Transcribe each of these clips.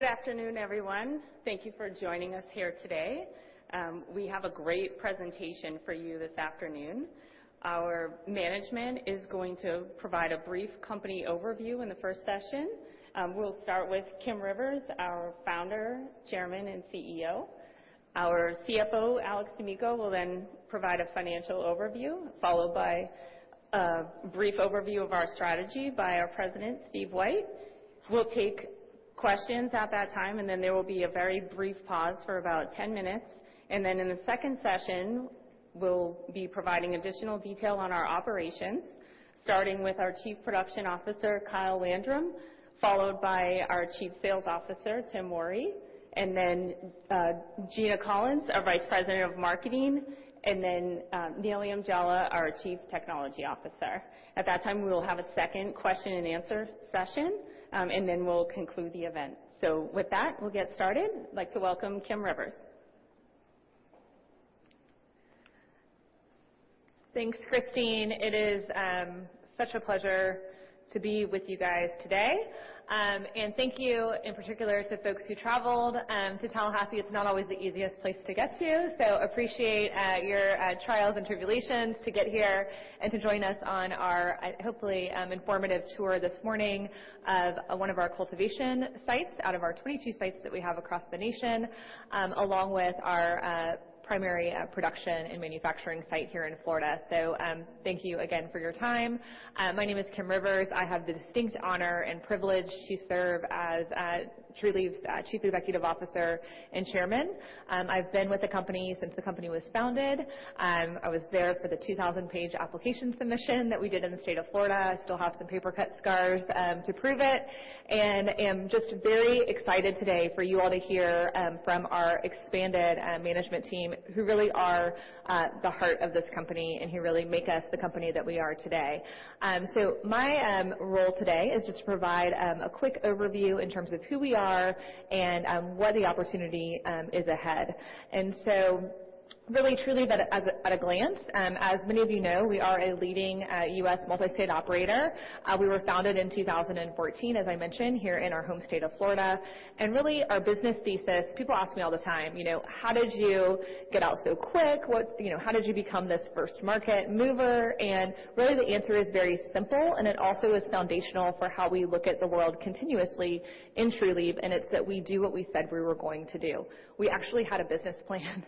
Good afternoon, everyone. Thank you for joining us here today. We have a great presentation for you this afternoon. Our management is going to provide a brief company overview in the first session. We'll start with Kim Rivers, our founder, chairman, and CEO. Our CFO, Alex D'Amico, will then provide a financial overview, followed by a brief overview of our strategy by our president, Steve White. We'll take questions at that time, and then there will be a very brief pause for about 10 minutes. Then in the second session, we'll be providing additional detail on our operations, starting with our Chief Production Officer, Kyle Landrum, followed by our Chief Sales Officer, Tim Morey, and then Gina Collins, our Vice President of Marketing, and then Nilyum Jhala, our Chief Technology Officer. At that time, we will have a second question and answer session, and then we'll conclude the event. With that, we'll get started. I'd like to welcome Kim Rivers. Thanks, Christine. It is such a pleasure to be with you guys today. Thank you, in particular, to folks who traveled to Tallahassee. It's not always the easiest place to get to, so appreciate your trials and tribulations to get here and to join us on our, hopefully, informative tour this morning of one of our cultivation sites out of our 22 sites that we have across the nation, along with our primary production and manufacturing site here in Florida. Thank you again for your time. My name is Kim Rivers. I have the distinct honor and privilege to serve as Trulieve's Chief Executive Officer and Chairman. I've been with the company since the company was founded. I was there for the 2000-page application submission that we did in the state of Florida. I still have some paper cut scars to prove it, and am just very excited today for you all to hear from our expanded management team who really are the heart of this company and who really make us the company that we are today. My role today is just to provide a quick overview in terms of who we are and what the opportunity is ahead. Really, Trulieve at a glance, as many of you know, we are a leading U.S. multi-state operator. We were founded in 2014, as I mentioned, here in our home state of Florida. Really, our business thesis, people ask me all the time, you know, "How did you get out so quick? You know, how did you become this first market mover?" Really, the answer is very simple, and it also is foundational for how we look at the world continuously in Trulieve, and it's that we do what we said we were going to do. We actually had a business plan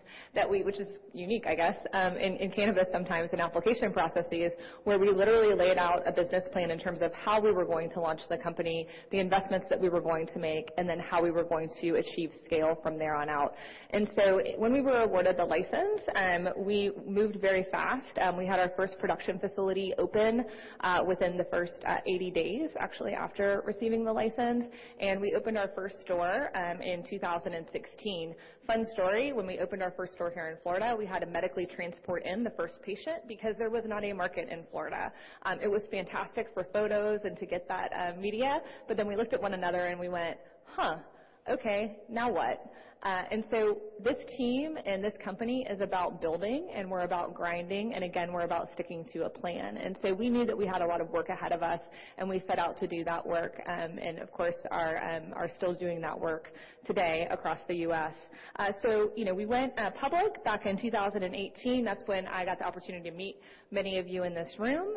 which is unique, I guess, in cannabis, sometimes in application processes, where we literally laid out a business plan in terms of how we were going to launch the company, the investments that we were going to make, and then how we were going to achieve scale from there on out. When we were awarded the license, we moved very fast. We had our first production facility open within the first 80 days, actually, after receiving the license, and we opened our first store in 2016. Fun story, when we opened our first store here in Florida, we had to medically transport in the first patient because there was not a market in Florida. It was fantastic for photos and to get that media, but then we looked at one another and we went, "Huh? Okay, now what?" This team and this company is about building, and we're about grinding, and again, we're about sticking to a plan. We knew that we had a lot of work ahead of us, and we set out to do that work, and of course, we are still doing that work today across the U.S. You know, we went public back in 2018. That's when I got the opportunity to meet many of you in this room,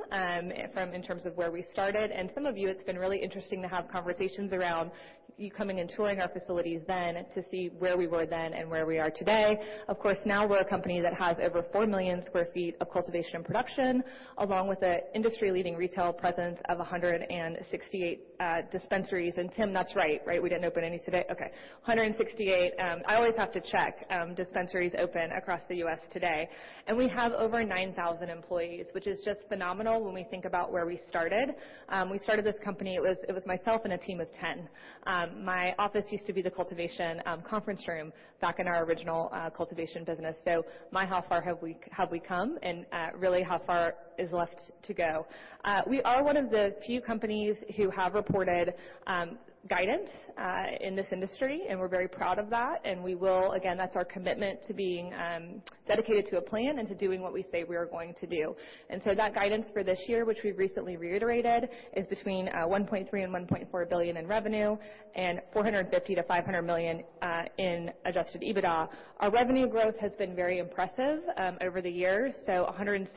from in terms of where we started. Some of you, it's been really interesting to have conversations around you coming and touring our facilities then to see where we were then and where we are today. Of course, now we're a company that has over 4 million sq ft of cultivation and production, along with an industry-leading retail presence of 168 dispensaries. Tim, that's right? We didn't open any today? Okay. 168, I always have to check, dispensaries open across the U.S. today. We have over 9,000 employees, which is just phenomenal when we think about where we started. We started this company, it was myself and a team of 10. My office used to be the cultivation conference room back in our original cultivation business. My, how far have we come and really how far is left to go. We are one of the few companies who have reported guidance in this industry, and we're very proud of that. Again, that's our commitment to being dedicated to a plan and to doing what we say we are going to do. That guidance for this year, which we recently reiterated, is between $1.3 billion and $1.4 billion in revenue and $450 million-$500 million in adjusted EBITDA. Our revenue growth has been very impressive over the years. 106%,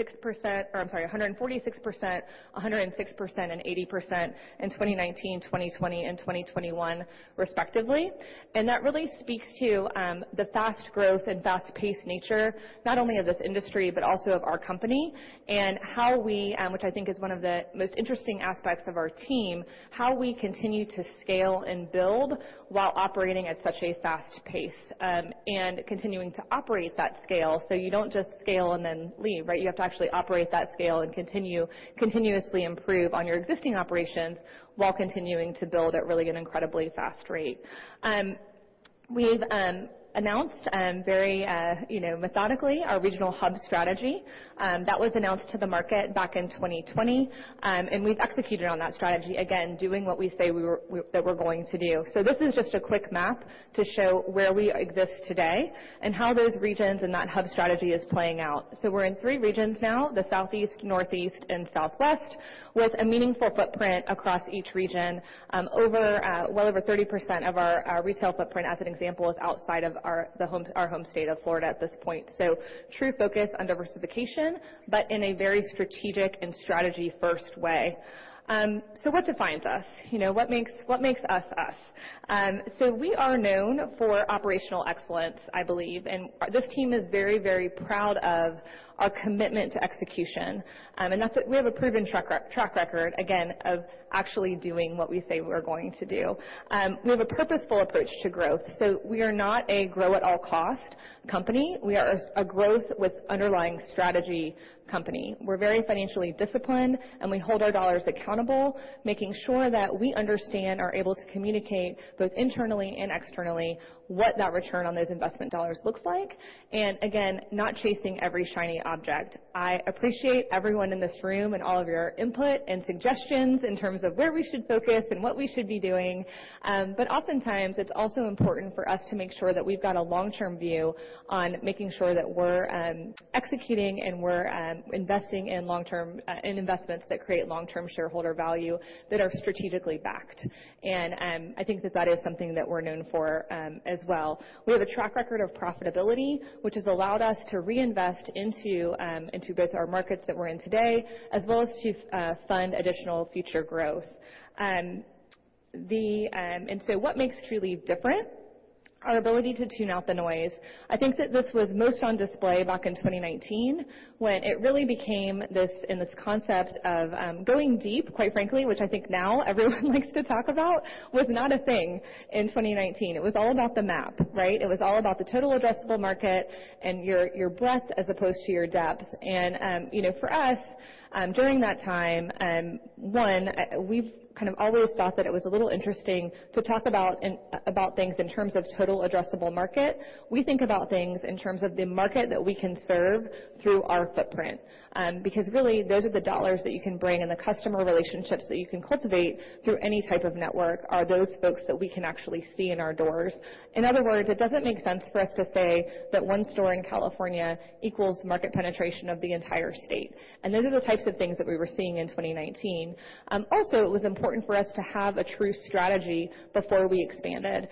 or I'm sorry, 146%, 106%, and 80% in 2019, 2020 and 2021 respectively. That really speaks to the fast growth and fast-paced nature not only of this industry but also of our company and how we, which I think is one of the most interesting aspects of our team, continue to scale and build while operating at such a fast pace and continuing to operate that scale. You don't just scale and then leave, right? You have to actually operate that scale and continuously improve on your existing operations while continuing to build at really an incredibly fast rate. We've announced very, you know, methodically our regional hub strategy. That was announced to the market back in 2020. We've executed on that strategy, again, doing what we say we're going to do. This is just a quick map to show where we exist today and how those regions and that hub strategy is playing out. We're in three regions now, the Southeast, Northeast, and Southwest, with a meaningful footprint across each region. Over, well over 30% of our retail footprint, as an example, is outside of our home state of Florida at this point. True focus on diversification, but in a very strategic and strategy-first way. What defines us? You know, what makes us us? We are known for operational excellence, I believe, and this team is very, very proud of our commitment to execution. We have a proven track record, again, of actually doing what we say we're going to do. We have a purposeful approach to growth. We are not a grow-at-all-cost company. We are a growth with underlying strategy company. We're very financially disciplined, and we hold our dollars accountable, making sure that we understand, are able to communicate both internally and externally, what that return on those investment dollars looks like, and again, not chasing every shiny object. I appreciate everyone in this room and all of your input and suggestions in terms of where we should focus and what we should be doing. Oftentimes, it's also important for us to make sure that we've got a long-term view on making sure that we're executing and we're investing in long-term investments that create long-term shareholder value that are strategically backed. I think that is something that we're known for as well. We have a track record of profitability, which has allowed us to reinvest into both our markets that we're in today, as well as to fund additional future growth. What makes Trulieve different? Our ability to tune out the noise. I think that this was most on display back in 2019 when it really became this concept of going deep, quite frankly, which I think now everyone likes to talk about, was not a thing in 2019. It was all about the map, right? It was all about the total addressable market and your breadth as opposed to your depth. You know, for us, during that time, we've kind of always thought that it was a little interesting to talk about things in terms of total addressable market. We think about things in terms of the market that we can serve through our footprint. Because really, those are the dollars that you can bring and the customer relationships that you can cultivate through any type of network are those folks that we can actually see in our doors. In other words, it doesn't make sense for us to say that one store in California equals market penetration of the entire state. Those are the types of things that we were seeing in 2019. Also, it was important for us to have a true strategy before we expanded.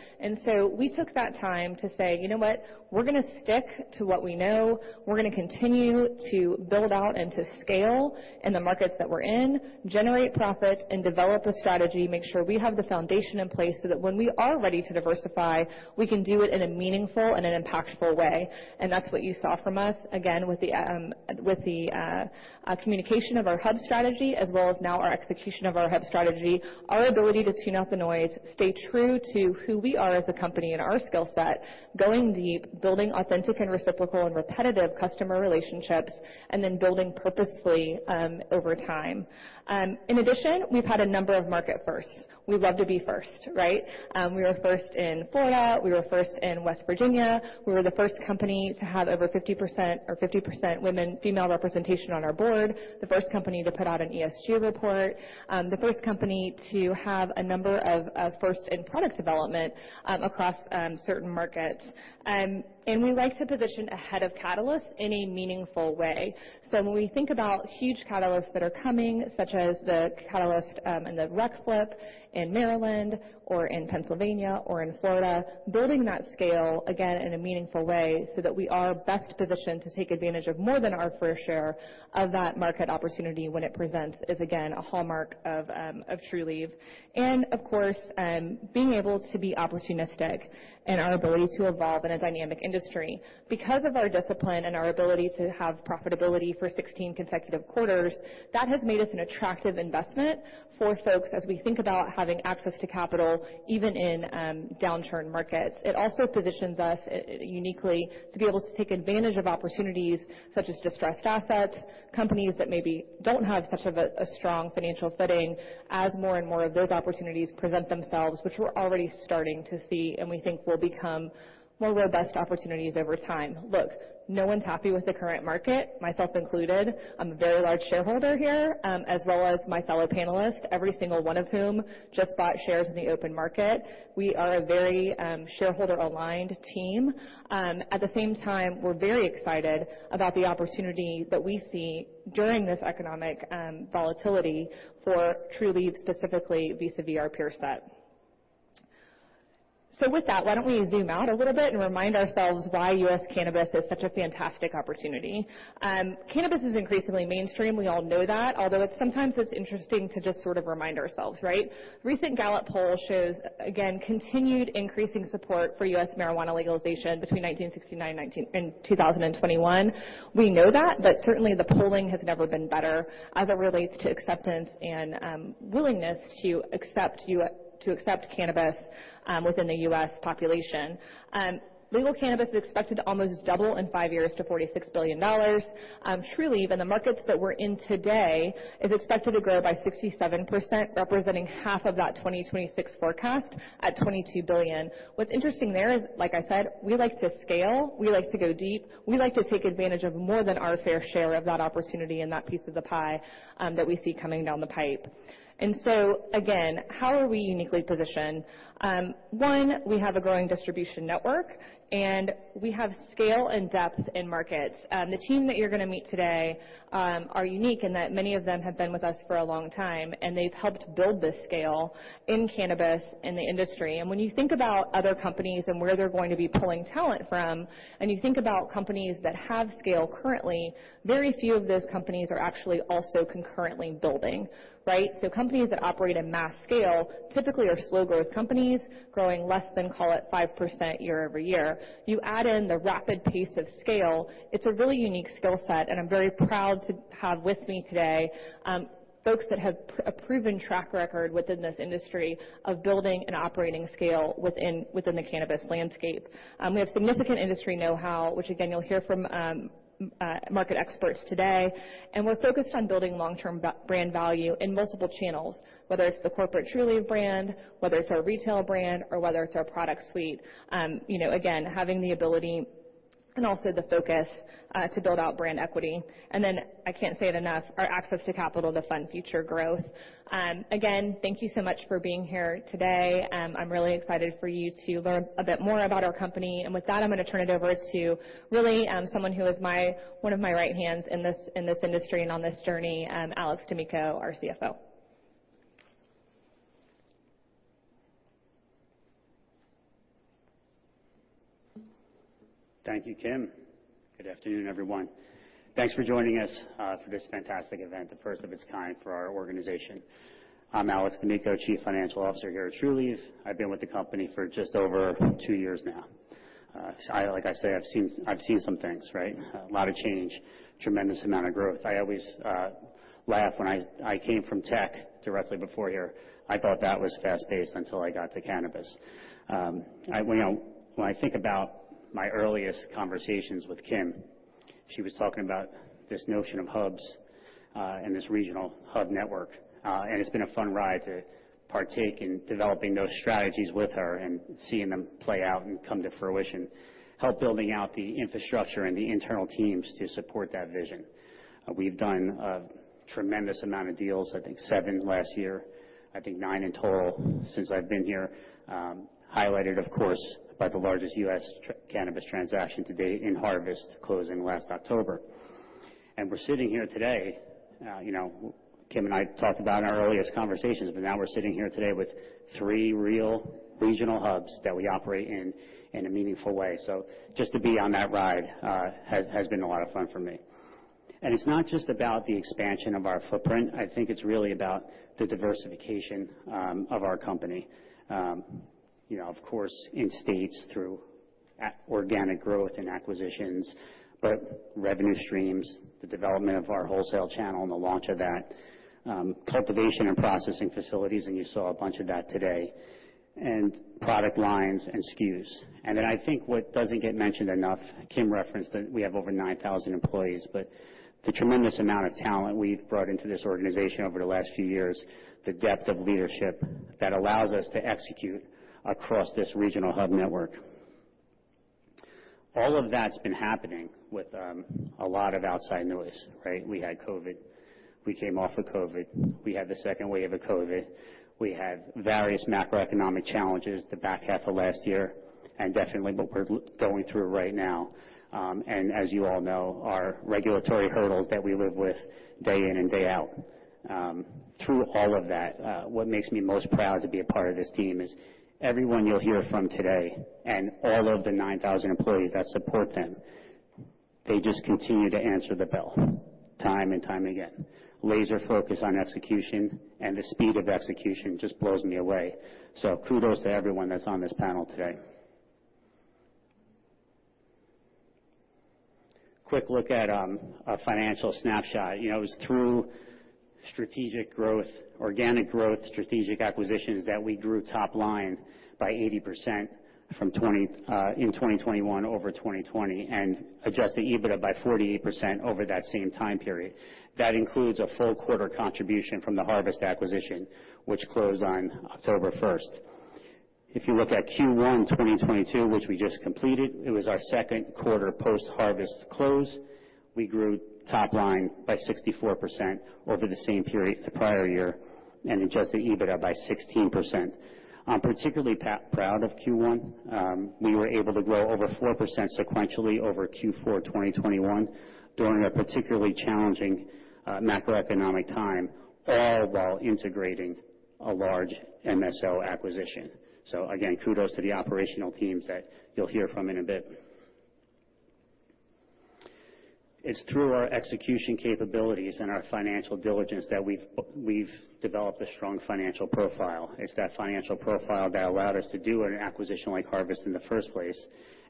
We took that time to say, "You know what? We're gonna stick to what we know. We're gonna continue to build out and to scale in the markets that we're in, generate profit, and develop a strategy, make sure we have the foundation in place so that when we are ready to diversify, we can do it in a meaningful and an impactful way." That's what you saw from us, again, with the communication of our hub strategy as well as now our execution of our hub strategy. Our ability to tune out the noise, stay true to who we are as a company and our skill set, going deep, building authentic and reciprocal and repetitive customer relationships, and then building purposefully over time. In addition, we've had a number of market firsts. We love to be first, right? We were first in Florida, we were first in West Virginia. We were the first company to have over 50% female representation on our board, the first company to put out an ESG report, the first company to have a number of firsts in product development, across certain markets. We like to position ahead of catalysts in a meaningful way. When we think about huge catalysts that are coming, such as the catalyst and the rec flip in Maryland or in Pennsylvania or in Florida, building that scale, again, in a meaningful way so that we are best positioned to take advantage of more than our fair share of that market opportunity when it presents is again a hallmark of Trulieve. Of course, being able to be opportunistic in our ability to evolve in a dynamic industry. Because of our discipline and our ability to have profitability for 16 consecutive quarters, that has made us an attractive investment for folks as we think about having access to capital, even in downturn markets. It also positions us uniquely to be able to take advantage of opportunities such as distressed assets, companies that maybe don't have such a strong financial footing as more and more of those opportunities present themselves, which we're already starting to see, and we think will become more of our best opportunities over time. Look, no one's happy with the current market, myself included. I'm a very large shareholder here, as well as my fellow panelists, every single one of whom just bought shares in the open market. We are a very shareholder-aligned team. At the same time, we're very excited about the opportunity that we see during this economic volatility for Trulieve, specifically vis-à-vis our peer set. With that, why don't we zoom out a little bit and remind ourselves why US cannabis is such a fantastic opportunity. Cannabis is increasingly mainstream. We all know that. Although it's sometimes interesting to just sort of remind ourselves, right? Recent Gallup poll shows, again, continued increasing support for US marijuana legalization between 1969 and 2021. We know that, but certainly the polling has never been better as it relates to acceptance and willingness to accept cannabis within the U.S. population. Legal cannabis is expected to almost double in five years to $46 billion. Truly, even the markets that we're in today is expected to grow by 67%, representing half of that 2026 forecast at $22 billion. What's interesting there is, like I said, we like to scale, we like to go deep, we like to take advantage of more than our fair share of that opportunity and that piece of the pie, that we see coming down the pipe. Again, how are we uniquely positioned? One, we have a growing distribution network, and we have scale and depth in markets. The team that you're gonna meet today are unique in that many of them have been with us for a long time, and they've helped build this scale in cannabis in the industry. When you think about other companies and where they're going to be pulling talent from, and you think about companies that have scale currently, very few of those companies are actually also concurrently building, right? Companies that operate in mass scale typically are slow growth companies, growing less than, call it, 5% year-over-year. You add in the rapid pace of scale, it's a really unique skill set, and I'm very proud to have with me today, folks that have a proven track record within this industry of building an operating scale within the cannabis landscape. We have significant industry know-how, which again, you'll hear from, market experts today. We're focused on building long-term brand value in multiple channels, whether it's the corporate Trulieve brand, whether it's our retail brand or whether it's our product suite. You know, again, having the ability and also the focus, to build out brand equity. I can't say it enough, our access to capital to fund future growth. Again, thank you so much for being here today. I'm really excited for you to learn a bit more about our company. With that, I'm gonna turn it over to really, someone who is one of my right hands in this industry and on this journey, Alex D'Amico, our CFO. Thank you, Kim. Good afternoon, everyone. Thanks for joining us for this fantastic event, the first of its kind for our organization. I'm Alex D'Amico, Chief Financial Officer here at Trulieve. I've been with the company for just over two years now. Like I say, I've seen some things, right? A lot of change, tremendous amount of growth. I always laugh when I came from tech directly before here. I thought that was fast-paced until I got to cannabis. You know, when I think about my earliest conversations with Kim, she was talking about this notion of hubs and this regional hub network. It's been a fun ride to partake in developing those strategies with her and seeing them play out and come to fruition, help building out the infrastructure and the internal teams to support that vision. We've done a tremendous amount of deals, I think seven last year, I think nine in total since I've been here, highlighted, of course, by the largest US cannabis transaction to date in Harvest, closing last October. We're sitting here today, you know, Kim and I talked about in our earliest conversations, but now we're sitting here today with three real regional hubs that we operate in a meaningful way. Just to be on that ride has been a lot of fun for me. It's not just about the expansion of our footprint, I think it's really about the diversification of our company. You know, of course, in states through organic growth and acquisitions, but revenue streams, the development of our wholesale channel and the launch of that, cultivation and processing facilities, and you saw a bunch of that today, and product lines and SKUs. Then I think what doesn't get mentioned enough, Kim referenced that we have over 9,000 employees, but the tremendous amount of talent we've brought into this organization over the last few years, the depth of leadership that allows us to execute across this regional hub network. All of that's been happening with a lot of outside noise, right? We had COVID, we came off of COVID, we had the second wave of COVID, we had various macroeconomic challenges the back half of last year, and definitely what we're going through right now. As you all know, our regulatory hurdles that we live with day in and day out. Through all of that, what makes me most proud to be a part of this team is everyone you'll hear from today and all of the 9,000 employees that support them, they just continue to answer the bell time and time again. Laser focus on execution and the speed of execution just blows me away. Kudos to everyone that's on this panel today. Quick look at a financial snapshot. You know, it was through strategic growth, organic growth, strategic acquisitions that we grew top line by 80% from 2021 over 2020, and adjusted EBITDA by 48% over that same time period. That includes a full quarter contribution from the Harvest acquisition, which closed on October first. If you look at Q1 in 2022, which we just completed, it was our second quarter post-Harvest close. We grew top line by 64% over the same period the prior year, and adjusted EBITDA by 16%. I'm particularly proud of Q1. We were able to grow over 4% sequentially over Q4 2021 during a particularly challenging macroeconomic time, all while integrating a large MSO acquisition. Again, kudos to the operational teams that you'll hear from in a bit. It's through our execution capabilities and our financial diligence that we've developed a strong financial profile. It's that financial profile that allowed us to do an acquisition like Harvest in the first place,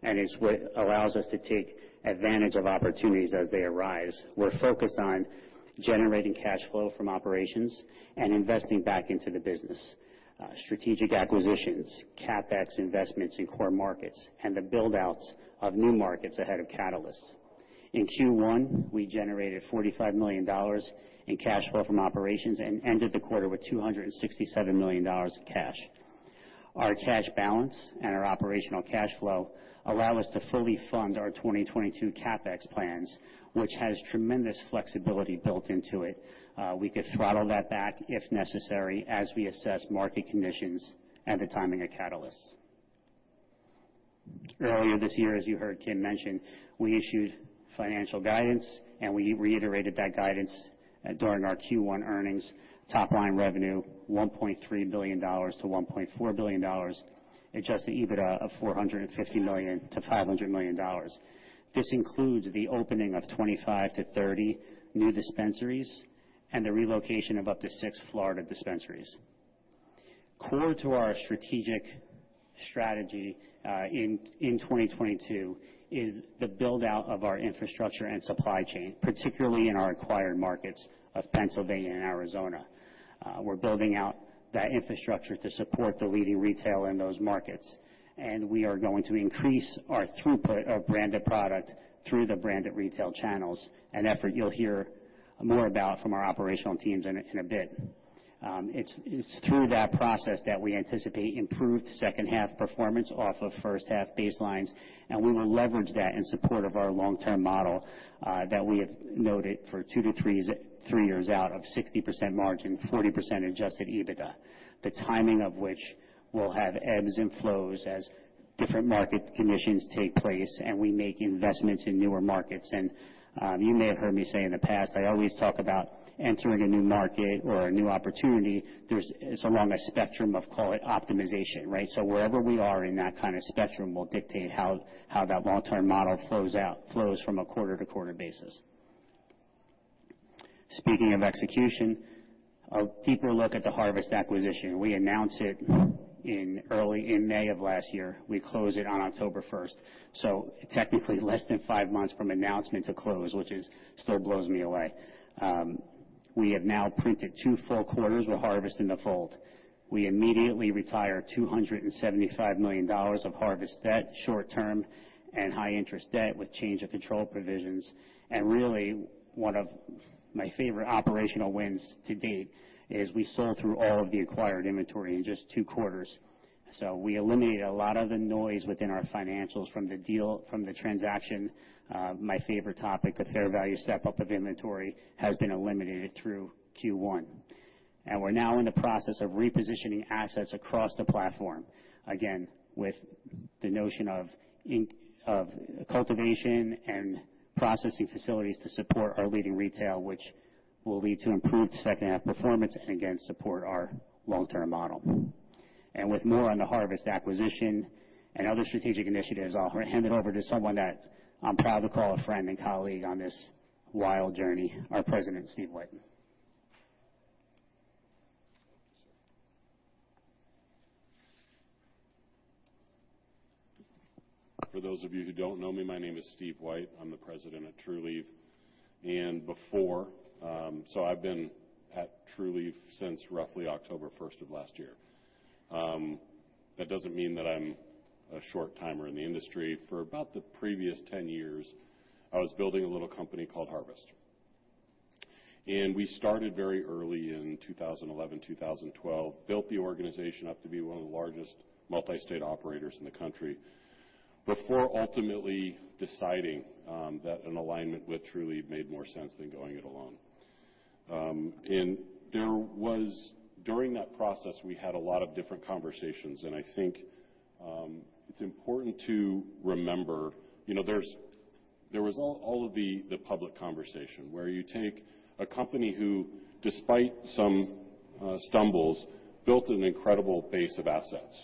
and it's what allows us to take advantage of opportunities as they arise. We're focused on generating cash flow from operations and investing back into the business. Strategic acquisitions, CapEx investments in core markets, and the build-outs of new markets ahead of catalysts. In Q1, we generated $45 million in cash flow from operations and ended the quarter with $267 million in cash. Our cash balance and our operational cash flow allow us to fully fund our 2022 CapEx plans, which has tremendous flexibility built into it. We could throttle that back if necessary, as we assess market conditions and the timing of catalysts. Earlier this year, as you heard Kim mention, we issued financial guidance, and we reiterated that guidance during our Q1 earnings. Top line revenue, $1.3 billion-$1.4 billion. Adjusted EBITDA of $450 million-$500 million. This includes the opening of 25-30 new dispensaries and the relocation of up to six Florida dispensaries. Core to our strategy in 2022 is the build-out of our infrastructure and supply chain, particularly in our acquired markets of Pennsylvania and Arizona. We're building out that infrastructure to support the leading retail in those markets, and we are going to increase our throughput of branded product through the branded retail channels, an effort you'll hear more about from our operational teams in a bit. It's through that process that we anticipate improved second half performance off of first half baselines, and we will leverage that in support of our long-term model, that we have noted for three years out of 60% margin, 40% adjusted EBITDA, the timing of which will have ebbs and flows as different market conditions take place, and we make investments in newer markets. You may have heard me say in the past, I always talk about entering a new market or a new opportunity. It's along a spectrum of, call it optimization, right? So wherever we are in that kind of spectrum will dictate how that long-term model flows out from a quarter-to-quarter basis. Speaking of execution, a deeper look at the Harvest acquisition. We announced it in early in May of last year. We closed it on October first. Technically less than five months from announcement to close, which still blows me away. We have now printed two full quarters with Harvest in the fold. We immediately retired $275 million of Harvest debt—short-term and high-interest debt with change of control provisions. Really one of my favorite operational wins to date is we sold through all of the acquired inventory in just two quarters. We eliminated a lot of the noise within our financials from the deal, from the transaction. My favorite topic, the fair value step-up of inventory, has been eliminated through Q1. We're now in the process of repositioning assets across the platform. Again, with the notion of cultivation and processing facilities to support our leading retail, which will lead to improved second half performance and again, support our long-term model. With more on the Harvest acquisition and other strategic initiatives, I'll hand it over to someone that I'm proud to call a friend and colleague on this wild journey, our president, Steve White. For those of you who don't know me, my name is Steve White. I'm the president at Trulieve. Before, I've been at Trulieve since roughly October first of last year. That doesn't mean that I'm a short-timer in the industry. For about the previous 10 years, I was building a little company called Harvest. We started very early in 2011, 2012, built the organization up to be one of the largest multi-state operators in the country before ultimately deciding that an alignment with Trulieve made more sense than going it alone. During that process, we had a lot of different conversations, and I think it's important to remember, you know, there was all of the public conversation where you take a company who, despite some stumbles, built an incredible base of assets,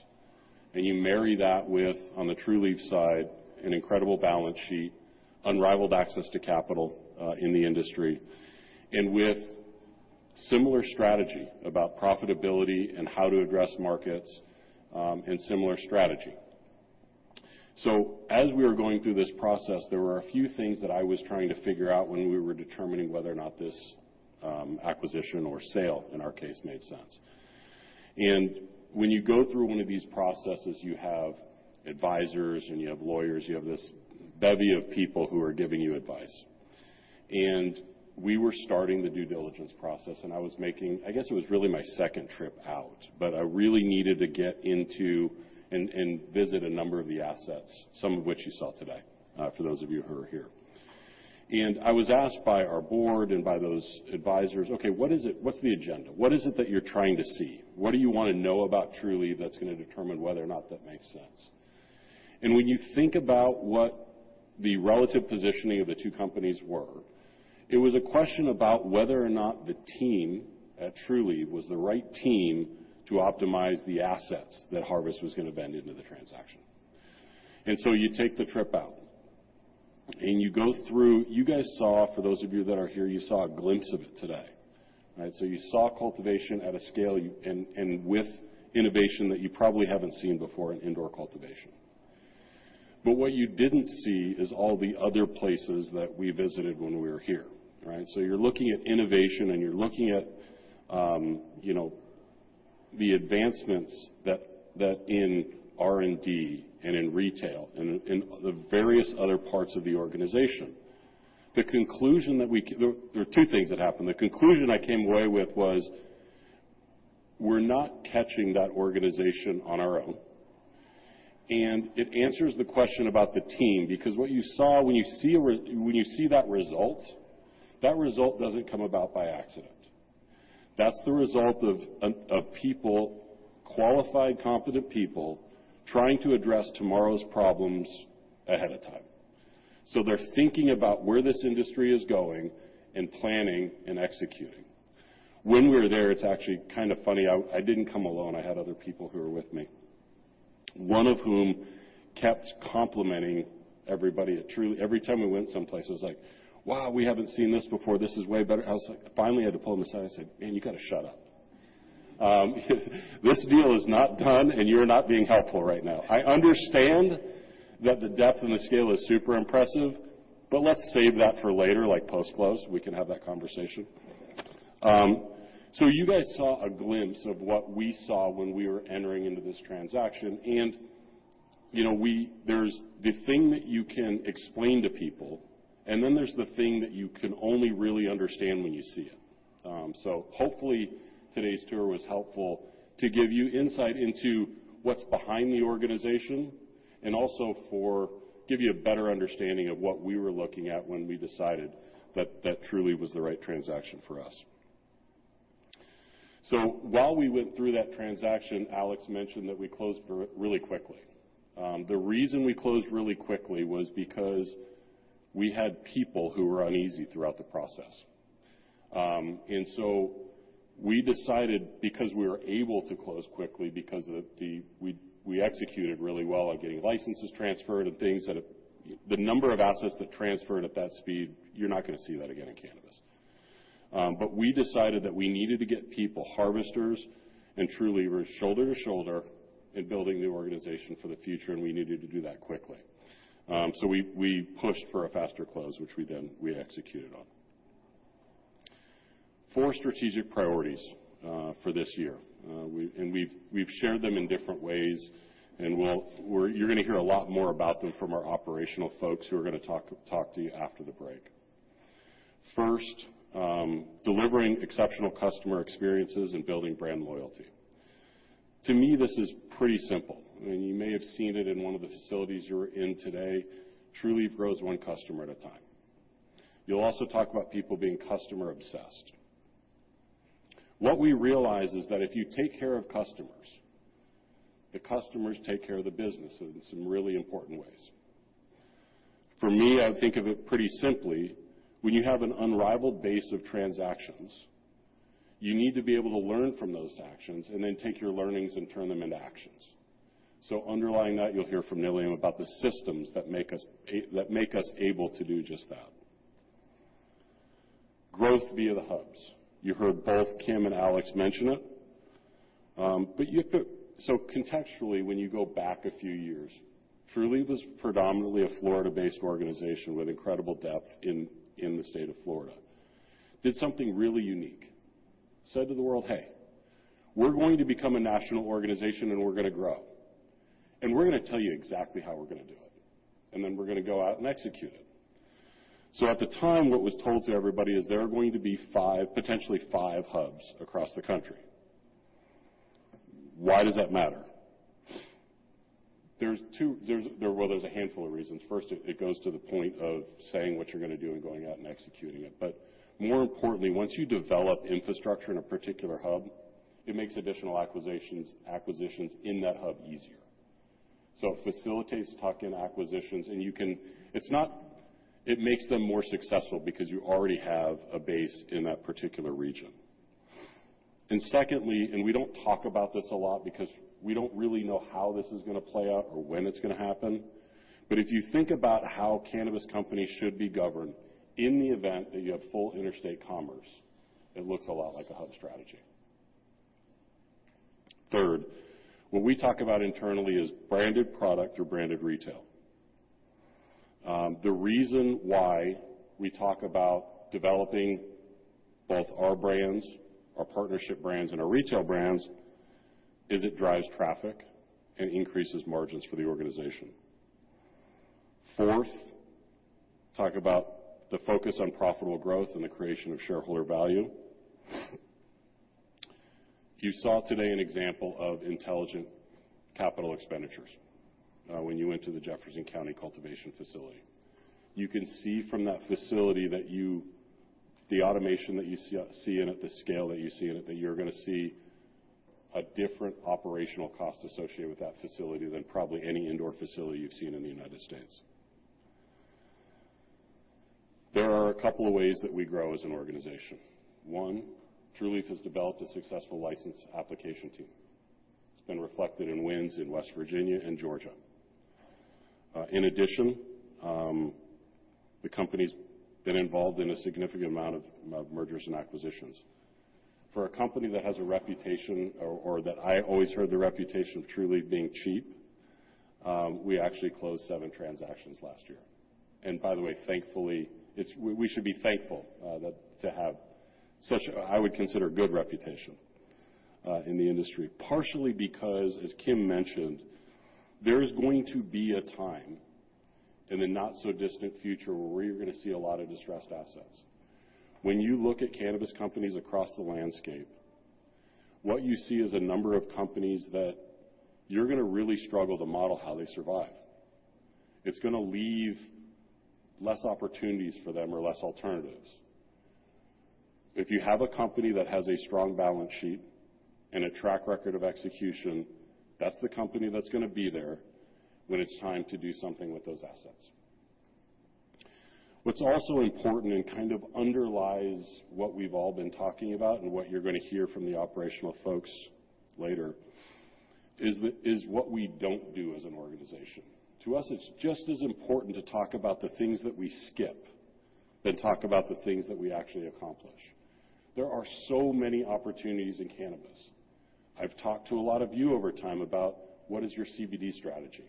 and you marry that with, on the Trulieve side, an incredible balance sheet, unrivaled access to capital in the industry, and with similar strategy about profitability and how to address markets, and similar strategy. As we were going through this process, there were a few things that I was trying to figure out when we were determining whether or not this acquisition or sale, in our case, made sense. When you go through one of these processes, you have advisors and you have lawyers, you have this bevy of people who are giving you advice. We were starting the due diligence process, and I was making, I guess it was really my second trip out, but I really needed to get into and visit a number of the assets, some of which you saw today, for those of you who are here. I was asked by our board and by those advisors, "Okay, what is it? What's the agenda? What is it that you're trying to see? What do you wanna know about Trulieve that's gonna determine whether or not that makes sense?" When you think about what the relative positioning of the two companies were, it was a question about whether or not the team at Trulieve was the right team to optimize the assets that Harvest was gonna vend into the transaction. You take the trip out, and you go through You guys saw, for those of you that are here, you saw a glimpse of it today, right? You saw cultivation at a scale and with innovation that you probably haven't seen before in indoor cultivation. But what you didn't see is all the other places that we visited when we were here, right? You're looking at innovation, and you're looking at the advancements that in R&D and in retail and in the various other parts of the organization. There were two things that happened. The conclusion I came away with was, we're not catching that organization on our own. It answers the question about the team because what you saw when you see that result, that result doesn't come about by accident. That's the result of qualified, competent people trying to address tomorrow's problems ahead of time. They're thinking about where this industry is going and planning and executing. When we were there, it's actually kind of funny. I didn't come alone. I had other people who were with me, one of whom kept complimenting everybody at Trulieve. Every time we went someplace, it was like, "Wow, we haven't seen this before. This is way better." I was like. Finally, I had to pull him aside and say, "Man, you gotta shut up." "This deal is not done, and you're not being helpful right now. I understand that the depth and the scale is super impressive, but let's save that for later, like post-close. We can have that conversation. So you guys saw a glimpse of what we saw when we were entering into this transaction and, you know, we. There's the thing that you can explain to people, and then there's the thing that you can only really understand when you see it. Hopefully today's tour was helpful to give you insight into what's behind the organization and also give you a better understanding of what we were looking at when we decided that Trulieve was the right transaction for us. While we went through that transaction, Alex mentioned that we closed really quickly. The reason we closed really quickly was because we had people who were uneasy throughout the process. We decided, because we were able to close quickly, we executed really well on getting licenses transferred and things that have. The number of assets that transferred at that speed, you're not gonna see that again in cannabis. We decided that we needed to get people, Harvesters and Trulievers, shoulder to shoulder in building the organization for the future, and we needed to do that quickly. We pushed for a faster close, which we then executed on. Four strategic priorities for this year. We've shared them in different ways. You're gonna hear a lot more about them from our operational folks who are gonna talk to you after the break. First, delivering exceptional customer experiences and building brand loyalty. To me, this is pretty simple, and you may have seen it in one of the facilities you were in today. Trulieve grows one customer at a time. You'll also talk about people being customer-obsessed. What we realize is that if you take care of customers, the customers take care of the business in some really important ways. For me, I think of it pretty simply. When you have an unrivaled base of transactions, you need to be able to learn from those actions and then take your learnings and turn them into actions. Underlying that, you'll hear from Nilyum about the systems that make us able to do just that. Growth via the hubs. You heard both Kim and Alex mention it. Contextually, when you go back a few years, Trulieve was predominantly a Florida-based organization with incredible depth in the state of Florida, did something really unique, said to the world, "Hey, we're going to become a national organization, and we're gonna grow. And we're gonna tell you exactly how we're gonna do it, and then we're gonna go out and execute it." At the time, what was told to everybody is there are going to be five, potentially five hubs across the country. Why does that matter? Well, there's a handful of reasons. First, it goes to the point of saying what you're gonna do and going out and executing it. More importantly, once you develop infrastructure in a particular hub, it makes additional acquisitions in that hub easier. It facilitates tuck-in acquisitions, and you can. It's not. It makes them more successful because you already have a base in that particular region. Secondly, and we don't talk about this a lot because we don't really know how this is gonna play out or when it's gonna happen, but if you think about how cannabis companies should be governed in the event that you have full interstate commerce, it looks a lot like a hub strategy. Third, what we talk about internally is branded product or branded retail. The reason why we talk about developing both our brands, our partnership brands, and our retail brands is it drives traffic and increases margins for the organization. Fourth, talk about the focus on profitable growth and the creation of shareholder value. You saw today an example of intelligent capital expenditures, when you went to the Jefferson County cultivation facility. You can see from that facility that you... The automation that you're seeing at the scale that you're gonna see a different operational cost associated with that facility than probably any indoor facility you've seen in the United States. There are a couple of ways that we grow as an organization. One, Trulieve has developed a successful license application team. It's been reflected in wins in West Virginia and Georgia. In addition, the company's been involved in a significant amount of mergers and acquisitions. For a company that has a reputation or that I always heard the reputation of Trulieve being cheap, we actually closed seven transactions last year. By the way, thankfully, we should be thankful to have such, I would consider, good reputation in the industry. Partially because, as Kim mentioned, there is going to be a time in the not so distant future where we're gonna see a lot of distressed assets. When you look at cannabis companies across the landscape, what you see is a number of companies that you're gonna really struggle to model how they survive. It's gonna leave less opportunities for them or less alternatives. If you have a company that has a strong balance sheet and a track record of execution, that's the company that's gonna be there when it's time to do something with those assets. What's also important and kind of underlies what we've all been talking about and what you're gonna hear from the operational folks later is what we don't do as an organization. To us, it's just as important to talk about the things that we skip than talk about the things that we actually accomplish. There are so many opportunities in cannabis. I've talked to a lot of you over time about what is your CBD strategy?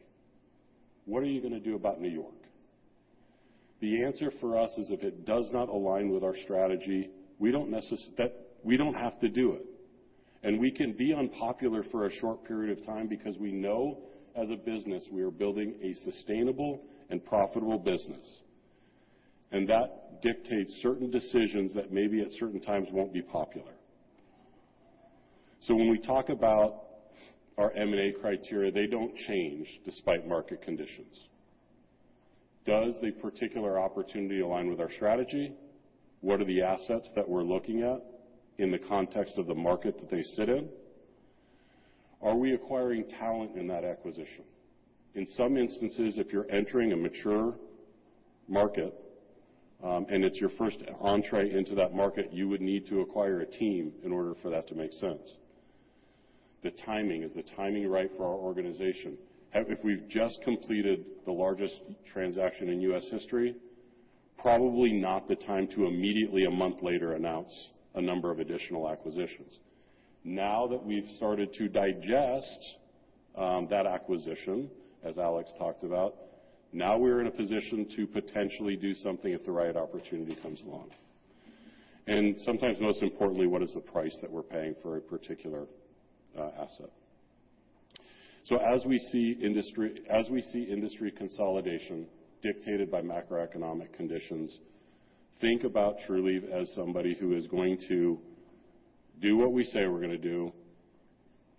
What are you gonna do about New York? The answer for us is if it does not align with our strategy, that we don't have to do it. We can be unpopular for a short period of time because we know as a business we are building a sustainable and profitable business. That dictates certain decisions that maybe at certain times won't be popular. When we talk about our M&A criteria, they don't change despite market conditions. Does the particular opportunity align with our strategy? What are the assets that we're looking at in the context of the market that they sit in? Are we acquiring talent in that acquisition? In some instances, if you're entering a mature market, and it's your first entrée into that market, you would need to acquire a team in order for that to make sense. The timing. Is the timing right for our organization? If we've just completed the largest transaction in U.S. history, probably not the time to immediately, a month later, announce a number of additional acquisitions. Now that we've started to digest that acquisition, as Alex talked about, now we're in a position to potentially do something if the right opportunity comes along. Sometimes, most importantly, what is the price that we're paying for a particular asset? As we see industry consolidation dictated by macroeconomic conditions, think about Trulieve as somebody who is going to do what we say we're gonna do,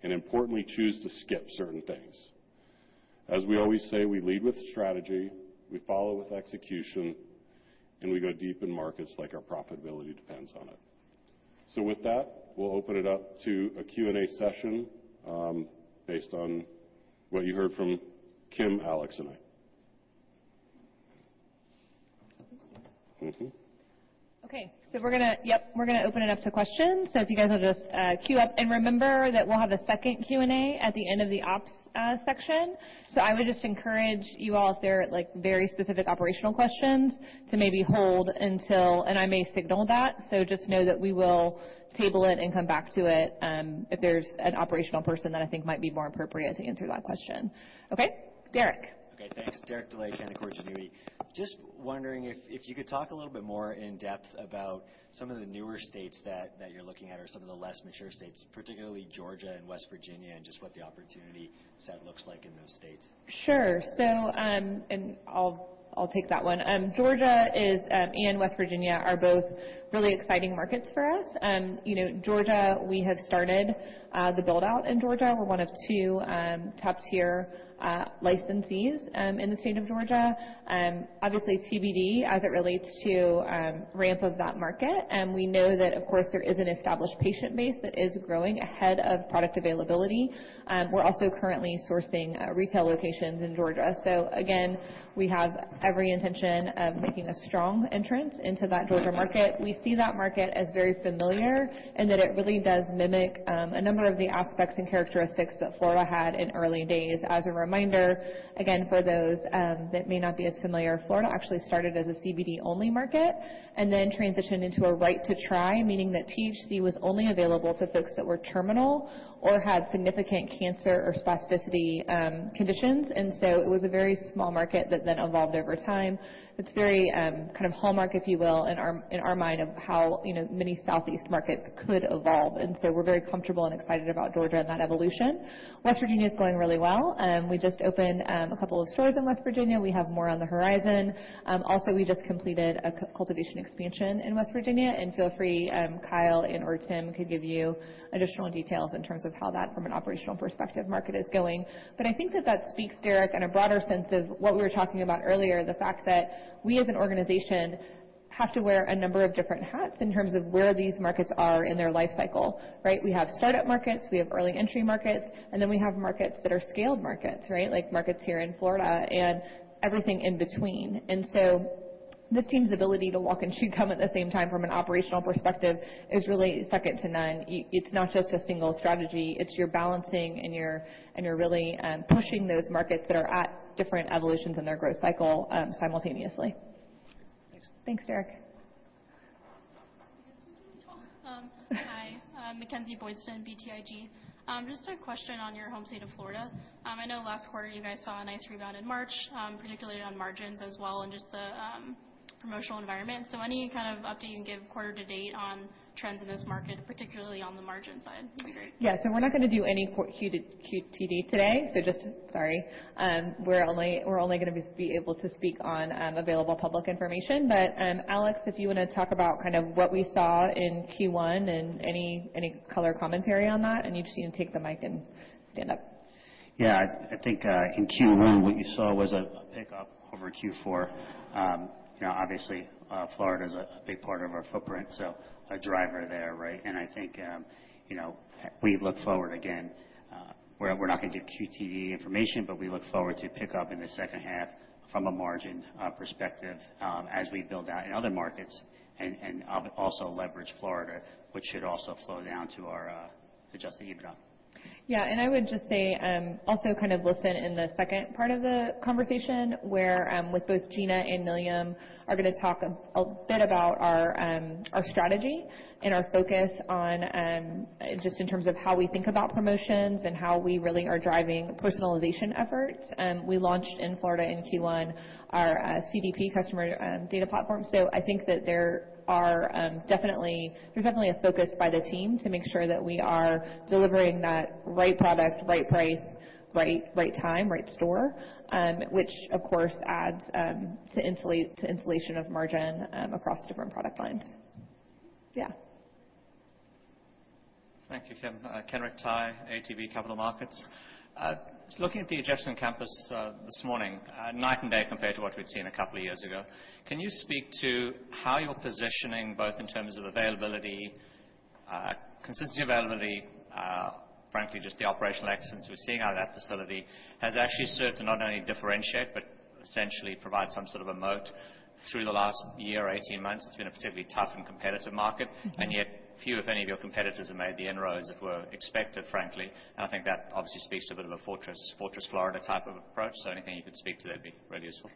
and importantly, choose to skip certain things. As we always say, we lead with strategy, we follow with execution, and we go deep in markets like our profitability depends on it. With that, we'll open it up to a Q&A session, based on what you heard from Kim, Alex, and I. Okay. Mm-hmm. Okay. Yep, we're gonna open it up to questions. If you guys will just queue up. Remember that we'll have a second Q&A at the end of the ops section. I would just encourage you all, if there are, like, very specific operational questions, to maybe hold until I may signal that. Just know that we will table it and come back to it, if there's an operational person that I think might be more appropriate to answer that question. Okay. Derek. Okay, thanks. Derek Dley, Canaccord Genuity. Just wondering if you could talk a little bit more in depth about some of the newer states that you're looking at or some of the less mature states, particularly Georgia and West Virginia and just what the opportunity set looks like in those states. Sure. I'll take that one. Georgia is and West Virginia are both really exciting markets for us. You know, Georgia, we have started the build-out in Georgia. We're one of two top-tier licensees in the state of Georgia. Obviously CBD as it relates to ramp of that market, and we know that, of course, there is an established patient base that is growing ahead of product availability. We're also currently sourcing retail locations in Georgia. Again, we have every intention of making a strong entrance into that Georgia market. We see that market as very familiar and that it really does mimic a number of the aspects and characteristics that Florida had in early days. As a reminder, again, for those that may not be as familiar, Florida actually started as a CBD-only market and then transitioned into a right to try, meaning that THC was only available to folks that were terminal or had significant cancer or spasticity conditions. It was a very small market that then evolved over time. It's very kind of hallmark, if you will, in our mind of how, you know, many Southeast markets could evolve. We're very comfortable and excited about Georgia and that evolution. West Virginia is going really well. We just opened a couple of stores in West Virginia. We have more on the horizon. Also we just completed a cultivation expansion in West Virginia. Feel free, Kyle and/or Tim could give you additional details in terms of how that from an operational perspective market is going. I think that speaks, Derek, in a broader sense of what we were talking about earlier, the fact that we as an organization have to wear a number of different hats in terms of where these markets are in their life cycle, right? We have startup markets, we have early entry markets, and then we have markets that are scaled markets, right? Like markets here in Florida and everything in between. This team's ability to walk and chew gum at the same time from an operational perspective is really second to none. It's not just a single strategy, it's you're balancing and you're really pushing those markets that are at different evolutions in their growth cycle, simultaneously. Thanks. Thanks, Derek. Hi. Mackenzie Boydston, BTIG. Just a question on your home state of Florida. I know last quarter you guys saw a nice rebound in March, particularly on margins as well, and just the promotional environment. Any kind of update you can give quarter to date on trends in this market, particularly on the margin side, would be great. Yeah. We're not gonna do any Q-QTD today. Sorry. We're only gonna be able to speak on available public information. Alex, if you wanna talk about kind of what we saw in Q1 and any color commentary on that, and you just need to take the mic and stand up. Yeah. I think in Q1, what you saw was a pickup over Q4. You know, obviously, Florida is a big part of our footprint, so a driver there, right? I think, you know, we look forward, again, we're not gonna give QTD information, but we look forward to pick up in the second half from a margin perspective, as we build out in other markets and also leverage Florida, which should also flow down to our adjusted EBITDA. Yeah. I would just say, also kind of listen in the second part of the conversation where, with both Gina and Nilyum are gonna talk a bit about our strategy and our focus on, just in terms of how we think about promotions and how we really are driving personalization efforts. We launched in Florida in Q1 our CDP, customer data platform. I think there's definitely a focus by the team to make sure that we are delivering that right product, right price, right time, right store, which of course adds to insulation of margin across different product lines. Yeah. Thank you, Kim. Kenric Tyghe, ATB Capital Markets. Just looking at the Jefferson campus this morning, night and day compared to what we'd seen a couple of years ago. Can you speak to how you're positioning both in terms of availability, consistency of availability, frankly, just the operational excellence we're seeing out of that facility has actually served to not only differentiate, but essentially provide some sort of a moat through the last year or 18 months. It's been a particularly tough and competitive market. Mm-hmm. Yet few, if any of your competitors have made the inroads that were expected, frankly. I think that obviously speaks to a bit of a fortress Florida type of approach. Anything you could speak to that would be really useful.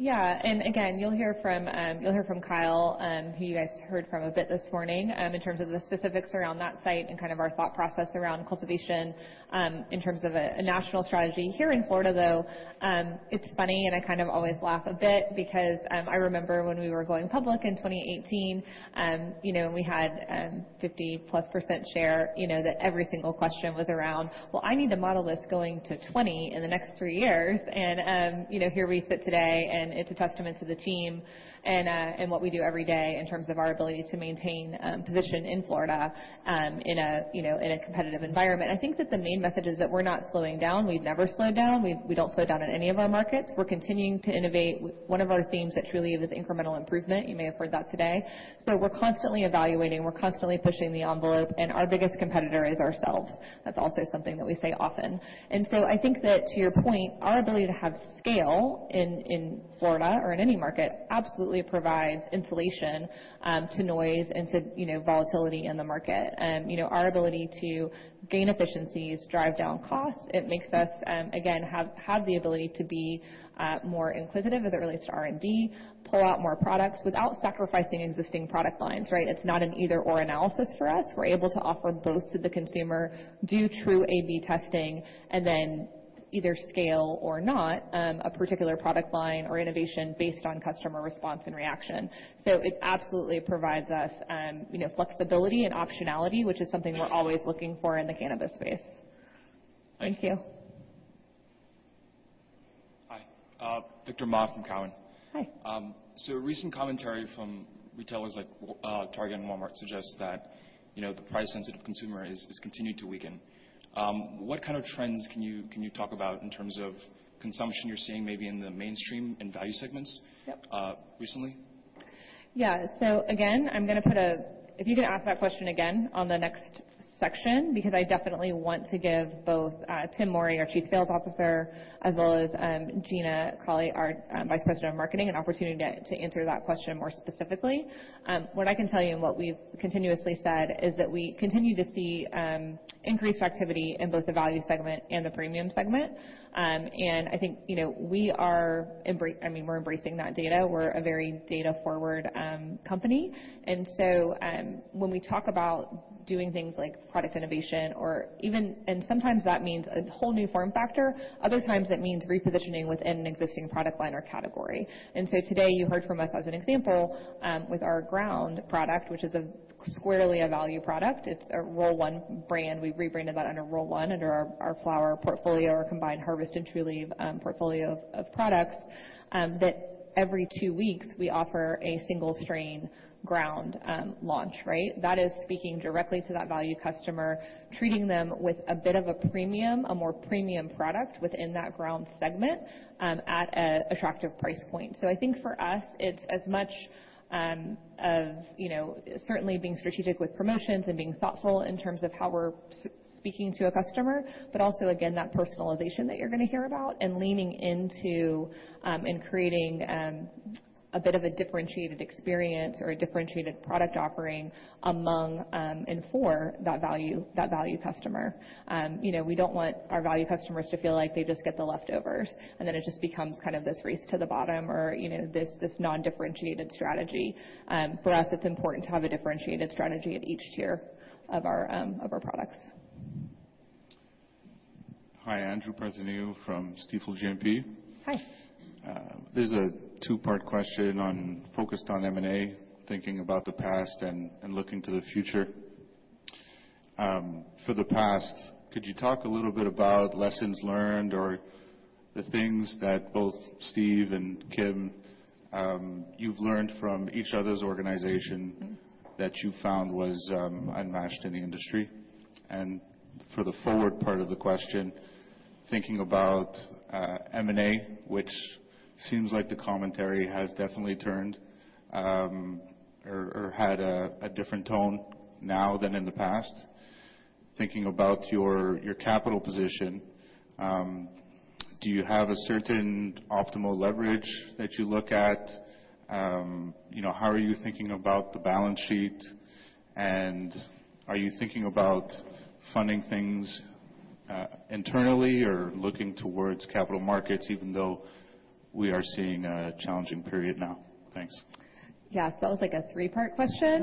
Yeah. Again, you'll hear from Kyle, who you guys heard from a bit this morning, in terms of the specifics around that site and kind of our thought process around cultivation, in terms of a national strategy. Here in Florida, though, it's funny, and I kind of always laugh a bit because I remember when we were going public in 2018, you know, we had 50%+ share, you know, that every single question was around, "Well, I need to model this going to 20% in the next three years." You know, here we sit today, and it's a testament to the team and what we do every day in terms of our ability to maintain position in Florida, in a competitive environment. I think that the main message is that we're not slowing down. We've never slowed down. We don't slow down in any of our markets. We're continuing to innovate. One of our themes at Trulieve is incremental improvement. You may have heard that today. We're constantly evaluating, we're constantly pushing the envelope, and our biggest competitor is ourselves. That's also something that we say often. I think that to your point, our ability to have scale in Florida or in any market absolutely provides insulation to noise and to you know, volatility in the market. You know, our ability to gain efficiencies, drive down costs, it makes us again have the ability to be more inquisitive as it relates to R&D, pull out more products without sacrificing existing product lines, right? It's not an either/or analysis for us. We're able to offer both to the consumer, do true A/B testing, and then either scale or not, a particular product line or innovation based on customer response and reaction. It absolutely provides us, you know, flexibility and optionality, which is something we're always looking for in the cannabis space. Thank you. Thank you. Hi, Vivien Azer from Cowen. Hi. Recent commentary from retailers like Target and Walmart suggests that, you know, the price-sensitive consumer is continuing to weaken. What kind of trends can you talk about in terms of consumption you're seeing maybe in the mainstream and value segments? Yep. Recently? Yeah. Again, if you can ask that question again on the next section, because I definitely want to give both, Tim Morey, our Chief Sales Officer, as well as, Gina Collins, our Vice President of Marketing, an opportunity to answer that question more specifically. What I can tell you and what we've continuously said is that we continue to see increased activity in both the value segment and the premium segment. I think, you know, we are embracing that data. I mean, we're embracing that data. We're a very data-forward company. When we talk about doing things like product innovation or, and sometimes that means a whole new form factor, other times that means repositioning within an existing product line or category. Today you heard from us as an example, with our ground product, which is squarely a value product. It's a Roll One brand. We've rebranded that under Roll One under our flower portfolio, our combined Harvest and Trulieve portfolio of products, that every two weeks we offer a single strain ground launch, right? That is speaking directly to that value customer, treating them with a bit of a premium, a more premium product within that ground segment. At an attractive price point. I think for us, it's as much of, you know, certainly being strategic with promotions and being thoughtful in terms of how we're speaking to a customer, but also, again, that personalization that you're gonna hear about and leaning into, and creating a bit of a differentiated experience or a differentiated product offering among and for that value customer. You know, we don't want our value customers to feel like they just get the leftovers, and then it just becomes kind of this race to the bottom or, you know, this non-differentiated strategy. For us, it's important to have a differentiated strategy at each tier of our products. Hi, Andrew Partheniou from Stifel GMP. Hi. This is a two-part question on, focused on M&A, thinking about the past and looking to the future. For the past, could you talk a little bit about lessons learned or the things that both Steve and Kim, you've learned from each other's organization- Mm-hmm. That you found was unmatched in the industry? For the forward part of the question, thinking about M&A, which seems like the commentary has definitely turned, or had a different tone now than in the past. Thinking about your capital position, do you have a certain optimal leverage that you look at? You know, how are you thinking about the balance sheet, and are you thinking about funding things internally or looking towards capital markets, even though we are seeing a challenging period now? Thanks. Yeah, that was like a three-part question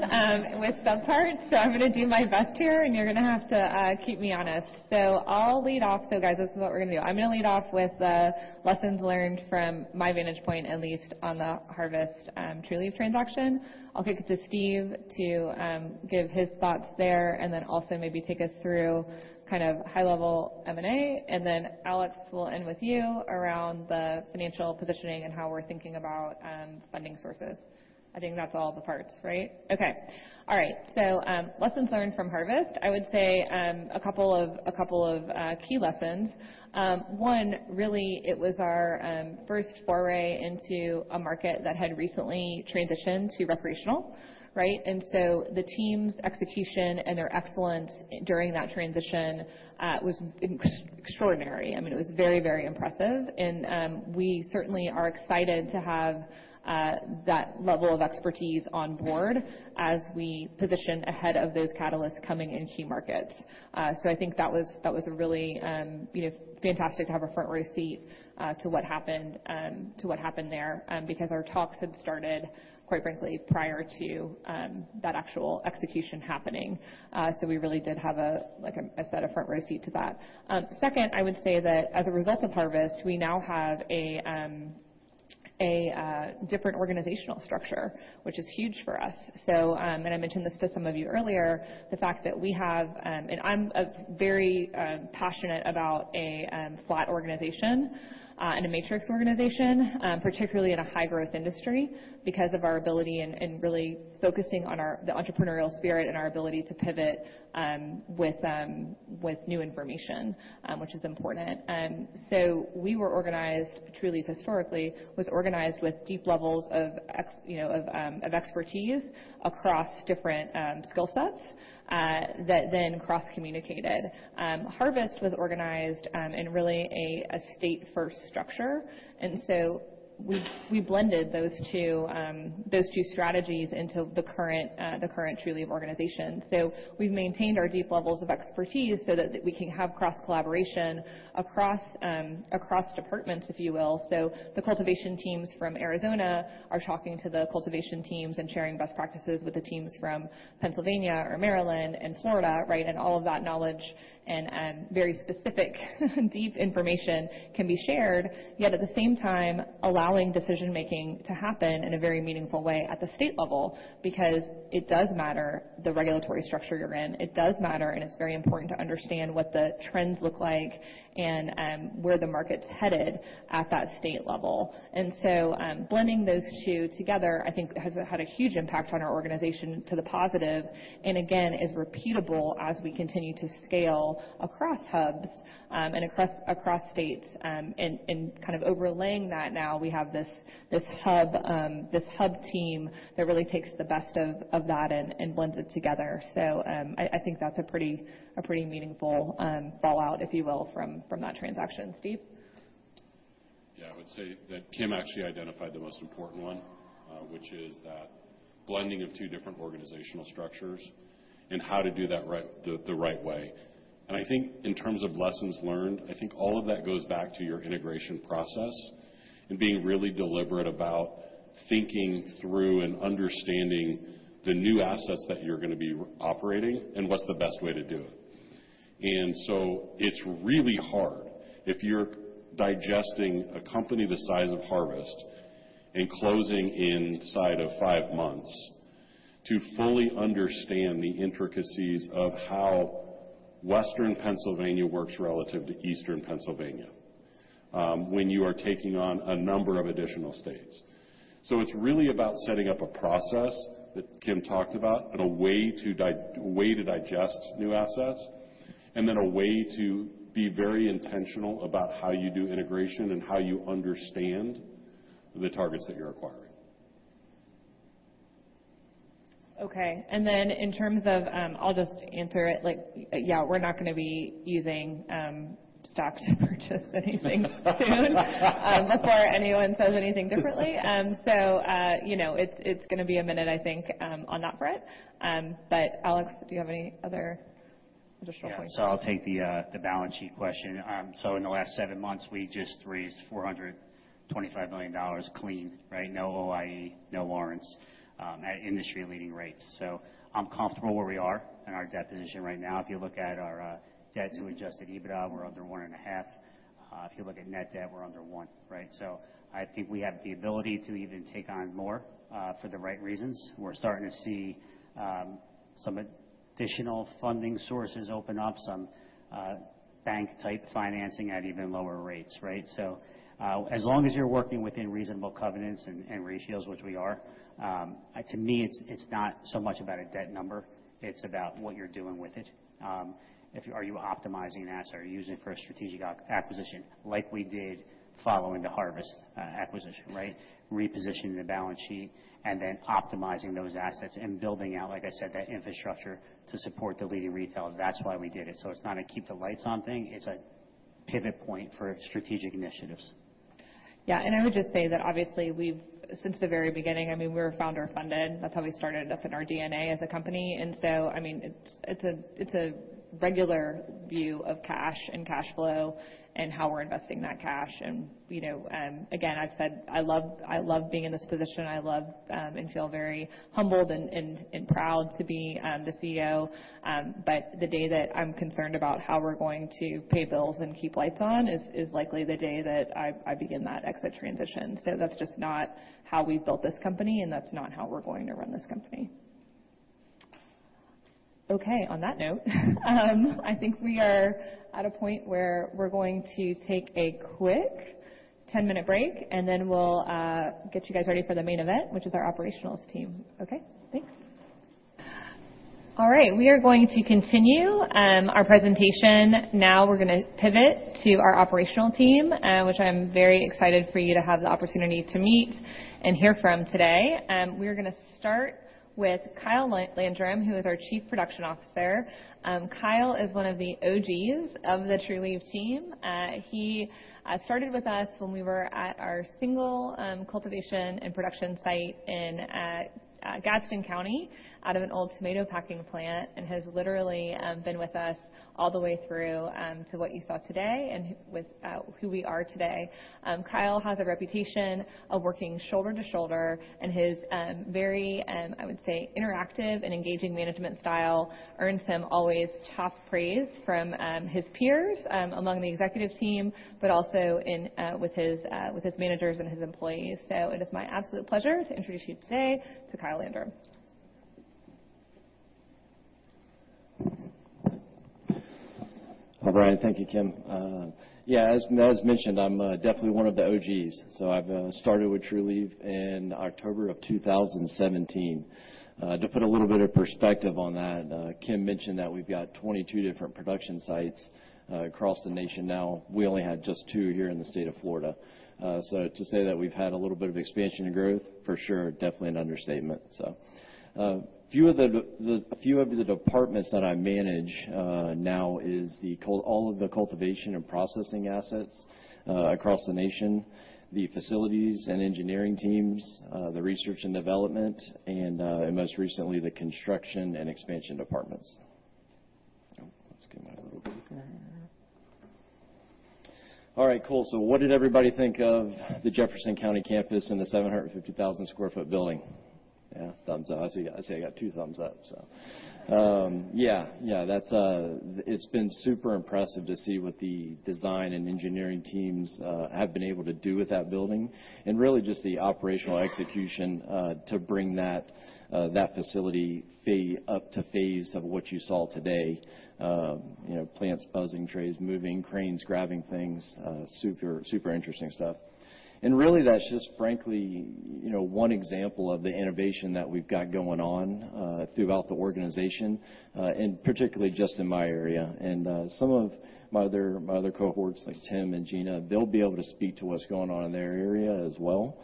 with subparts. I'm gonna do my best here, and you're gonna have to keep me honest. I'll lead off. Guys, this is what we're gonna do. I'm gonna lead off with the lessons learned from my vantage point, at least on the Harvest Trulieve transaction. I'll kick it to Steve to give his thoughts there and then also maybe take us through kind of high-level M&A. Then, Alex, we'll end with you around the financial positioning and how we're thinking about funding sources. I think that's all the parts, right? Okay. All right. Lessons learned from Harvest. I would say a couple of key lessons. One, really, it was our first foray into a market that had recently transitioned to recreational, right? The team's execution and their excellence during that transition was extraordinary. I mean, it was very, very impressive, and we certainly are excited to have that level of expertise on board as we position ahead of those catalysts coming in key markets. I think that was a really you know, fantastic to have a front row seat to what happened there because our talks had started quite frankly prior to that actual execution happening. We really did have a like I said, a front row seat to that. Second, I would say that as a result of Harvest, we now have a different organizational structure, which is huge for us. I mentioned this to some of you earlier, the fact that we have I'm very passionate about a flat organization and a matrix organization, particularly in a high-growth industry because of our ability and really focusing on the entrepreneurial spirit and our ability to pivot with new information, which is important. We were organized, Trulieve historically was organized with deep levels of expertise across different skill sets that then cross-communicated. Harvest was organized in really a state-first structure. We blended those two strategies into the current Trulieve organization. We've maintained our deep levels of expertise so that we can have cross-collaboration across departments, if you will. The cultivation teams from Arizona are talking to the cultivation teams and sharing best practices with the teams from Pennsylvania or Maryland and Florida, right? All of that knowledge and very specific deep information can be shared, yet at the same time, allowing decision-making to happen in a very meaningful way at the state level because it does matter the regulatory structure you're in. It does matter, and it's very important to understand what the trends look like and, where the market's headed at that state level. Blending those two together, I think has, had a huge impact on our organization to the positive and again, is repeatable as we continue to scale across hubs, and across states. Kind of overlaying that now, we have this hub team that really takes the best of that and blends it together. I think that's a pretty meaningful fallout, if you will, from that transaction. Steve? Yeah. I would say that Kim actually identified the most important one, which is that blending of two different organizational structures and how to do that right, the right way. I think in terms of lessons learned, I think all of that goes back to your integration process and being really deliberate about thinking through and understanding the new assets that you're gonna be operating and what's the best way to do it. It's really hard if you're digesting a company the size of Harvest and closing inside of five months to fully understand the intricacies of how Western Pennsylvania works relative to Eastern Pennsylvania, when you are taking on a number of additional states. It's really about setting up a process that Kim talked about and a way to digest new assets, and then a way to be very intentional about how you do integration and how you understand the targets that you're acquiring. Okay. In terms of, I'll just answer it like, yeah, we're not gonna be using stock to purchase anything soon. Before anyone says anything differently. You know, it's gonna be a minute, I think, on that front. Alex, do you have any other additional points? Yeah. I'll take the balance sheet question. In the last seven months, we just raised $425 million clean, right? No OID, no warrants, at industry-leading rates. I'm comfortable where we are in our debt position right now. If you look at our debt to adjusted EBITDA, we're under 1.5. If you look at net debt, we're under one, right? I think we have the ability to even take on more for the right reasons. We're starting to see some additional funding sources open up, some bank-type financing at even lower rates, right? As long as you're working within reasonable covenants and ratios, which we are, to me, it's not so much about a debt number, it's about what you're doing with it. Are you optimizing assets? Are you using it for a strategic acquisition like we did following the Harvest acquisition, right? Repositioning the balance sheet and then optimizing those assets and building out, like I said, that infrastructure to support the leading retail. That's why we did it. It's not a keep the lights on thing, it's a pivot point for strategic initiatives. Yeah. I would just say that obviously, we've since the very beginning, I mean, we were founder funded. That's how we started. That's in our DNA as a company. I mean, it's a regular view of cash and cash flow and how we're investing that cash. You know, again, I've said I love being in this position. I love and feel very humbled and proud to be the CEO. But the day that I'm concerned about how we're going to pay bills and keep lights on is likely the day that I begin that exit transition. That's just not how we've built this company, and that's not how we're going to run this company. Okay. On that note, I think we are at a point where we're going to take a quick 10-minute break, and then we'll get you guys ready for the main event, which is our operational team. Okay? Thanks. All right. We are going to continue our presentation. Now we're gonna pivot to our operational team, which I'm very excited for you to have the opportunity to meet and hear from today. We are gonna start with Kyle Landrum, who is our Chief Production Officer. Kyle is one of the OGs of the Trulieve team. He started with us when we were at our single cultivation and production site in Gadsden County, out of an old tomato packing plant, and has literally been with us all the way through to what you saw today and with who we are today. Kyle has a reputation of working shoulder to shoulder, and his very, I would say, interactive and engaging management style earns him always top praise from his peers among the executive team, but also in with his managers and his employees. It is my absolute pleasure to introduce you today to Kyle Landrum. All right. Thank you, Kim. Yeah, as mentioned, I'm definitely one of the OGs, so I've started with Trulieve in October of 2017. To put a little bit of perspective on that, Kim mentioned that we've got 22 different production sites across the nation now. We only had just two here in the state of Florida. To say that we've had a little bit of expansion and growth, for sure, definitely an understatement. Few of the departments that I manage now is all of the cultivation and processing assets across the nation, the facilities and engineering teams, the research and development, and most recently, the construction and expansion departments. Oh, let's get my little baby here. All right. Cool. What did everybody think of the Jefferson County campus and the 750,000 sq ft building? Yeah. Thumbs up. I see I got two thumbs up. Yeah. That's, it's been super impressive to see what the design and engineering teams have been able to do with that building, and really just the operational execution to bring that facility up to the phase of what you saw today. You know, plants buzzing, trays moving, cranes grabbing things, super interesting stuff. Really, that's just frankly, you know, one example of the innovation that we've got going on throughout the organization, and particularly just in my area. Some of my other cohorts, like Tim and Gina, they'll be able to speak to what's going on in their area as well.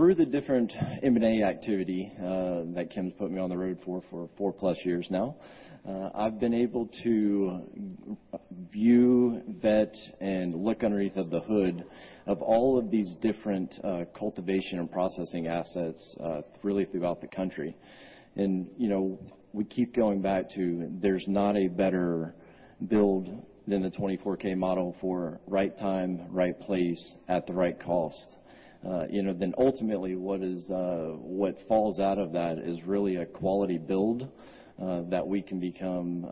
Through the different M&A activity that Kim's put me on the road for four-plus years now, I've been able to view, vet, and look underneath the hood of all of these different cultivation and processing assets, really throughout the country. You know, we keep going back to, there's not a better build than the 24K model for right time, right place, at the right cost. You know, then ultimately, what falls out of that is really a quality build that we can become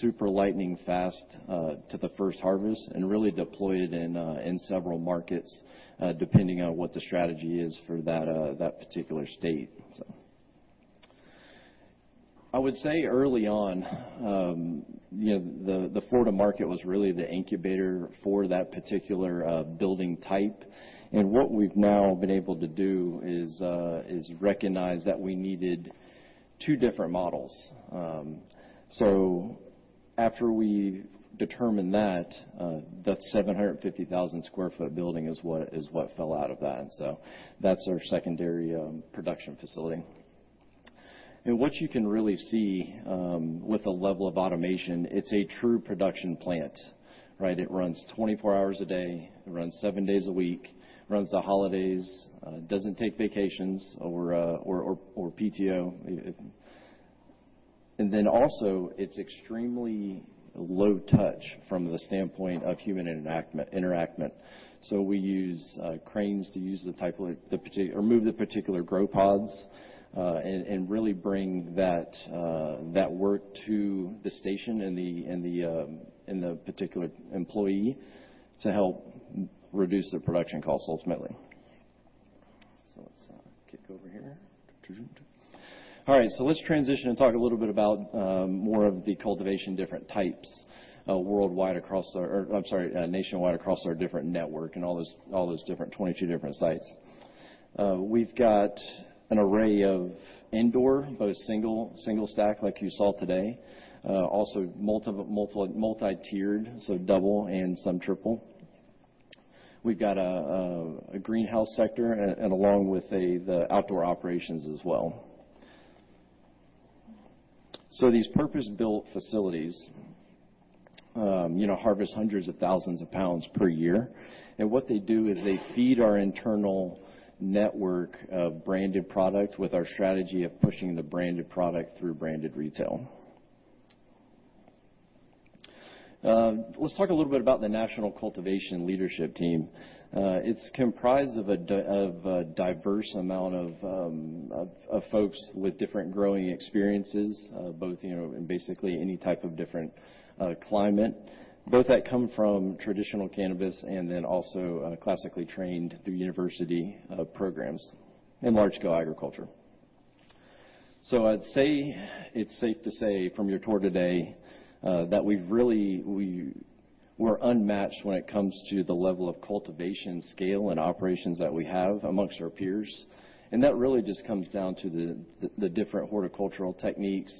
super lightning fast to the first harvest and really deploy it in several markets depending on what the strategy is for that particular state. I would say early on, you know, the Florida market was really the incubator for that particular building type. What we've now been able to do is recognize that we needed two different models. After we determined that 750,000 sq ft building is what fell out of that. That's our secondary production facility. What you can really see with the level of automation, it's a true production plant, right? It runs 24 hours a day. It runs seven days a week. Runs the holidays, doesn't take vacations or PTO. It is extremely low touch from the standpoint of human interaction. We use cranes to remove the particular grow pods and really bring that work to the station and the particular employee to help reduce their production costs ultimately. Let's kick over here. All right, let's transition and talk a little bit about more of the cultivation different types, nationwide across our different network and all those different 22 different sites. We've got an array of indoor, both single stack like you saw today. Also multi-tiered, so double and some triple. We've got a greenhouse sector along with the outdoor operations as well. These purpose-built facilities harvest hundreds of thousands of pounds per year. What they do is they feed our internal network of branded product with our strategy of pushing the branded product through branded retail. Let's talk a little bit about the National Cultivation Leadership team. It's comprised of a diverse amount of folks with different growing experiences in basically any type of different climate, both that come from traditional cannabis and then also classically trained through university programs and large-scale agriculture. I'd say it's safe to say from your tour today, that we're unmatched when it comes to the level of cultivation scale and operations that we have amongst our peers. That really just comes down to the different horticultural techniques,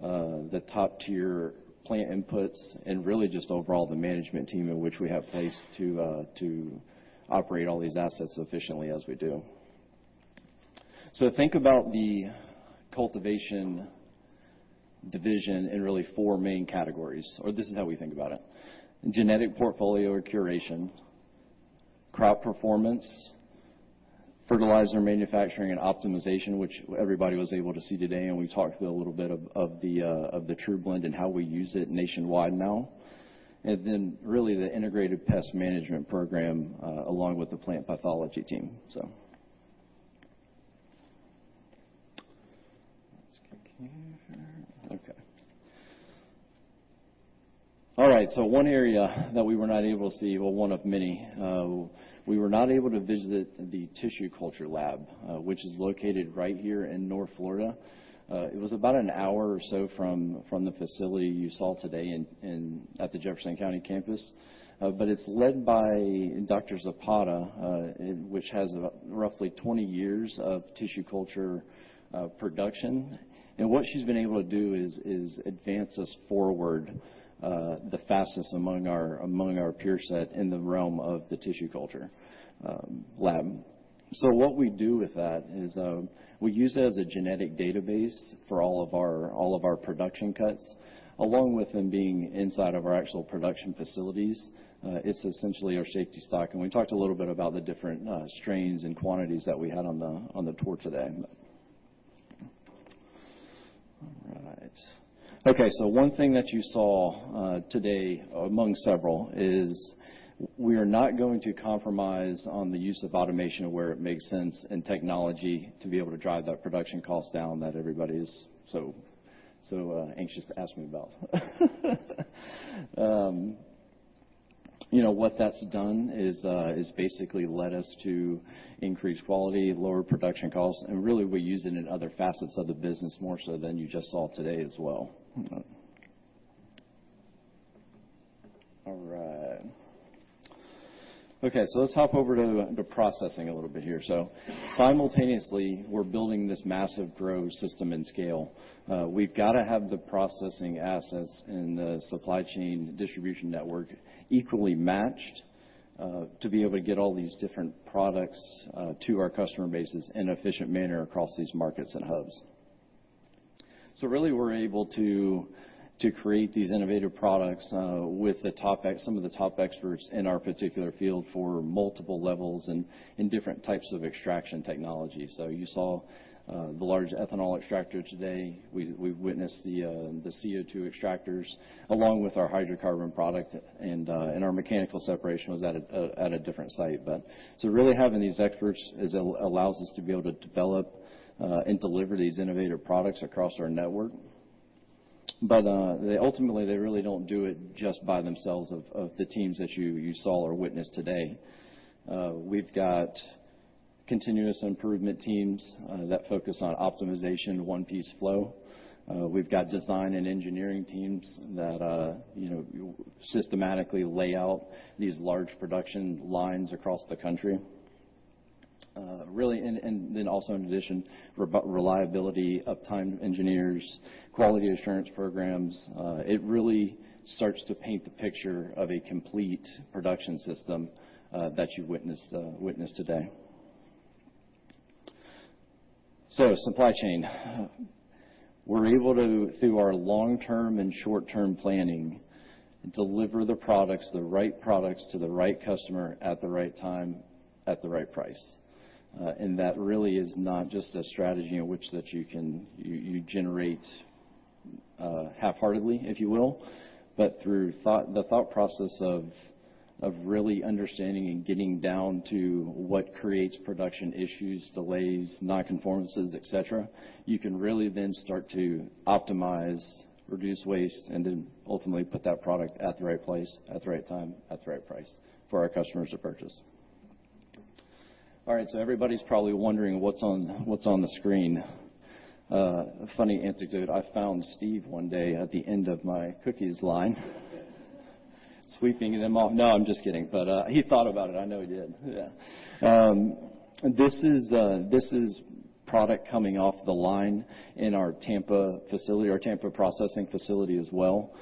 the top-tier plant inputs, and really just overall the management team in which we have placed to operate all these assets efficiently as we do. Think about the cultivation division in really four main categories, or this is how we think about it. Genetic portfolio or curation, crop performance, fertilizer manufacturing and optimization, which everybody was able to see today, and we talked a little bit of the TruBlend and how we use it nationwide now. Then really the integrated pest management program, along with the plant pathology team. Let's click here. Okay. All right, so one area that we were not able to see, well, one of many, we were not able to visit the tissue culture lab, which is located right here in North Florida. It was about an hour or so from the facility you saw today in at the Jefferson County campus. But it's led by Dr. Zapata, which has roughly 20 years of tissue culture production. What she's been able to do is advance us forward the fastest among our peer set in the realm of the tissue culture lab. What we do with that is we use it as a genetic database for all of our production cuts, along with them being inside of our actual production facilities. It's essentially our safety stock, and we talked a little bit about the different strains and quantities that we had on the tour today. All right. Okay, one thing that you saw today among several is we are not going to compromise on the use of automation where it makes sense and technology to be able to drive that production cost down that everybody is so anxious to ask me about. You know, what that's done is basically led us to increase quality, lower production costs, and really we use it in other facets of the business more so than you just saw today as well. All right. Okay, let's hop over to the processing a little bit here. Simultaneously, we're building this massive grow system and scale. We've gotta have the processing assets and the supply chain distribution network equally matched, to be able to get all these different products, to our customer bases in an efficient manner across these markets and hubs. Really we're able to create these innovative products, with some of the top experts in our particular field for multiple levels and different types of extraction technology. You saw the large ethanol extractor today. We've witnessed the CO2 extractors along with our hydrocarbon product and our mechanical separation was at a different site. Really having these experts allows us to be able to develop and deliver these innovative products across our network. They ultimately really don't do it just by themselves of the teams that you saw or witnessed today. We've got continuous improvement teams that focus on optimization, one piece flow. We've got design and engineering teams that you know systematically lay out these large production lines across the country. Really, and then also in addition, reliability uptime engineers, quality assurance programs, it really starts to paint the picture of a complete production system that you witnessed today. Supply chain. We're able to through our long-term and short-term planning deliver the products, the right products to the right customer at the right time, at the right price. That really is not just a strategy in which you can generate half-heartedly, if you will. Through thought, the thought process of really understanding and getting down to what creates production issues, delays, non-conformances, et cetera, you can really then start to optimize, reduce waste, and then ultimately put that product at the right place, at the right time, at the right price for our customers to purchase. All right, so everybody's probably wondering what's on the screen. A funny anecdote. I found Steve one day at the end of my cookies line sweeping them off. No, I'm just kidding. He thought about it, I know he did. Yeah. This is product coming off the line in our Tampa facility, our Tampa processing facility as well.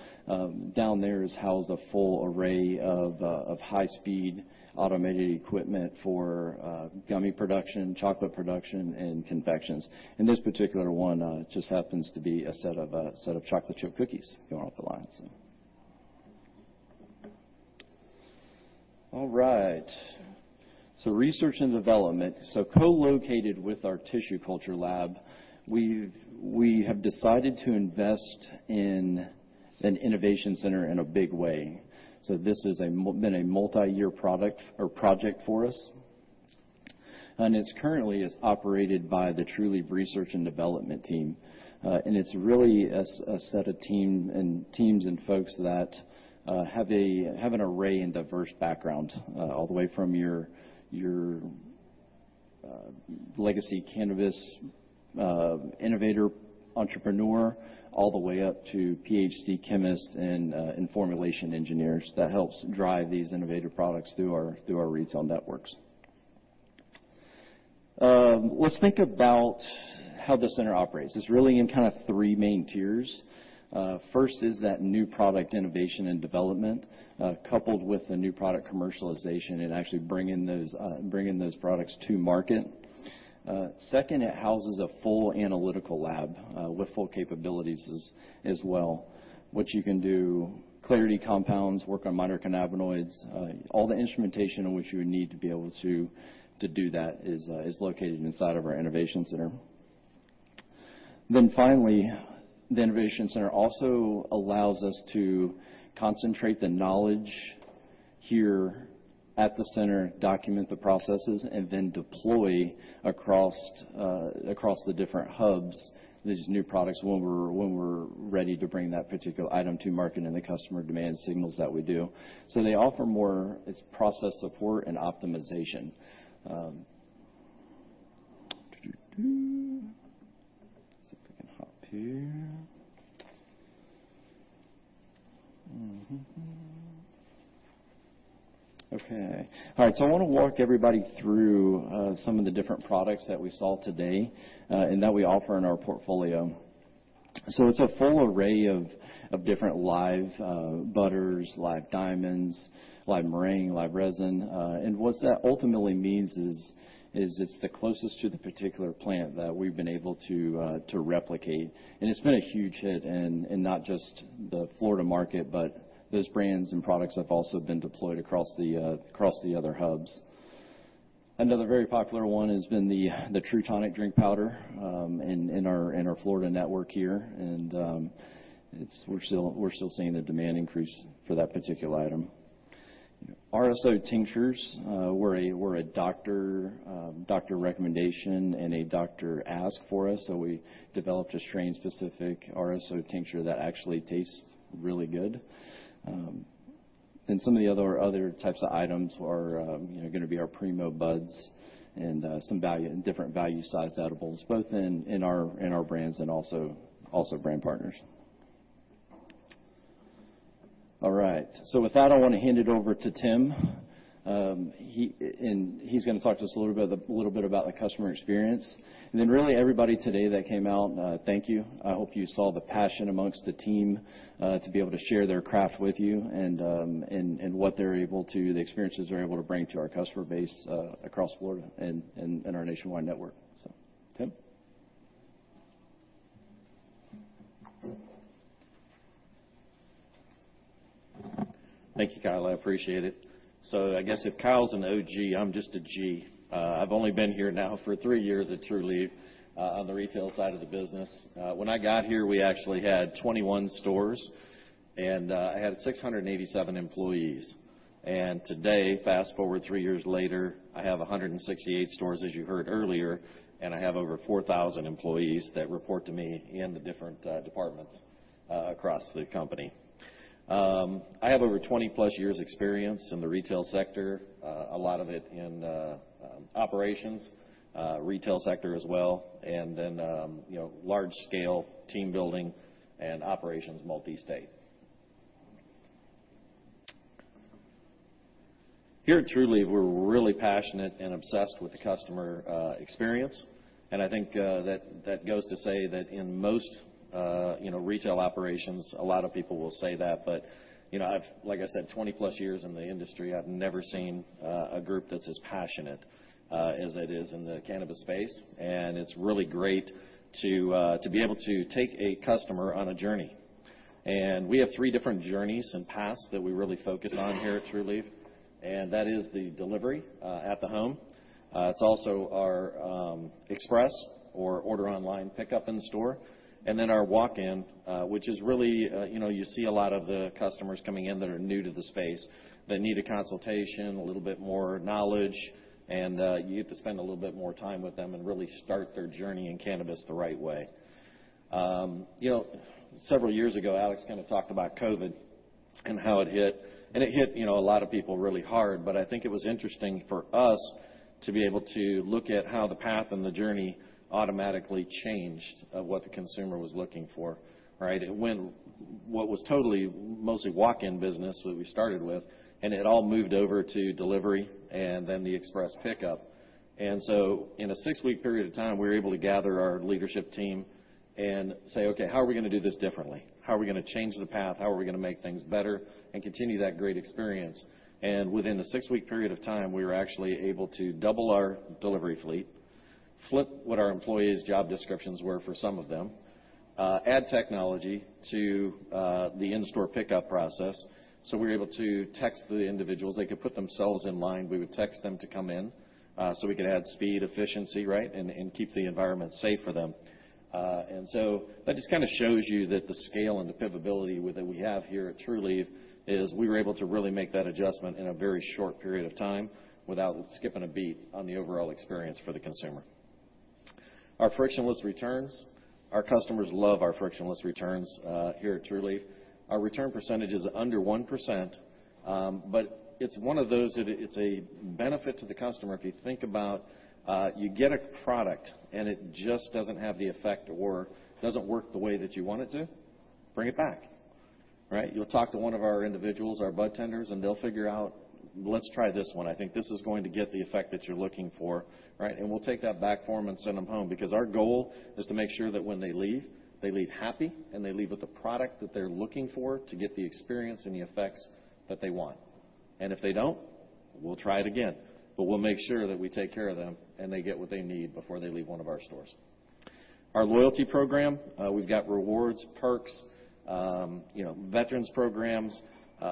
Down there is housed a full array of high-speed automated equipment for gummy production, chocolate production, and confections. This particular one just happens to be a set of chocolate chip cookies going off the line. All right. Research and development. Co-located with our tissue culture lab, we have decided to invest in an innovation center in a big way. This has been a multi-year product or project for us. It's currently operated by the Trulieve research and development team. It's really a set of teams and folks that have an array of diverse background all the way from your legacy cannabis innovator, entrepreneur, all the way up to PhD chemists and formulation engineers that helps drive these innovative products through our retail networks. Let's think about how the center operates. It's really in kind of three main tiers. First is that new product innovation and development coupled with the new product commercialization and actually bringing those products to market. Second, it houses a full analytical lab with full capabilities as well, which you can do clarity compounds, work on minor cannabinoids. All the instrumentation in which you would need to be able to do that is located inside of our innovation center. Finally, the innovation center also allows us to concentrate the knowledge here at the center, document the processes, and then deploy across the different hubs these new products when we're ready to bring that particular item to market and the customer demand signals that we do. They offer more. It's process support and optimization. I wanna walk everybody through some of the different products that we saw today and that we offer in our portfolio. It's a full array of different live butters, live diamonds, live meringue, live resin. What that ultimately means is it's the closest to the particular plant that we've been able to replicate. It's been a huge hit in not just the Florida market, but those brands and products have also been deployed across the other hubs. Another very popular one has been the TruTonic drink powder in our Florida network here. We're still seeing the demand increase for that particular item. RSO tinctures were a doctor recommendation and a doctor ask for us. We developed a strain-specific RSO tincture that actually tastes really good. Some of the other types of items are, you know, gonna be our Primo buds and some value and different value-sized edibles, both in our brands and also brand partners. All right. With that, I wanna hand it over to Tim. He's gonna talk to us a little bit about the customer experience. Then really everybody today that came out, thank you. I hope you saw the passion amongst the team to be able to share their craft with you and what they're able to, the experiences they're able to bring to our customer base across Florida and our nationwide network. Tim. Thank you, Kyle. I appreciate it. I guess if Kyle's an OG, I'm just a G. I've only been here now for three years at Trulieve, on the retail side of the business. When I got here, we actually had 21 stores. I had 687 employees. Today, fast-forward three years later, I have 168 stores, as you heard earlier, and I have over 4,000 employees that report to me in the different departments across the company. I have over 20+ years experience in the retail sector, a lot of it in operations, retail sector as well, and then, you know, large scale team building and operations multi-state. Here at Trulieve, we're really passionate and obsessed with the customer experience. I think that goes to say that in most, you know, retail operations, a lot of people will say that. You know, I've like I said, 20+ years in the industry, I've never seen a group that's as passionate as it is in the cannabis space. It's really great to be able to take a customer on a journey. We have three different journeys and paths that we really focus on here at Trulieve, and that is the delivery at the home. It's also our express or order online pickup in store. Our walk-in, which is really, you know, you see a lot of the customers coming in that are new to the space that need a consultation, a little bit more knowledge, and you get to spend a little bit more time with them and really start their journey in cannabis the right way. You know, several years ago, Alex kind of talked about COVID and how it hit. It hit, you know, a lot of people really hard, but I think it was interesting for us to be able to look at how the path and the journey automatically changed, what the consumer was looking for, right? It went what was totally mostly walk-in business, what we started with, and it all moved over to delivery and then the express pickup. In a six-week period of time, we were able to gather our leadership team and say, "Okay, how are we gonna do this differently? How are we gonna change the path? How are we gonna make things better and continue that great experience?" Within a six-week period of time, we were actually able to double our delivery fleet, flip what our employees' job descriptions were for some of them, add technology to the in-store pickup process. We were able to text the individuals. They could put themselves in line. We would text them to come in, so we could add speed, efficiency, right, and keep the environment safe for them. that just kind of shows you that the scale and the pivotability that we have here at Trulieve is we were able to really make that adjustment in a very short period of time without skipping a beat on the overall experience for the consumer. Our frictionless returns. Our customers love our frictionless returns here at Trulieve. Our return percentage is under 1%, but it's one of those that it's a benefit to the customer. If you think about, you get a product, and it just doesn't have the effect or doesn't work the way that you want it to, bring it back, right? You'll talk to one of our individuals, our budtenders, and they'll figure out, "Let's try this one. I think this is going to get the effect that you're looking for," right? We'll take that back for them and send them home because our goal is to make sure that when they leave, they leave happy, and they leave with the product that they're looking for to get the experience and the effects that they want. If they don't, we'll try it again. We'll make sure that we take care of them, and they get what they need before they leave one of our stores. Our loyalty program, we've got rewards, perks, you know, veterans programs,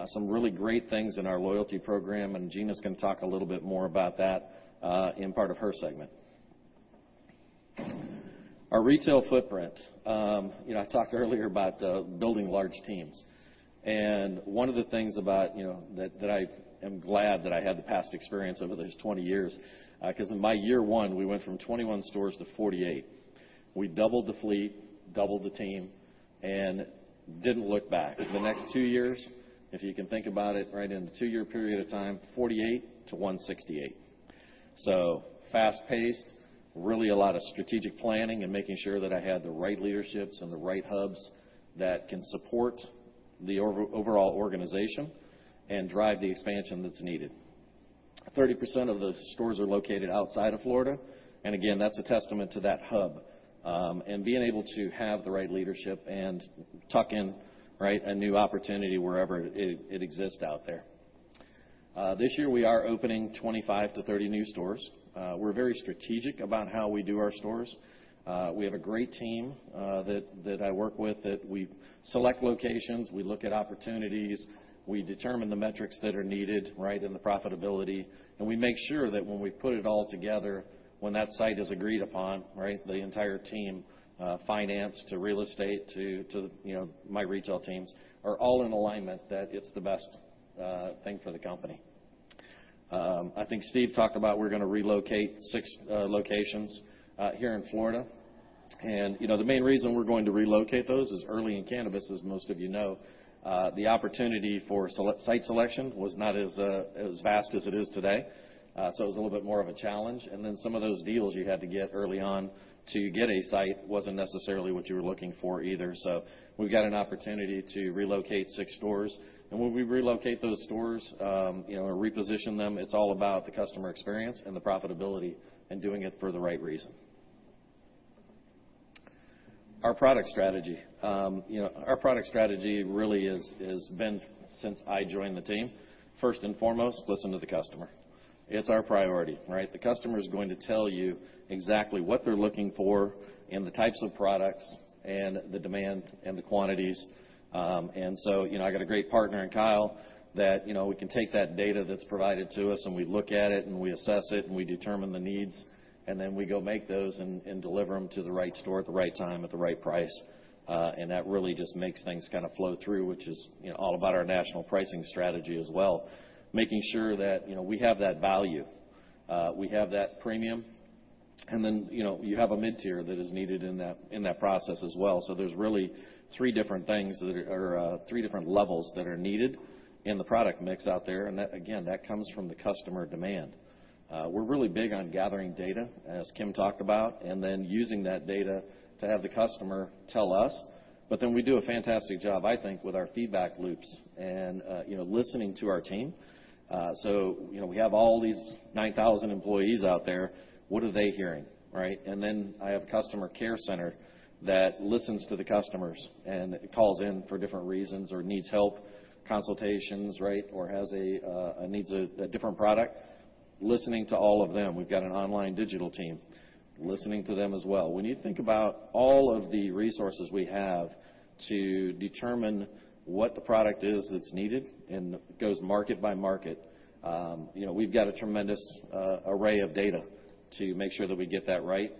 some really great things in our loyalty program, and Gina's gonna talk a little bit more about that, in part of her segment. Our retail footprint. You know, I talked earlier about building large teams. One of the things about, you know, that I am glad that I had the past experience over these 20 years, 'cause in my year one, we went from 21 stores to 48. We doubled the fleet, doubled the team, and didn't look back. The next two years, if you can think about it right in the two-year period of time, 48-168. So fast-paced, really a lot of strategic planning and making sure that I had the right leaderships and the right hubs that can support the overall organization and drive the expansion that's needed. 30% of the stores are located outside of Florida, and again, that's a testament to that hub, and being able to have the right leadership and tuck in, right, a new opportunity wherever it exists out there. This year, we are opening 25-30 new stores. We're very strategic about how we do our stores. We have a great team that I work with that we select locations, we look at opportunities, we determine the metrics that are needed, right, and the profitability. We make sure that when we put it all together, when that site is agreed upon, right, the entire team, finance to real estate to, you know, my retail teams are all in alignment that it's the best thing for the company. I think Steve talked about we're gonna relocate 6 locations here in Florida. You know, the main reason we're going to relocate those is early in cannabis, as most of you know, the opportunity for site selection was not as vast as it is today. It was a little bit more of a challenge. Some of those deals you had to get early on to get a site wasn't necessarily what you were looking for either. We've got an opportunity to relocate six stores. When we relocate those stores, you know, or reposition them, it's all about the customer experience and the profitability and doing it for the right reason. Our product strategy. You know, our product strategy really is been since I joined the team, first and foremost, listen to the customer. It's our priority, right? The customer is going to tell you exactly what they're looking for and the types of products and the demand and the quantities. You know, I got a great partner in Kyle that, you know, we can take that data that's provided to us, and we look at it, and we assess it, and we determine the needs, and then we go make those and deliver them to the right store at the right time at the right price. That really just makes things kind of flow through, which is, you know, all about our national pricing strategy as well, making sure that, you know, we have that value, we have that premium. Then, you know, you have a mid-tier that is needed in that process as well. There's really three different things that are three different levels that are needed in the product mix out there. That again comes from the customer demand. We're really big on gathering data, as Kim talked about, and then using that data to have the customer tell us. We do a fantastic job, I think, with our feedback loops and, you know, listening to our team. You know, we have all these 9,000 employees out there. What are they hearing, right? I have a customer care center that listens to the customers, and they call in for different reasons or need help, consultations, right, or needs a different product. Listening to all of them. We've got an online digital team, listening to them as well. When you think about all of the resources we have to determine what the product is that's needed and goes market by market, you know, we've got a tremendous array of data to make sure that we get that right.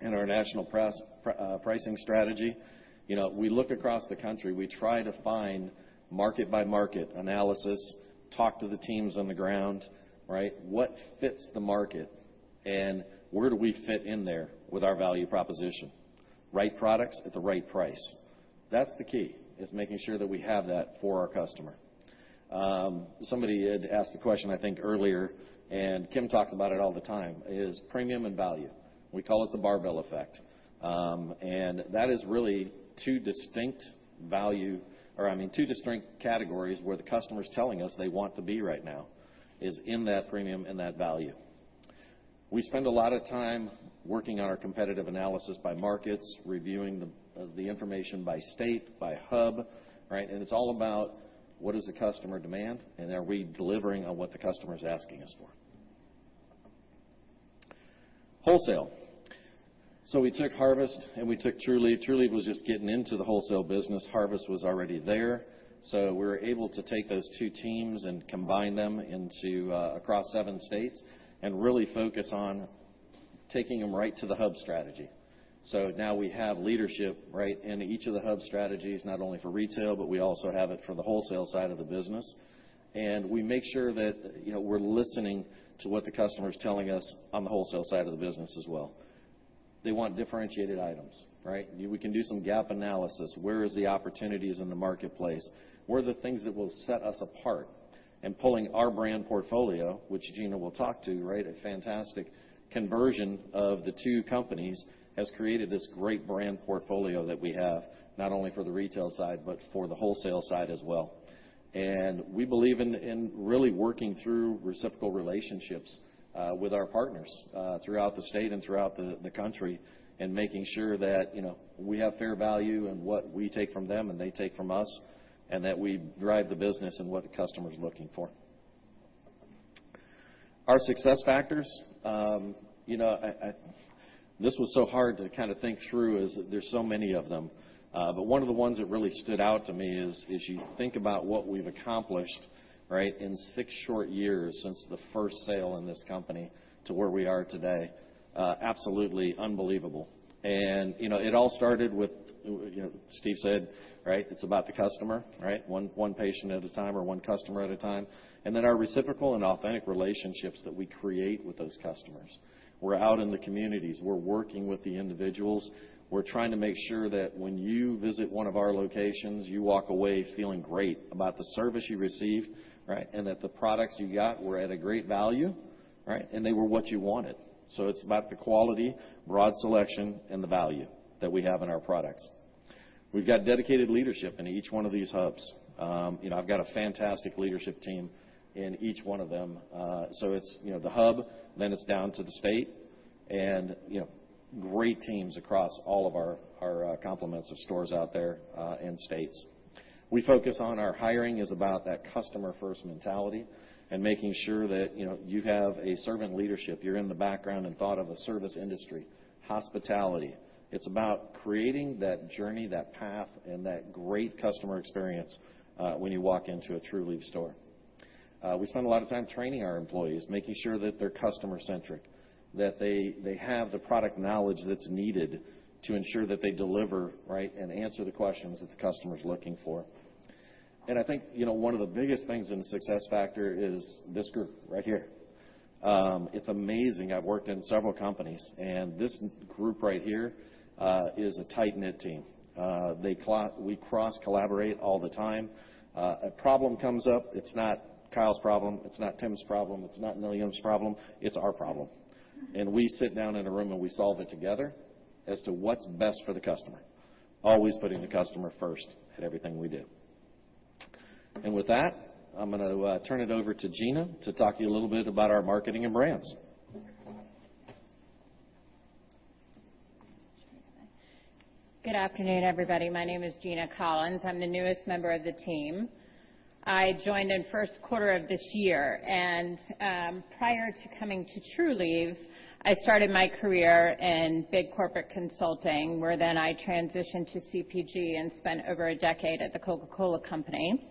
In our national pricing strategy, you know, we look across the country. We try to find market-by-market analysis, talk to the teams on the ground, right? What fits the market, and where do we fit in there with our value proposition? Right products at the right price. That's the key, is making sure that we have that for our customer. Somebody had asked the question, I think earlier, and Kim talks about it all the time, is premium and value. We call it the barbell effect. That is really or I mean two distinct categories where the customer's telling us they want to be right now, is in that premium and that value. We spend a lot of time working on our competitive analysis by markets, reviewing the information by state, by hub, right? It's all about what is the customer demand, and are we delivering on what the customer is asking us for. Wholesale. We took Harvest and we took Trulieve. Trulieve was just getting into the wholesale business. Harvest was already there. We were able to take those two teams and combine them into across seven states and really focus on taking them right to the hub strategy. Now we have leadership, right, in each of the hub strategies, not only for retail, but we also have it for the wholesale side of the business. We make sure that, you know, we're listening to what the customer is telling us on the wholesale side of the business as well. They want differentiated items, right? We can do some gap analysis. Where is the opportunities in the marketplace? Where are the things that will set us apart? Pulling our brand portfolio, which Gina will talk to, right, a fantastic conversion of the two companies, has created this great brand portfolio that we have, not only for the retail side, but for the wholesale side as well. We believe in really working through reciprocal relationships with our partners throughout the state and throughout the country, and making sure that, you know, we have fair value in what we take from them and they take from us, and that we drive the business in what the customer is looking for. Our success factors. You know, this was so hard to kinda think through as there's so many of them. But one of the ones that really stood out to me is, as you think about what we've accomplished, right, in six short years since the first sale in this company to where we are today, absolutely unbelievable. You know, it all started with, you know, Steve said, right, it's about the customer, right? One patient at a time or one customer at a time. Our reciprocal and authentic relationships that we create with those customers. We're out in the communities. We're working with the individuals. We're trying to make sure that when you visit one of our locations, you walk away feeling great about the service you receive, right, and that the products you got were at a great value, right, and they were what you wanted. It's about the quality, broad selection, and the value that we have in our products. We've got dedicated leadership in each one of these hubs. You know, I've got a fantastic leadership team in each one of them. You know, the hub, then it's down to the state and, you know, great teams across all of our complement of stores out there, and states. We focus on our hiring is about that customer-first mentality and making sure that, you know, you have a servant leadership. You're in the background and thought of a service industry, hospitality. It's about creating that journey, that path, and that great customer experience when you walk into a Trulieve store. We spend a lot of time training our employees, making sure that they're customer-centric, that they have the product knowledge that's needed to ensure that they deliver, right, and answer the questions that the customer is looking for. I think, you know, one of the biggest things in the success factor is this group right here. It's amazing. I've worked in several companies, and this group right here is a tight-knit team. We cross-collaborate all the time. A problem comes up, it's not Kyle's problem, it's not Tim's problem, it's not Nilyum's problem, it's our problem. We sit down in a room, and we solve it together as to what's best for the customer. Always putting the customer first at everything we do. With that, I'm gonna turn it over to Gina to talk to you a little bit about our marketing and brands. Good afternoon, everybody. My name is Gina Collins. I'm the newest member of the team. I joined in first quarter of this year, and prior to coming to Trulieve, I started my career in big corporate consulting, where then I transitioned to CPG and spent over a decade at The Coca-Cola Company.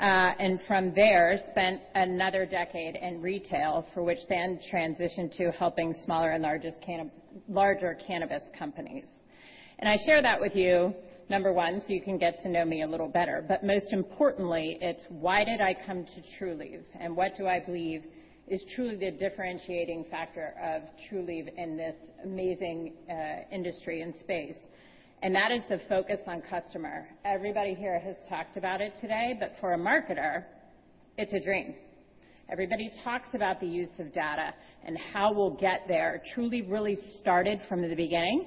From there, spent another decade in retail for which then transitioned to helping smaller and larger cannabis companies. I share that with you, number one, so you can get to know me a little better, but most importantly, it's why did I come to Trulieve and what do I believe is truly the differentiating factor of Trulieve in this amazing industry and space. That is the focus on customer. Everybody here has talked about it today, but for a marketer, it's a dream. Everybody talks about the use of data and how we'll get there. Trulieve really started from the beginning,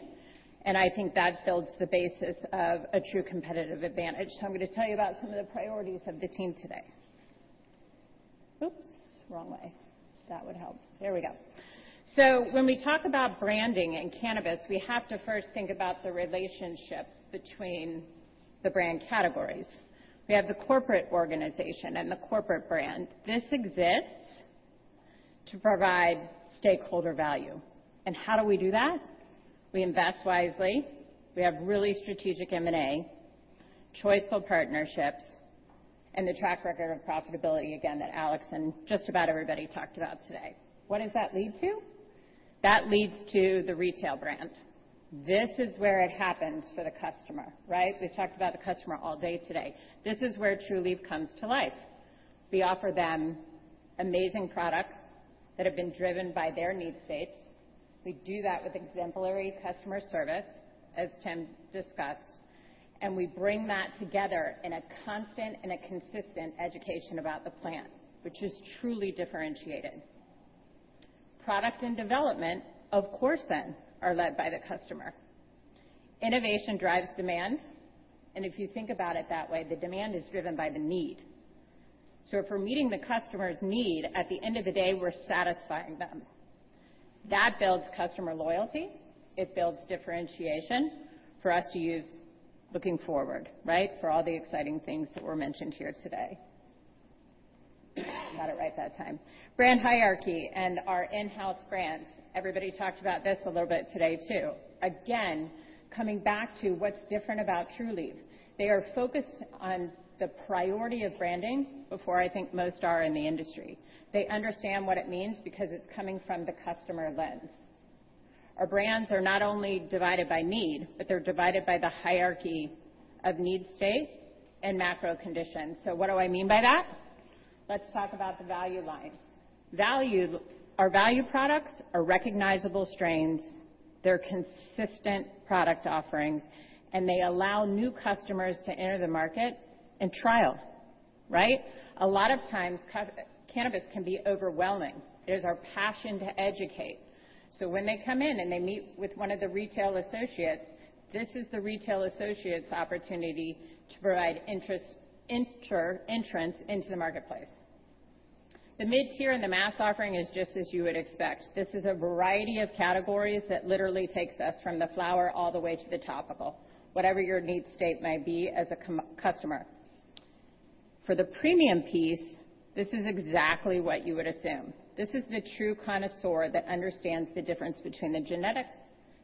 and I think that builds the basis of a true competitive advantage. I'm gonna tell you about some of the priorities of the team today. Oops. Wrong way. That would help. There we go. When we talk about branding in cannabis, we have to first think about the relationships between the brand categories. We have the corporate organization and the corporate brand. This exists to provide stakeholder value. How do we do that? We invest wisely. We have really strategic M&A, choice-ful partnerships, and the track record of profitability again that Alex and just about everybody talked about today. What does that lead to? That leads to the retail brand. This is where it happens for the customer, right? We've talked about the customer all day today. This is where Trulieve comes to life. We offer them amazing products that have been driven by their need states. We do that with exemplary customer service, as Tim discussed, and we bring that together in a constant and a consistent education about the plant, which is truly differentiated. Product and development, of course then, are led by the customer. Innovation drives demand, and if you think about it that way, the demand is driven by the need. If we're meeting the customer's need, at the end of the day, we're satisfying them. That builds customer loyalty. It builds differentiation for us to use looking forward, right? For all the exciting things that were mentioned here today. Got it right that time. Brand hierarchy and our in-house brands. Everybody talked about this a little bit today, too. Again, coming back to what's different about Trulieve. They are focused on the priority of branding before I think most are in the industry. They understand what it means because it's coming from the customer lens. Our brands are not only divided by need, but they're divided by the hierarchy of need state and macro conditions. What do I mean by that? Let's talk about the value line. Value. Our value products are recognizable strains. They're consistent product offerings, and they allow new customers to enter the market in trial, right? A lot of times, cannabis can be overwhelming. It is our passion to educate. When they come in and they meet with one of the retail associates, this is the retail associate's opportunity to provide entrance into the marketplace. The mid-tier and the mass offering is just as you would expect. This is a variety of categories that literally takes us from the flower all the way to the topical, whatever your need state may be as a customer. For the premium piece, this is exactly what you would assume. This is the true connoisseur that understands the difference between the genetics,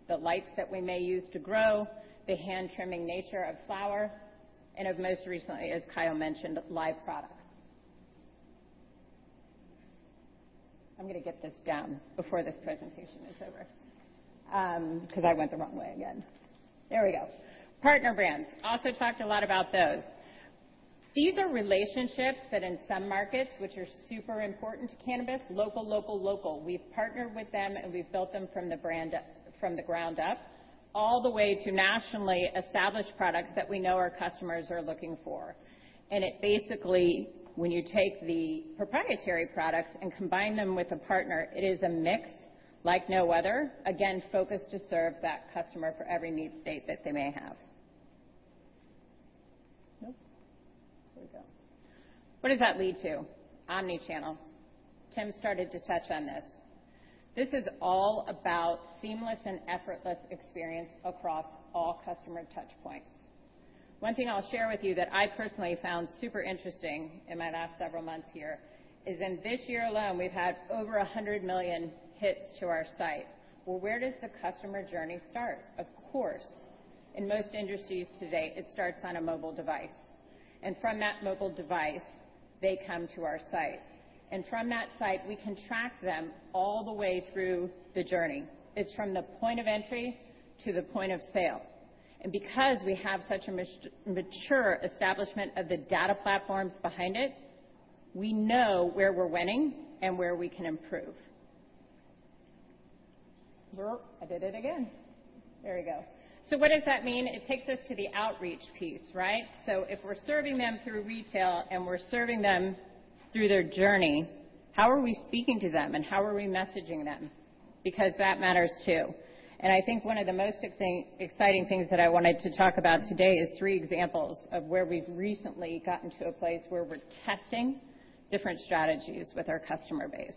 the lights that we may use to grow, the hand-trimming nature of flower, and of most recently, as Kyle mentioned, live products. I'm gonna get this down before this presentation is over, 'cause I went the wrong way again. There we go. Partner brands. Also talked a lot about those. These are relationships that in some markets, which are super important to cannabis, local, local. We've partnered with them and we've built them from the ground up, all the way to nationally established products that we know our customers are looking for. It basically, when you take the proprietary products and combine them with a partner, it is a mix like no other. Again, focused to serve that customer for every need state that they may have. Nope. There we go. What does that lead to? Omnichannel. Tim started to touch on this. This is all about seamless and effortless experience across all customer touch points. One thing I'll share with you that I personally found super interesting in my last several months here is in this year alone, we've had over 100 million hits to our site. Well, where does the customer journey start? Of course, in most industries today, it starts on a mobile device. From that mobile device, they come to our site. From that site, we can track them all the way through the journey. It's from the point of entry to the point of sale. Because we have such a mature establishment of the data platforms behind it, we know where we're winning and where we can improve. Whoop. I did it again. There we go. What does that mean? It takes us to the outreach piece, right? If we're serving them through retail and we're serving them through their journey, how are we speaking to them and how are we messaging them? Because that matters, too. I think one of the most exciting things that I wanted to talk about today is three examples of where we've recently gotten to a place where we're testing different strategies with our customer base.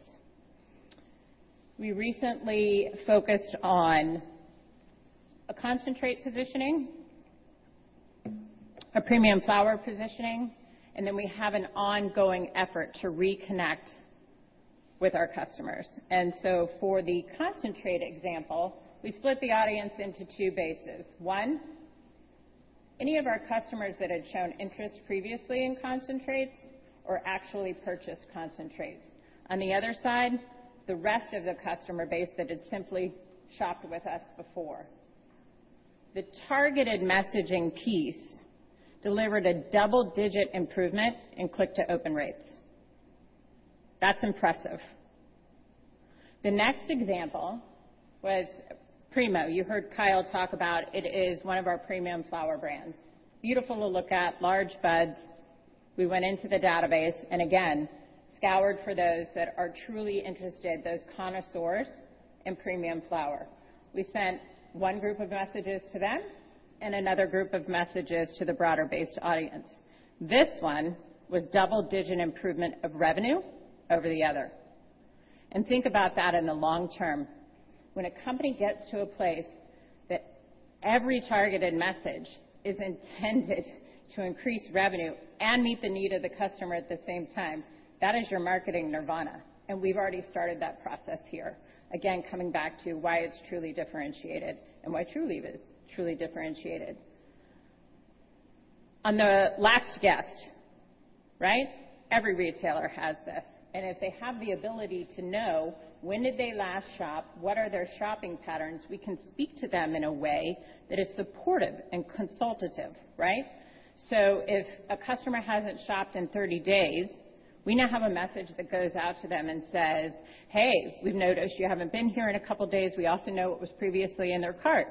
We recently focused on a concentrate positioning, a premium flower positioning, and then we have an ongoing effort to reconnect with our customers. For the concentrate example, we split the audience into two bases. One, any of our customers that had shown interest previously in concentrates or actually purchased concentrates. On the other side, the rest of the customer base that had simply shopped with us before. The targeted messaging piece delivered a double-digit improvement in click-to-open rates. That's impressive. The next example was Primo. You heard Kyle talk about it is one of our premium flower brands. Beautiful to look at, large buds. We went into the database, and again, scoured for those that are truly interested, those connoisseurs in premium flower. We sent one group of messages to them and another group of messages to the broader-based audience. This one was double-digit improvement of revenue over the other. Think about that in the long term. When a company gets to a place that every targeted message is intended to increase revenue and meet the need of the customer at the same time, that is your marketing nirvana, and we've already started that process here. Again, coming back to why it's truly differentiated and why Trulieve is truly differentiated. On the lapsed guest, right? Every retailer has this, and if they have the ability to know when did they last shop? What are their shopping patterns? We can speak to them in a way that is supportive and consultative, right? So if a customer hasn't shopped in 30 days, we now have a message that goes out to them and says, "Hey, we've noticed you haven't been here in a couple of days." We also know what was previously in their cart.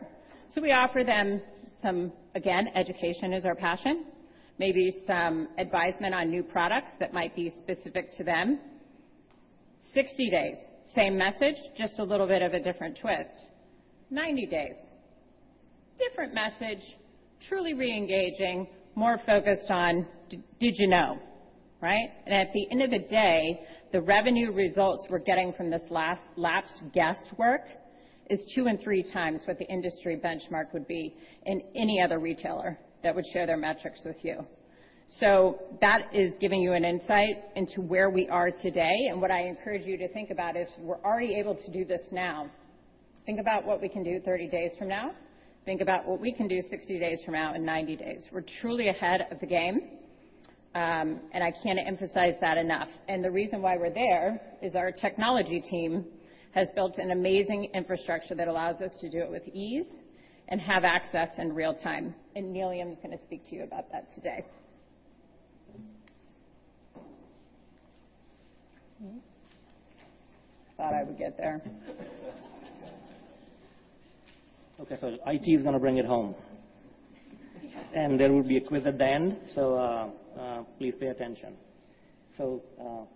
So we offer them some. Again, education is our passion. Maybe some advisement on new products that might be specific to them. 60 days, same message, just a little bit of a different twist. 90 days, different message, truly re-engaging, more focused on, did you know? Right? At the end of the day, the revenue results we're getting from this last lapsed guest work is 2x and 3x what the industry benchmark would be in any other retailer that would share their metrics with you. That is giving you an insight into where we are today. What I encourage you to think about is we're already able to do this now. Think about what we can do 30 days from now. Think about what we can do 60 days from now and 90 days. We're truly ahead of the game, and I can't emphasize that enough. The reason why we're there is our technology team has built an amazing infrastructure that allows us to do it with ease and have access in real time. Nilyum is gonna speak to you about that today. Thought I would get there. Okay, IT is gonna bring it home. There will be a quiz at the end, so please pay attention.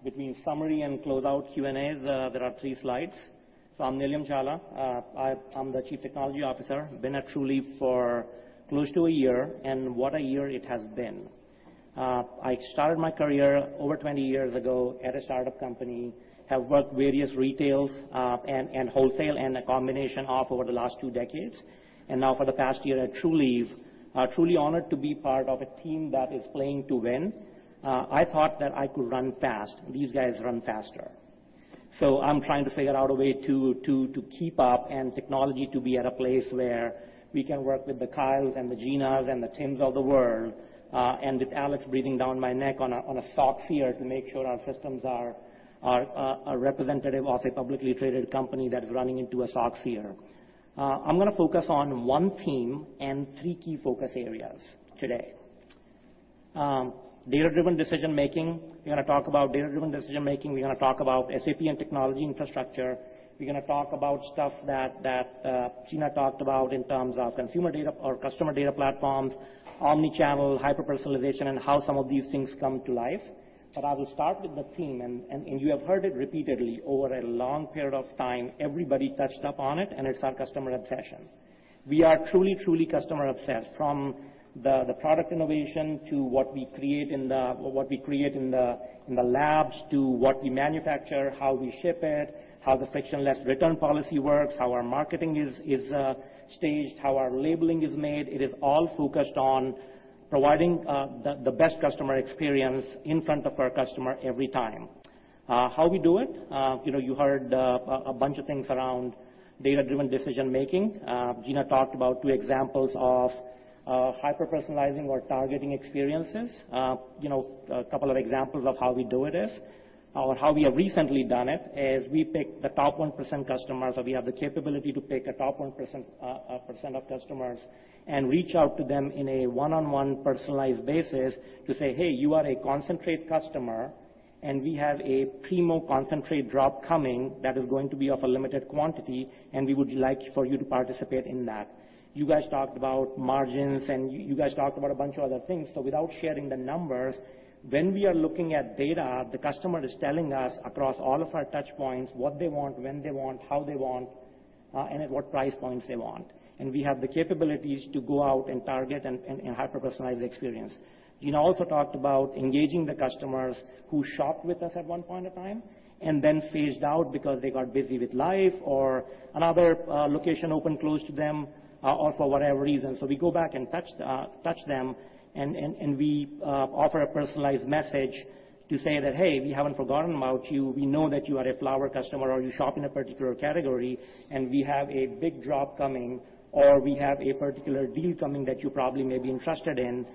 Between summary and closeout Q&As, there are three slides. I'm Nilyum Jhala. I'm the Chief Technology Officer. Been at Trulieve for close to a year, and what a year it has been. I started my career over 20 years ago at a startup company. Have worked various retails and wholesale, and a combination of over the last two decades. Now for the past year at Trulieve, truly honored to be part of a team that is playing to win. I thought that I could run fast. These guys run faster. I'm trying to figure out a way to keep up and technology to be at a place where we can work with the Kyles and the Ginas and the Tims of the world, and with Alex breathing down my neck on a SOX year to make sure our systems are representative of a publicly traded company that is running into a SOX year. I'm gonna focus on one theme and three key focus areas today. Data-driven decision-making. We're gonna talk about data-driven decision-making. We're gonna talk about SAP and technology infrastructure. We're gonna talk about stuff that Gina talked about in terms of consumer data or customer data platforms, omni-channel, hyper-personalization, and how some of these things come to life. I will start with the theme and you have heard it repeatedly over a long period of time. Everybody touched on it, and it's our customer obsession. We are truly customer obsessed. From the product innovation to what we create in the labs, to what we manufacture, how we ship it, how the frictionless return policy works, how our marketing is staged, how our labeling is made. It is all focused on providing the best customer experience in front of our customer every time. How we do it? You know, you heard a bunch of things around data-driven decision-making. Gina talked about two examples of hyper-personalizing or targeting experiences. You know, a couple of examples of how we have recently done it is we pick the top 1% customers, or we have the capability to pick the top 1% of customers and reach out to them in a one-on-one personalized basis to say, "Hey, you are a concentrate customer, and we have a Primo concentrate drop coming that is going to be of a limited quantity, and we would like for you to participate in that." You guys talked about margins, and you guys talked about a bunch of other things. Without sharing the numbers, when we are looking at data, the customer is telling us across all of our touch points what they want, when they want, how they want, and at what price points they want. We have the capabilities to go out and target and hyper-personalize the experience. Gina also talked about engaging the customers who shopped with us at one point in time and then phased out because they got busy with life or another location opened close to them, or for whatever reason. We go back and touch them and we offer a personalized message to say that, "Hey, we haven't forgotten about you. We know that you are a flower customer or you shop in a particular category and we have a big drop coming, or we have a particular deal coming that you probably may be interested in.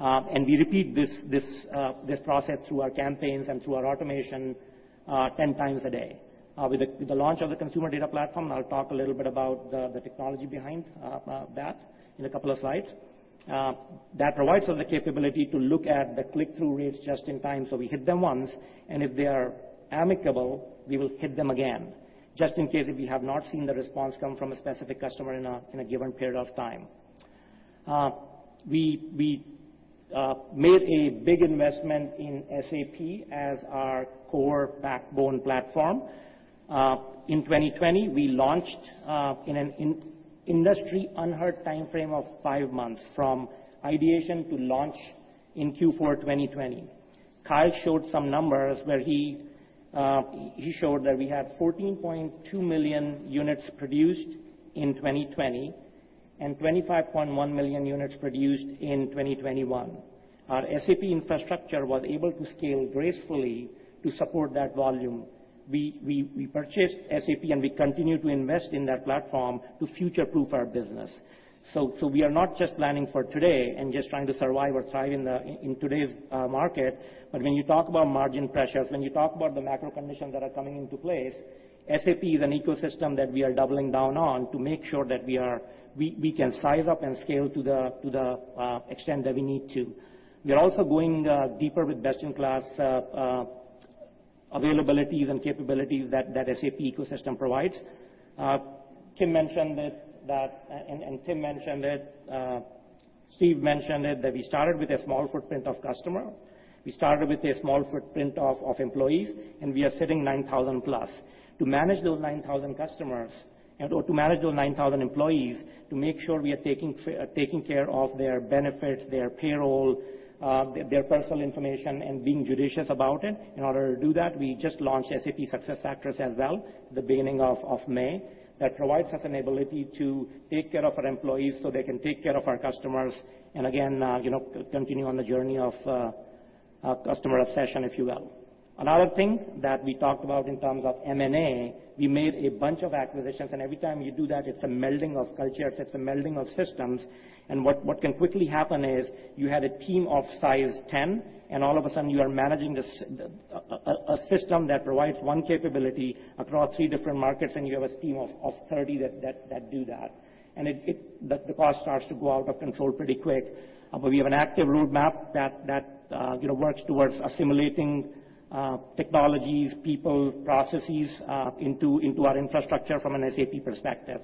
We repeat this process through our campaigns and through our automation, 10x a day. With the launch of the consumer data platform, I'll talk a little bit about the technology behind that in a couple of slides. That provides us the capability to look at the click-through rates just in time, so we hit them once, and if they are amenable, we will hit them again just in case if we have not seen the response come from a specific customer in a given period of time. We made a big investment in SAP as our core backbone platform. In 2020, we launched in an industry unheard timeframe of five months from ideation to launch in Q4 2020. Kyle showed some numbers where he showed that we had 14.2 million units produced in 2020 and 25.1 million units produced in 2021. Our SAP infrastructure was able to scale gracefully to support that volume. We purchased SAP, and we continue to invest in that platform to future-proof our business. We are not just planning for today and just trying to survive or thrive in today's market. When you talk about margin pressures, when you talk about the macro conditions that are coming into place, SAP is an ecosystem that we are doubling down on to make sure that we can size up and scale to the extent that we need to. We are also going deeper with best-in-class availabilities and capabilities that SAP ecosystem provides. Tim mentioned that. Tim mentioned it, Steve mentioned it, that we started with a small footprint of customers. We started with a small footprint of employees, and we are sitting 9,000+. To manage those 9,000 customers and/or to manage those 9,000 employees to make sure we are taking care of their benefits, their payroll, their personal information and being judicious about it. In order to do that, we just launched SAP SuccessFactors as well, the beginning of May. That provides us an ability to take care of our employees so they can take care of our customers and again, you know, continue on the journey of customer obsession, if you will. Another thing that we talked about in terms of M&A, we made a bunch of acquisitions, and every time you do that, it's a melding of cultures, it's a melding of systems. What can quickly happen is you had a team of size 10, and all of a sudden, you are managing this system that provides one capability across three different markets, and you have a team of 30 that do that. It. The cost starts to go out of control pretty quick. We have an active roadmap that you know works towards assimilating technology, people, processes into our infrastructure from an SAP perspective.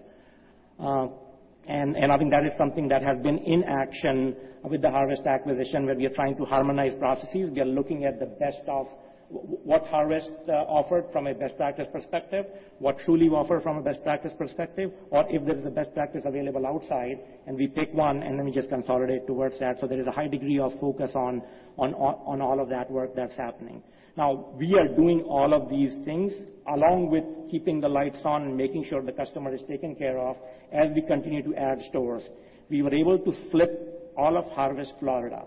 I think that is something that has been in action with the Harvest acquisition, where we are trying to harmonize processes. We are looking at the best of what Harvest offered from a best practice perspective, what Trulieve offer from a best practice perspective, or if there is a best practice available outside, and we pick one, and then we just consolidate towards that. There is a high degree of focus on all of that work that's happening. We are doing all of these things along with keeping the lights on and making sure the customer is taken care of as we continue to add stores. We were able to flip all of Harvest Florida,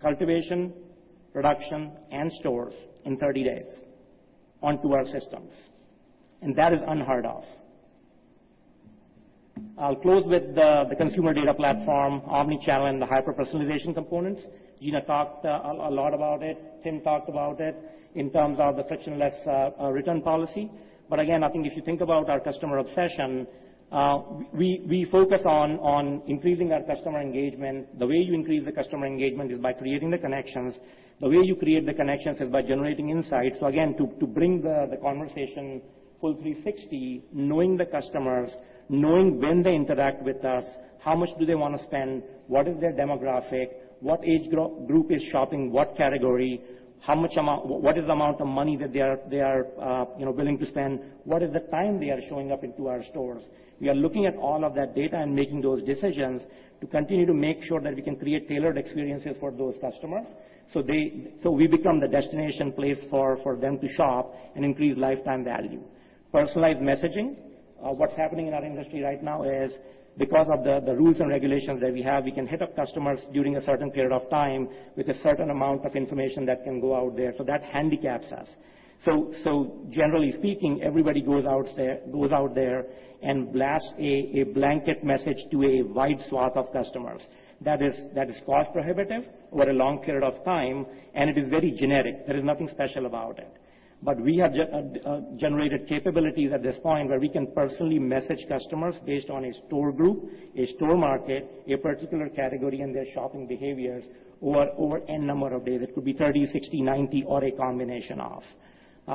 cultivation, production, and stores in 30 days onto our systems, and that is unheard of. I'll close with the consumer data platform, omnichannel, and the hyper-personalization components. Gina talked a lot about it. Tim talked about it in terms of the frictionless return policy. Again, I think if you think about our customer obsession, we focus on increasing that customer engagement. The way you increase the customer engagement is by creating the connections. The way you create the connections is by generating insights. Again, to bring the conversation full 360, knowing the customers, knowing when they interact with us, how much do they wanna spend, what is their demographic, what age group is shopping what category, how much amount. What is the amount of money that they are you know willing to spend? What is the time they are showing up into our stores? We are looking at all of that data and making those decisions to continue to make sure that we can create tailored experiences for those customers. We become the destination place for them to shop and increase lifetime value. Personalized messaging. What's happening in our industry right now is because of the rules and regulations that we have, we can hit up customers during a certain period of time with a certain amount of information that can go out there, so that handicaps us. Generally speaking, everybody goes out there and blasts a blanket message to a wide swath of customers. That is cost prohibitive over a long period of time, and it is very generic. There is nothing special about it. We have generated capabilities at this point where we can personally message customers based on a store group, a store market, a particular category, and their shopping behaviors over any number of days. It could be 30, 60, 90, or a combination of.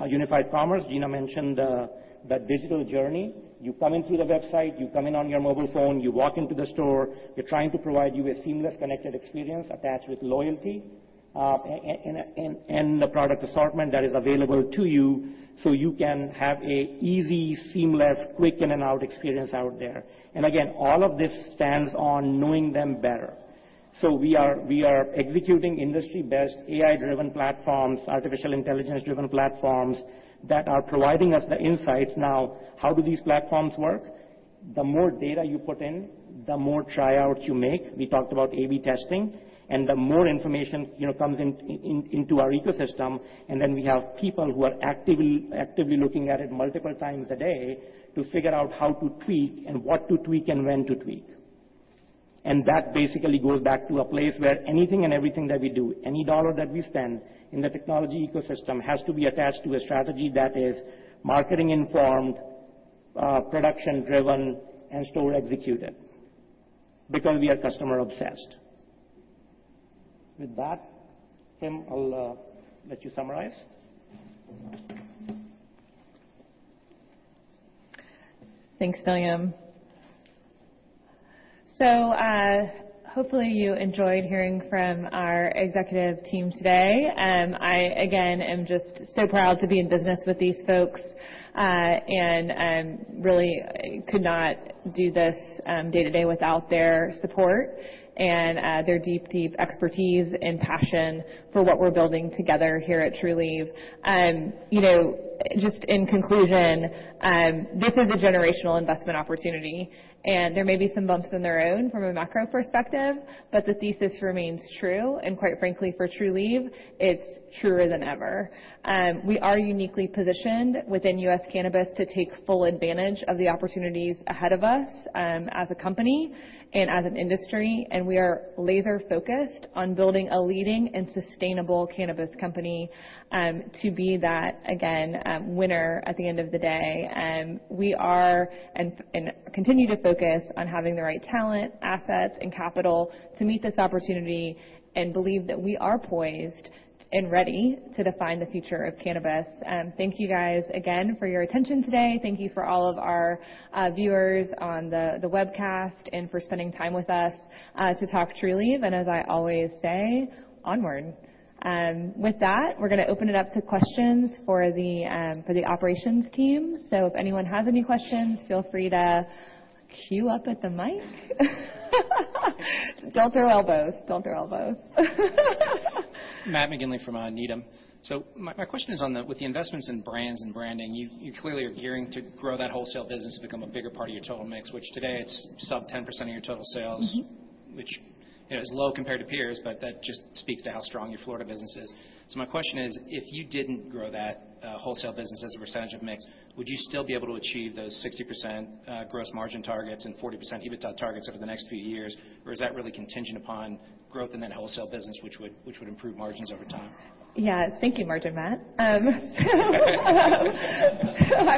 Unified commerce. Gina mentioned that digital journey. You come in through the website, you come in on your mobile phone, you walk into the store. We're trying to provide you a seamless connected experience attached with loyalty, and the product assortment that is available to you so you can have a easy, seamless, quick in-and-out experience out there. Again, all of this stands on knowing them better. We are executing industry-best AI-driven platforms, artificial intelligence-driven platforms that are providing us the insights. Now, how do these platforms work? The more data you put in, the more tryouts you make. We talked about A/B testing and the more information, you know, comes in into our ecosystem. We have people who are actively looking at it multiple times a day to figure out how to tweak and what to tweak and when to tweak. That basically goes back to a place where anything and everything that we do, any dollar that we spend in the technology ecosystem has to be attached to a strategy that is marketing informed, production driven, and store executed, because we are customer obsessed. With that, Kim, I'll let you summarize. Thanks, Nilyum. Hopefully you enjoyed hearing from our executive team today. I again am just so proud to be in business with these folks. Really could not do this day-to-day without their support and their deep expertise and passion for what we're building together here at Trulieve. You know, just in conclusion, this is a generational investment opportunity, and there may be some bumps in the road from a macro perspective, but the thesis remains true. Quite frankly, for Trulieve, it's truer than ever. We are uniquely positioned within US cannabis to take full advantage of the opportunities ahead of us as a company and as an industry. We are laser-focused on building a leading and sustainable cannabis company to be that again winner at the end of the day. We are and continue to focus on having the right talent, assets, and capital to meet this opportunity and believe that we are poised and ready to define the future of cannabis. Thank you guys again for your attention today. Thank you for all of our viewers on the webcast and for spending time with us to talk Trulieve. As I always say, onward. With that, we're gonna open it up to questions for the operations team. If anyone has any questions, feel free to queue up at the mic. Don't throw elbows. Matt McGinley from Needham. My question is on with the investments in brands and branding, you clearly are gearing to grow that wholesale business to become a bigger part of your total mix, which today it's sub-10% of your total sales. Mm-hmm. Which, you know, is low compared to peers, but that just speaks to how strong your Florida business is. My question is, if you didn't grow that wholesale business as a percentage of mix, would you still be able to achieve those 60% gross margin targets and 40% EBITDA targets over the next few years? Or is that really contingent upon growth in that wholesale business, which would improve margins over time? Yeah. Thank you, margin Matt. I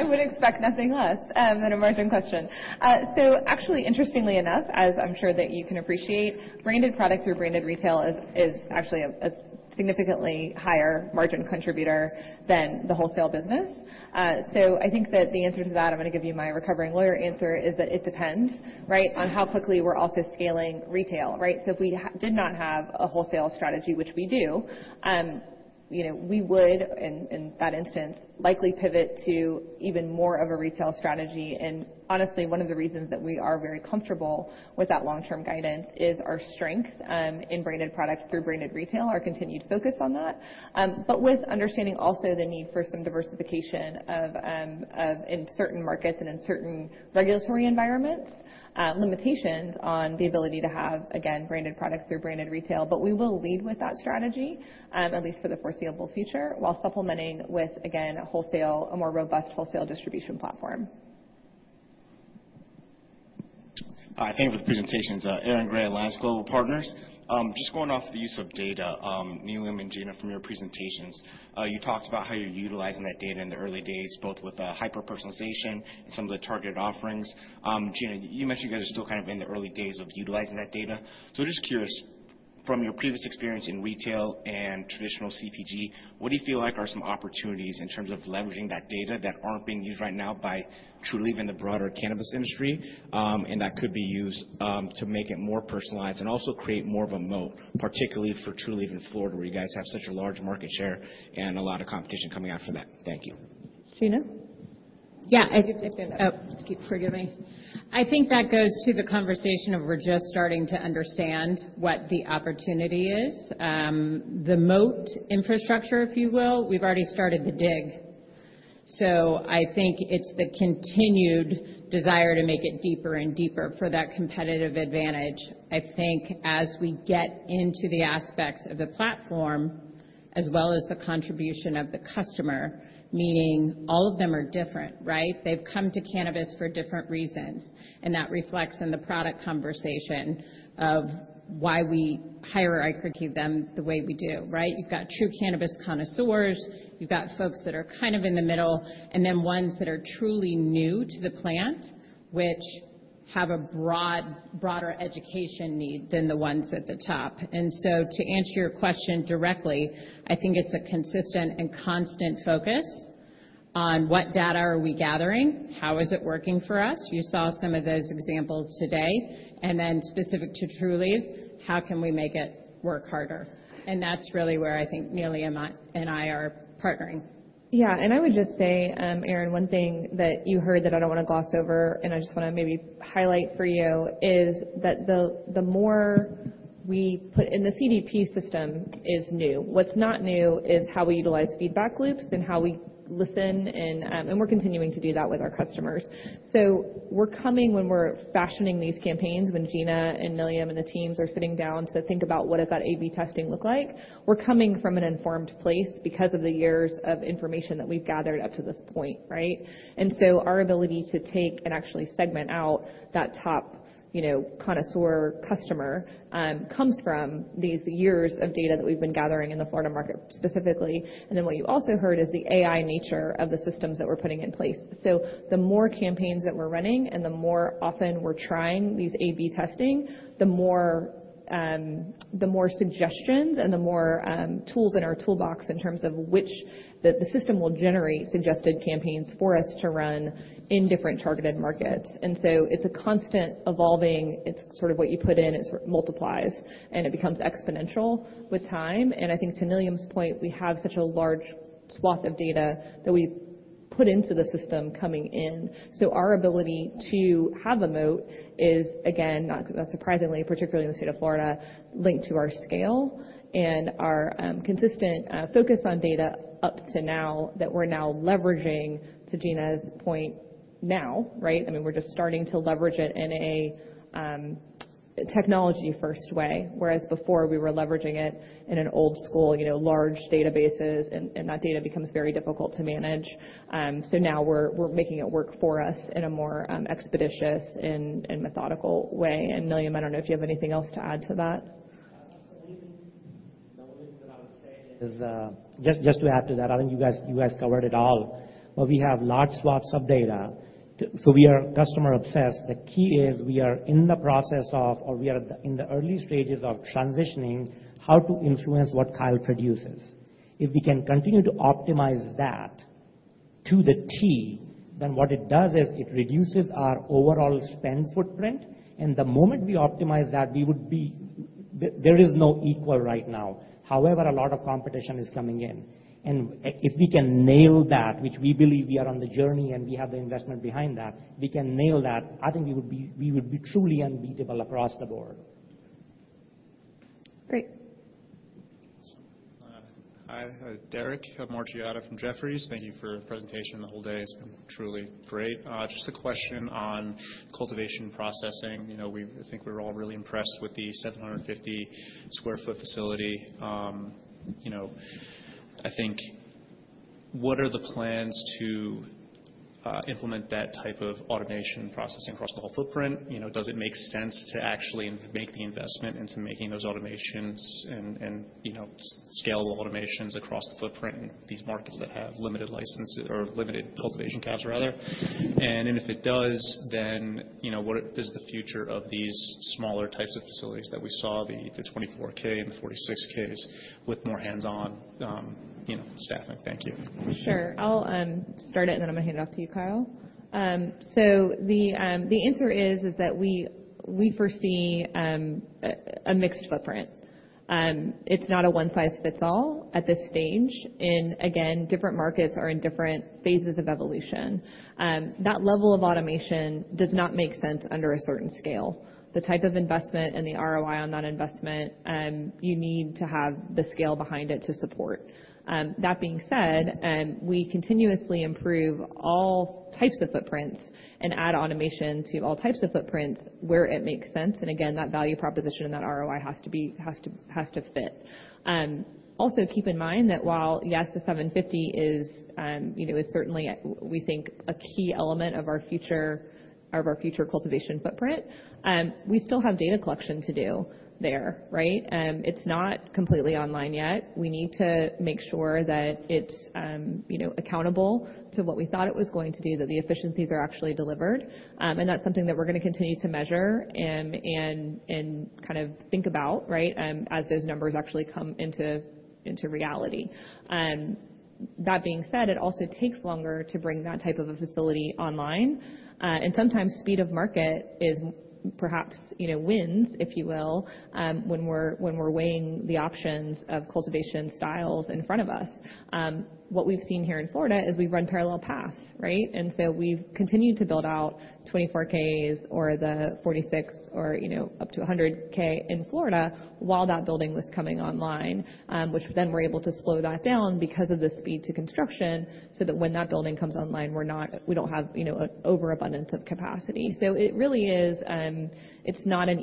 would expect nothing less than a margin question. Actually interestingly enough, as I'm sure that you can appreciate, branded product through branded retail is actually a significantly higher margin contributor than the wholesale business. I think that the answer to that, I'm gonna give you my recovering lawyer answer, is that it depends, right? On how quickly we're also scaling retail, right? If we did not have a wholesale strategy, which we do, you know, we would in that instance, likely pivot to even more of a retail strategy. Honestly, one of the reasons that we are very comfortable with that long-term guidance is our strength in branded products through branded retail, our continued focus on that. With understanding also the need for some diversification of in certain markets and in certain regulatory environments, limitations on the ability to have, again, branded products through branded retail. We will lead with that strategy, at least for the foreseeable future, while supplementing with, again, wholesale a more robust wholesale distribution platform. I think with presentations, Aaron Grey, Alliance Global Partners. Just going off the use of data, Nilyum and Gina, from your presentations, you talked about how you're utilizing that data in the early days, both with hyper-personalization and some of the targeted offerings. Gina, you mentioned you guys are still kind of in the early days of utilizing that data. Just curious, from your previous experience in retail and traditional CPG, what do you feel like are some opportunities in terms of leveraging that data that aren't being used right now by Trulieve in the broader cannabis industry, and that could be used to make it more personalized and also create more of a moat, particularly for Trulieve in Florida, where you guys have such a large market share and a lot of competition coming after that. Thank you. Gina? Yeah. You can take that. Forgive me. I think that goes to the conversation of we're just starting to understand what the opportunity is. The moat infrastructure, if you will. We've already started the dig. I think it's the continued desire to make it deeper and deeper for that competitive advantage. I think as we get into the aspects of the platform as well as the contribution of the customer, meaning all of them are different, right? They've come to cannabis for different reasons, and that reflects in the product conversation of why we hierarchy them the way we do, right? You've got true cannabis connoisseurs, you've got folks that are kind of in the middle, and then ones that are truly new to the plant, which have a broader education need than the ones at the top. To answer your question directly, I think it's a consistent and constant focus on what data are we gathering, how is it working for us? You saw some of those examples today. Specific to Trulieve, how can we make it work harder? That's really where I think Nilyum and I are partnering. Yeah. I would just say, Aaron, one thing that you heard that I don't wanna gloss over, and I just wanna maybe highlight for you, is that the CDP system is new. What's not new is how we utilize feedback loops and how we listen and we're continuing to do that with our customers. We're coming when we're fashioning these campaigns, when Gina and Nilyum and the teams are sitting down to think about what does that A/B testing look like, we're coming from an informed place because of the years of information that we've gathered up to this point, right? Our ability to take and actually segment out that top, you know, connoisseur customer, comes from these years of data that we've been gathering in the Florida market specifically. What you also heard is the AI nature of the systems that we're putting in place. The more campaigns that we're running and the more often we're trying these A/B testing, the more the more suggestions and the more tools in our toolbox in terms of which the system will generate suggested campaigns for us to run in different targeted markets. It's a constant evolving. It's sort of what you put in, it sort of multiplies, and it becomes exponential with time. I think to Nilyum's point, we have such a large swath of data that we put into the system coming in. Our ability to have a moat is again, not surprisingly, particularly in the state of Florida, linked to our scale and our consistent focus on data up to now that we're now leveraging to Gina's point now, right? I mean, we're just starting to leverage it in a technology first way, whereas before we were leveraging it in an old school, you know, large databases and that data becomes very difficult to manage. Now we're making it work for us in a more expeditious and methodical way. Nilyum, I don't know if you have anything else to add to that. The only thing that I would say is just to add to that. I think you guys covered it all, but we have large swaths of data, so we are customer obsessed. The key is we are in the process of, or we are in the early stages of transitioning how to influence what Kyle produces. If we can continue to optimize that to the T, then what it does is it reduces our overall spend footprint. The moment we optimize that, we would be. There is no equal right now. However, a lot of competition is coming in, and if we can nail that, which we believe we are on the journey and we have the investment behind that, we can nail that. I think we would be truly unbeatable across the board. Great. Hi. Derek Hsieh from Jefferies. Thank you for the presentation the whole day. It's been truly great. Just a question on cultivation processing. You know, I think we're all really impressed with the 750 sq ft facility. You know, I think what are the plans to implement that type of automation processing across the whole footprint? You know, does it make sense to actually make the investment into making those automations and scalable automations across the footprint in these markets that have limited licenses or limited cultivation caps rather? If it does, then you know, what is the future of these smaller types of facilities that we saw, the 24K and the 46Ks with more hands-on, you know, staffing? Thank you. Sure. I'll start it, and then I'm gonna hand it off to you, Kyle. So the answer is that we foresee a mixed footprint. It's not a one-size-fits-all at this stage. Again, different markets are in different phases of evolution. That level of automation does not make sense under a certain scale. The type of investment and the ROI on that investment, you need to have the scale behind it to support. That being said, we continuously improve all types of footprints and add automation to all types of footprints where it makes sense. Again, that value proposition and that ROI has to fit. Also keep in mind that while yes, the 750 is, you know, is certainly we think a key element of our future cultivation footprint, we still have data collection to do there, right? It's not completely online yet. We need to make sure that it's, you know, accountable to what we thought it was going to do, that the efficiencies are actually delivered. And that's something that we're gonna continue to measure and kind of think about, right, as those numbers actually come into reality. That being said, it also takes longer to bring that type of a facility online. And sometimes speed of market is perhaps, you know, wins, if you will, when we're weighing the options of cultivation styles in front of us. What we've seen here in Florida is we run parallel paths, right? We've continued to build out 24K or the 46K, or, you know, up to a 100K in Florida while that building was coming online, which then we're able to slow that down because of the speed to construction, so that when that building comes online, we don't have, you know, an overabundance of capacity. It really is, it's not an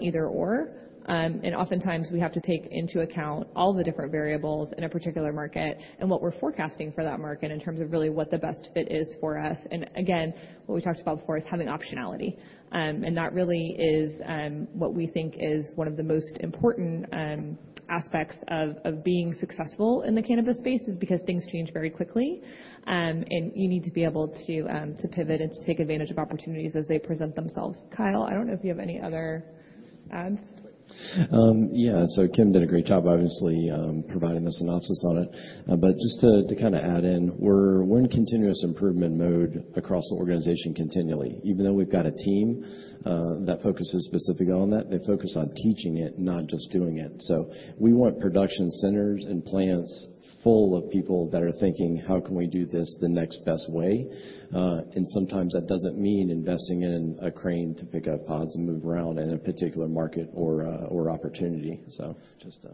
either/or. Oftentimes we have to take into account all the different variables in a particular market and what we're forecasting for that market in terms of really what the best fit is for us. What we talked about before is having optionality. That really is what we think is one of the most important aspects of being successful in the cannabis space is because things change very quickly. You need to be able to pivot and to take advantage of opportunities as they present themselves. Kyle, I don't know if you have any other adds. Yeah. Kim did a great job, obviously, providing the synopsis on it. Just to kind of add in, we're in continuous improvement mode across the organization continually. Even though we've got a team that focuses specifically on that, they focus on teaching it, not just doing it. We want production centers and plants full of people that are thinking, "How can we do this the next best way?" Sometimes that doesn't mean investing in a crane to pick up pods and move around in a particular market or opportunity. Just,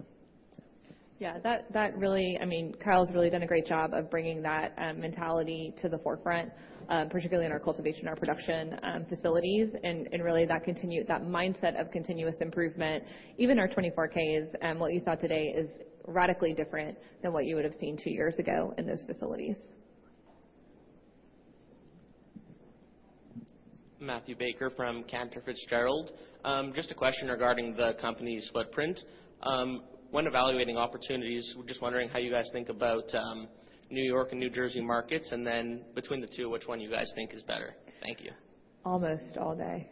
Yeah. That really I mean, Kyle's really done a great job of bringing that mentality to the forefront, particularly in our cultivation, our production facilities, and really that mindset of continuous improvement. Even our 24 Ks, what you saw today is radically different than what you would've seen two years ago in those facilities. Matthew Baker from Cantor Fitzgerald. Just a question regarding the company's footprint. When evaluating opportunities, we're just wondering how you guys think about New York and New Jersey markets, and then between the two, which one you guys think is better. Thank you. Almost all day.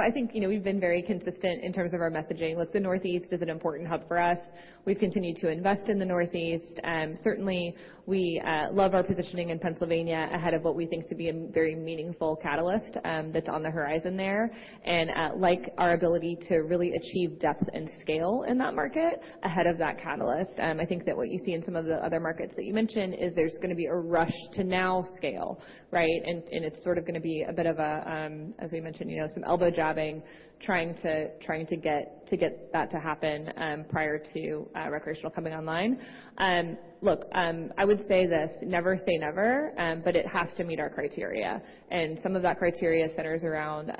I think, you know, we've been very consistent in terms of our messaging. Look, the Northeast is an important hub for us. We've continued to invest in the Northeast. Certainly, we love our positioning in Pennsylvania ahead of what we think to be a very meaningful catalyst, that's on the horizon there. Like our ability to really achieve depth and scale in that market ahead of that catalyst. I think that what you see in some of the other markets that you mentioned is there's gonna be a rush to now scale, right? It's sort of gonna be a bit of a, as we mentioned, you know, some elbow jabbing, trying to get that to happen, prior to recreational coming online. Look, I would say this, never say never, but it has to meet our criteria. Some of that criteria centers around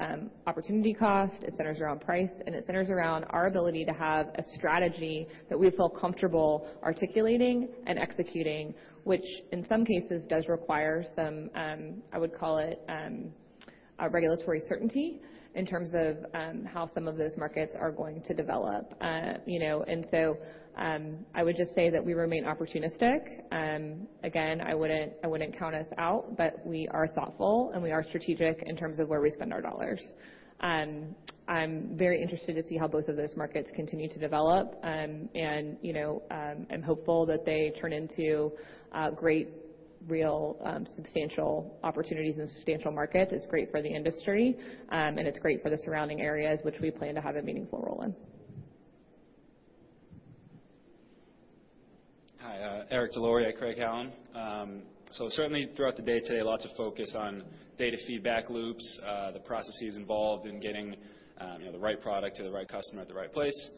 opportunity cost, it centers around price, and it centers around our ability to have a strategy that we feel comfortable articulating and executing, which in some cases does require some, I would call it, a regulatory certainty in terms of how some of those markets are going to develop. You know, I would just say that we remain opportunistic. Again, I wouldn't count us out, but we are thoughtful, and we are strategic in terms of where we spend our dollars. I'm very interested to see how both of those markets continue to develop. You know, I'm hopeful that they turn into great, real, substantial opportunities and substantial markets. It's great for the industry, and it's great for the surrounding areas, which we plan to have a meaningful role in. Hi, Eric Des Lauriers at Craig-Hallum. Certainly, throughout the day today, lots of focus on data feedback loops, the processes involved in getting, you know, the right product to the right customer at the right place.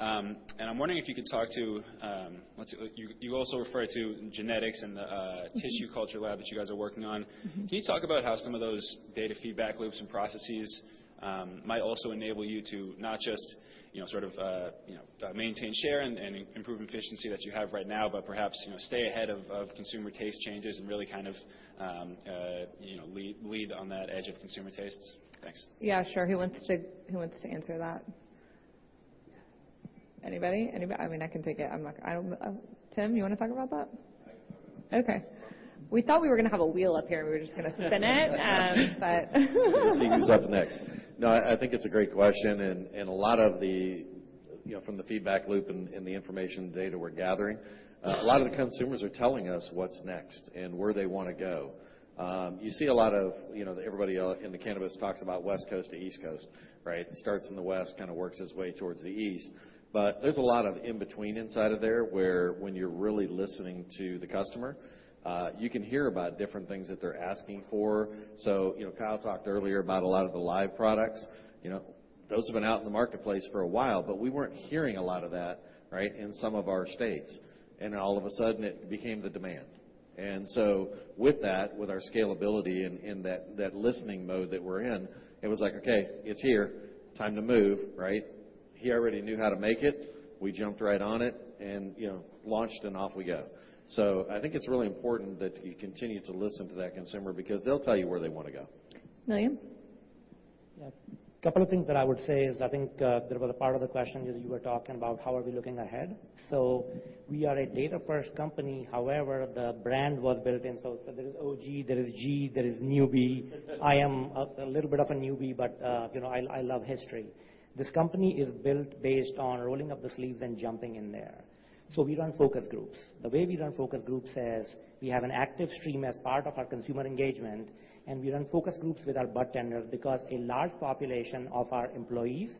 I'm wondering if you could talk to, let's see. You also referred to genetics and the. Mm-hmm. tissue culture lab that you guys are working on. Mm-hmm. Can you talk about how some of those data feedback loops and processes might also enable you to not just, you know, sort of, you know, maintain, share, and improve efficiency that you have right now, but perhaps, you know, stay ahead of consumer taste changes and really kind of, you know, lead on that edge of consumer tastes? Thanks. Yeah, sure. Who wants to answer that? Anybody? I mean, I can take it. Tim, you wanna talk about that? I can talk about it. Okay. We thought we were gonna have a wheel up here, and we were just gonna spin it. We'll see who's up next. No, I think it's a great question, and a lot of the, you know, from the feedback loop and the information data we're gathering, a lot of the consumers are telling us what's next and where they wanna go. You see a lot of, you know, everybody in the cannabis talks about West Coast to East Coast, right? It starts in the West, kinda works its way towards the East. There's a lot of in-between inside of there, where when you're really listening to the customer, you can hear about different things that they're asking for. You know, Kyle talked earlier about a lot of the live products. You know, those have been out in the marketplace for a while, but we weren't hearing a lot of that, right, in some of our states. All of a sudden, it became the demand. With that, with our scalability in that listening mode that we're in, it was like, "Okay, it's here. Time to move," right? He already knew how to make it. We jumped right on it and, you know, launched and off we go. I think it's really important that you continue to listen to that consumer because they'll tell you where they wanna go. Nilyum? Yeah. A couple of things that I would say is, I think, there was a part of the question is you were talking about how are we looking ahead. We are a data-first company. However, the brand was built in, so there is OG, there is G, there is newbie. I am a little bit of a newbie, but you know, I love history. This company is built based on rolling up the sleeves and jumping in there. We run focus groups. The way we run focus groups is we have an active stream as part of our consumer engagement, and we run focus groups with our budtenders because a large population of our employees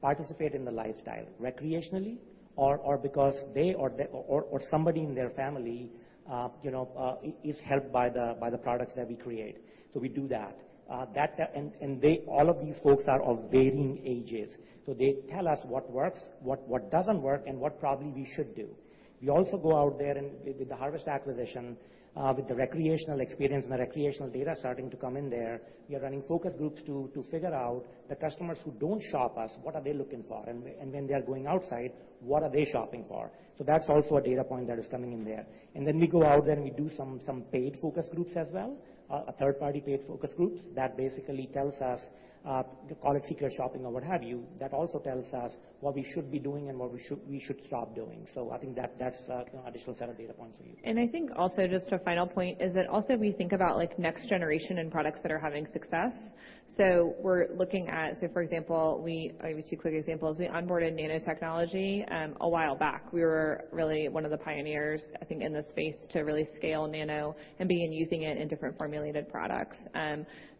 participate in the lifestyle recreationally, or because they or somebody in their family, you know, is helped by the products that we create. We do that. All of these folks are of varying ages, so they tell us what works, what doesn't work, and what probably we should do. We also go out there and with the Harvest acquisition, with the recreational experience and the recreational data starting to come in there, we are running focus groups to figure out the customers who don't shop us, what are they looking for? When they are going outside, what are they shopping for? That's also a data point that is coming in there. Then we go out there, and we do some paid focus groups as well, a third-party paid focus groups that basically tells us, call it secret shopping or what have you, that also tells us what we should be doing and what we should stop doing. I think that's, you know, additional set of data points for you. I think also, just a final point is that also we think about like next generation in products that are having success. For example, I'll give you two quick examples. We onboarded nanotechnology a while back. We were really one of the pioneers, I think, in this space to really scale nano and begin using it in different formulated products.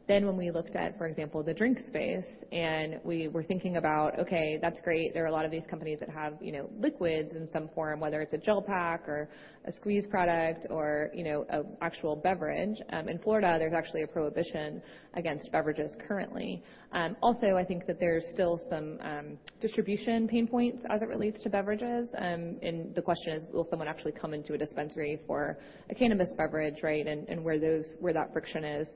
Then when we looked at, for example, the drink space, and we were thinking about, okay, that's great. There are a lot of these companies that have, you know, liquids in some form, whether it's a gel pack or a squeeze product or, you know, a actual beverage. In Florida, there's actually a prohibition against beverages currently. Also, I think that there's still some distribution pain points as it relates to beverages. The question is, will someone actually come into a dispensary for a cannabis beverage, right, and where that friction is.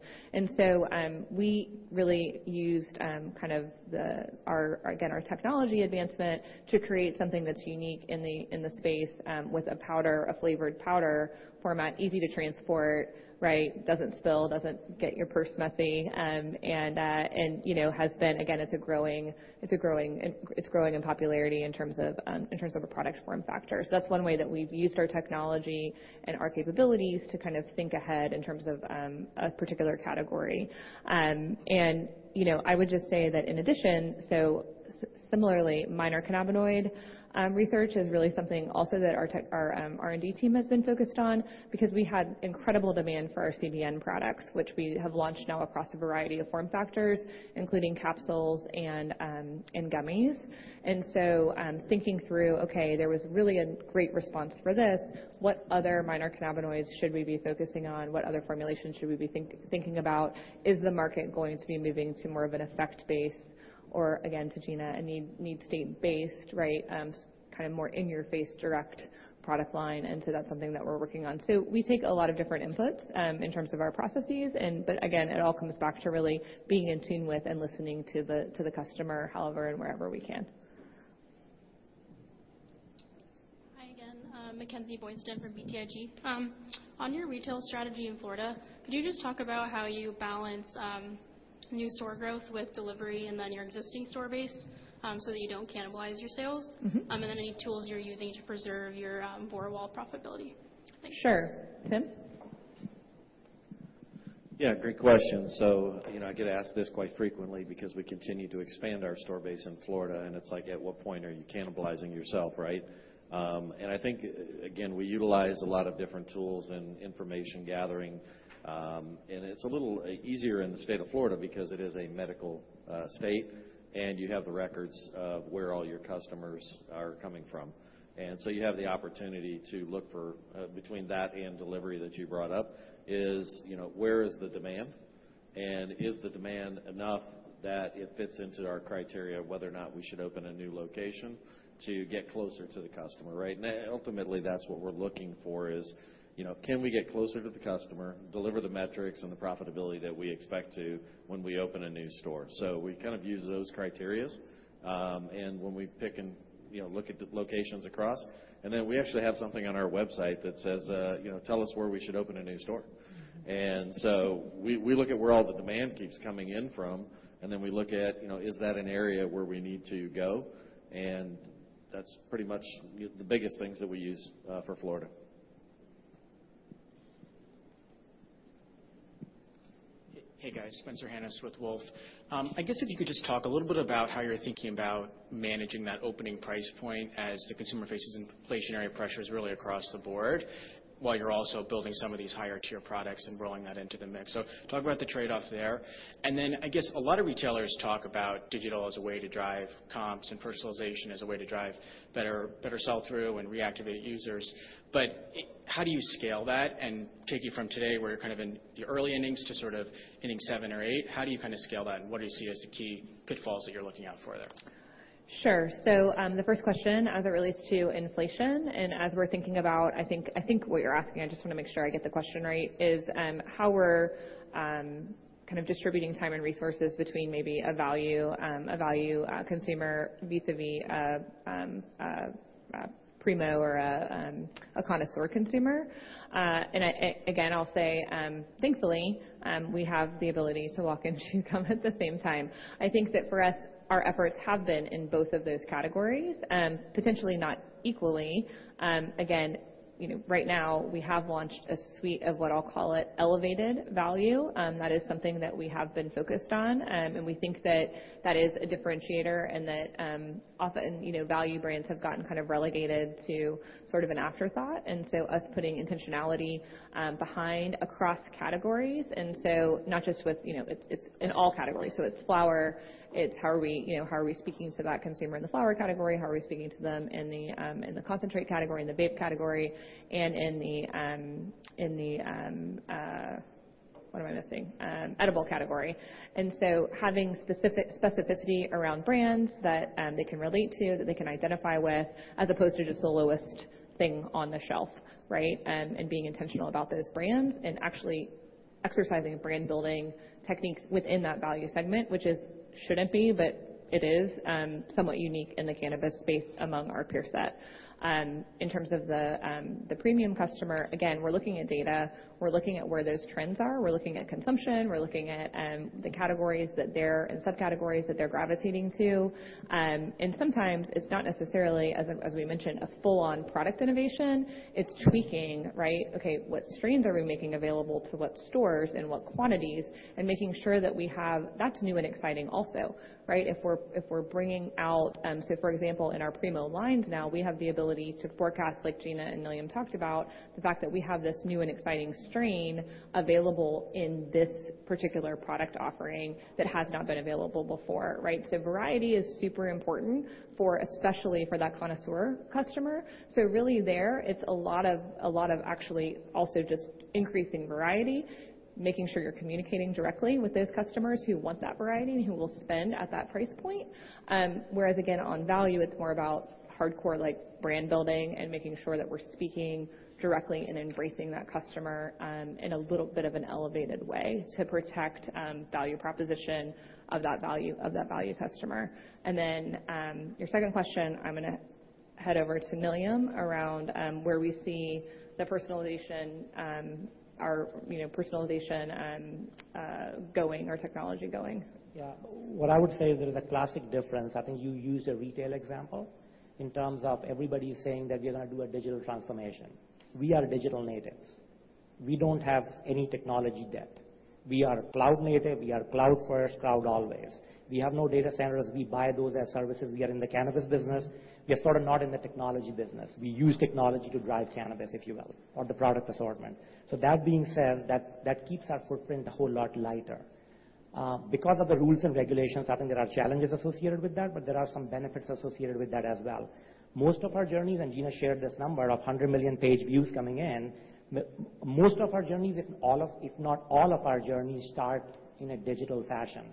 We really used kind of our, again, our technology advancement to create something that's unique in the space with a powder, a flavored powder format, easy to transport, right? Doesn't spill, doesn't get your purse messy. You know, has been, again, it's growing in popularity in terms of a product form factor. That's one way that we've used our technology and our capabilities to kind of think ahead in terms of a particular category. I would just say that in addition, you know, similarly, minor cannabinoid research is really something also that our tech, our R&D team has been focused on because we had incredible demand for our CBN products, which we have launched now across a variety of form factors, including capsules and gummies. Thinking through, there was really a great response for this. What other minor cannabinoids should we be focusing on? What other formulations should we be thinking about? Is the market going to be moving to more of an effect base, or again, to Gina, a need state based, right, kind of more in your face direct product line? That's something that we're working on. We take a lot of different inputs, in terms of our processes and, but again, it all comes back to really being in tune with and listening to the customer however and wherever we can. Mackenzie Boydston from BTIG. On your retail strategy in Florida, could you just talk about how you balance new store growth with delivery and then your existing store base so that you don't cannibalize your sales? Mm-hmm. Any tools you're using to preserve your border wall profitability? Thanks. Sure. Tim? Yeah, great question. You know, I get asked this quite frequently because we continue to expand our store base in Florida, and it's like, at what point are you cannibalizing yourself, right? I think again, we utilize a lot of different tools and information gathering, and it's a little easier in the state of Florida because it is a medical state, and you have the records of where all your customers are coming from. You have the opportunity to look for, between that and delivery that you brought up is, you know, where is the demand? Is the demand enough that it fits into our criteria of whether or not we should open a new location to get closer to the customer, right? Ultimately, that's what we're looking for is, you know, can we get closer to the customer, deliver the metrics and the profitability that we expect to when we open a new store? We kind of use those criteria, and when we pick and, you know, look at the locations across, and then we actually have something on our website that says, you know, tell us where we should open a new store. We look at where all the demand keeps coming in from, and then we look at, you know, is that an area where we need to go? That's pretty much the biggest things that we use for Florida. Hey, guys. Spencer Hanus with Wolfe Research. I guess if you could just talk a little bit about how you're thinking about managing that opening price point as the consumer faces inflationary pressures really across the board, while you're also building some of these higher tier products and rolling that into the mix. Talk about the trade-off there. Then, I guess a lot of retailers talk about digital as a way to drive comps and personalization as a way to drive better sell-through and reactivate users. How do you scale that and take you from today, where you're kind of in the early innings to sort of inning seven or eight? How do you kind of scale that, and what do you see as the key pitfalls that you're looking out for there? Sure. The first question as it relates to inflation, and as we're thinking about, I think what you're asking, I just wanna make sure I get the question right, is how we're kind of distributing time and resources between maybe a value consumer, vis-a-vis a Primo or a connoisseur consumer. Again, I'll say, thankfully, we have the ability to walk and chew gum at the same time. I think that for us, our efforts have been in both of those categories, potentially not equally. Again, you know, right now we have launched a suite of what I'll call it, elevated value, that is something that we have been focused on. We think that is a differentiator and that often, you know, value brands have gotten kind of relegated to sort of an afterthought. Us putting intentionality behind across categories, not just with, you know. It's in all categories, so it's flower, it's how are we, you know, how are we speaking to that consumer in the flower category? How are we speaking to them in the concentrate category, in the vape category, and in the, what am I missing? Edible category. Having specificity around brands that they can relate to, that they can identify with, as opposed to just the lowest thing on the shelf, right? Being intentional about those brands and actually exercising brand building techniques within that value segment, which is, shouldn't be, but it is, somewhat unique in the cannabis space among our peer set. In terms of the premium customer, again, we're looking at data. We're looking at where those trends are. We're looking at consumption. We're looking at the categories that they're gravitating to, and subcategories that they're gravitating to. Sometimes it's not necessarily, as we mentioned, a full on product innovation. It's tweaking, right? Okay, what strains are we making available to what stores, in what quantities, and making sure that we have. That's new and exciting also, right? If we're bringing out, say, for example, in our Primo lines now, we have the ability to forecast, like Gina and Nilyum talked about, the fact that we have this new and exciting strain available in this particular product offering that has not been available before, right? Variety is super important for, especially for that connoisseur customer. Really there, it's a lot of actually also just increasing variety, making sure you're communicating directly with those customers who want that variety and who will spend at that price point. Whereas again, on value, it's more about hardcore, like brand building and making sure that we're speaking directly and embracing that customer, in a little bit of an elevated way to protect value proposition of that value customer. Your second question, I'm gonna head over to Nilyum around where we see the personalization or, you know, personalization going or technology going. Yeah. What I would say is there is a classic difference. I think you used a retail example in terms of everybody saying that we're gonna do a digital transformation. We are digital natives. We don't have any technology debt. We are cloud native. We are cloud first, cloud always. We have no data centers. We buy those as services. We are in the cannabis business. We are sort of not in the technology business. We use technology to drive cannabis, if you will, or the product assortment. So that being said, that keeps our footprint a whole lot lighter. Because of the rules and regulations, I think there are challenges associated with that, but there are some benefits associated with that as well. Most of our journeys, and Gina shared this number of 100 million page views coming in, most of our journeys, if not all of our journeys start in a digital fashion,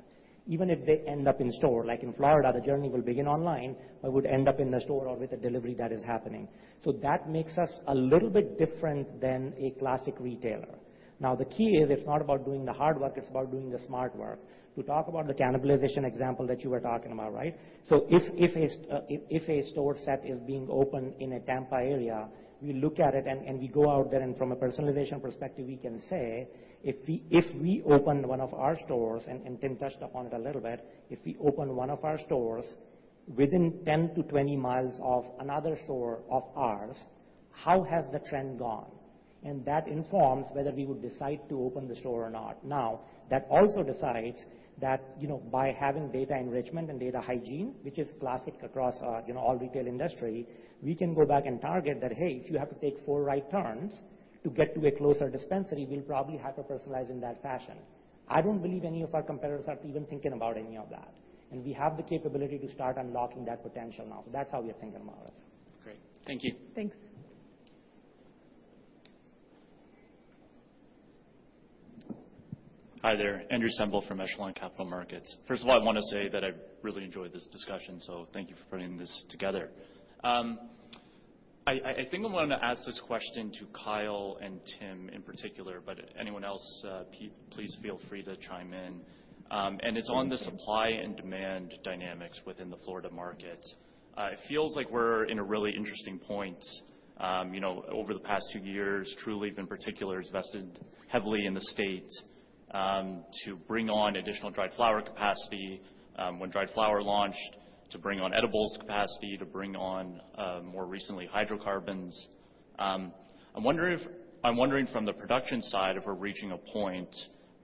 even if they end up in store, like in Florida, the journey will begin online, but would end up in the store or with a delivery that is happening. That makes us a little bit different than a classic retailer. Now, the key is it's not about doing the hard work, it's about doing the smart work. To talk about the cannibalization example that you were talking about, right? If a store site is being opened in the Tampa area, we look at it and we go out there, and from a personalization perspective, we can say, if we open one of our stores, and Tim touched upon it a little bit, if we open one of our stores within 10-20 miles of another store of ours. How has the trend gone? That informs whether we would decide to open the store or not. Now, that also decides that, you know, by having data enrichment and data hygiene, which is classic across, you know, all retail industry, we can go back and target that, "Hey, if you have to take four right turns to get to a closer dispensary," we'll probably hyper-personalize in that fashion. I don't believe any of our competitors are even thinking about any of that, and we have the capability to start unlocking that potential now. That's how we are thinking about it. Great. Thank you. Thanks. Hi there. Andrew Semple from Echelon Capital Markets. First of all, I wanna say that I really enjoyed this discussion, so thank you for putting this together. I think I wanted to ask this question to Kyle and Tim in particular, but anyone else, please feel free to chime in. It's on the supply and demand dynamics within the Florida market. It feels like we're in a really interesting point. You know, over the past two years, Trulieve in particular has invested heavily in the state, to bring on additional dried flower capacity, when dried flower launched, to bring on edibles capacity, to bring on, more recently hydrocarbons. I'm wondering if... I'm wondering from the production side if we're reaching a point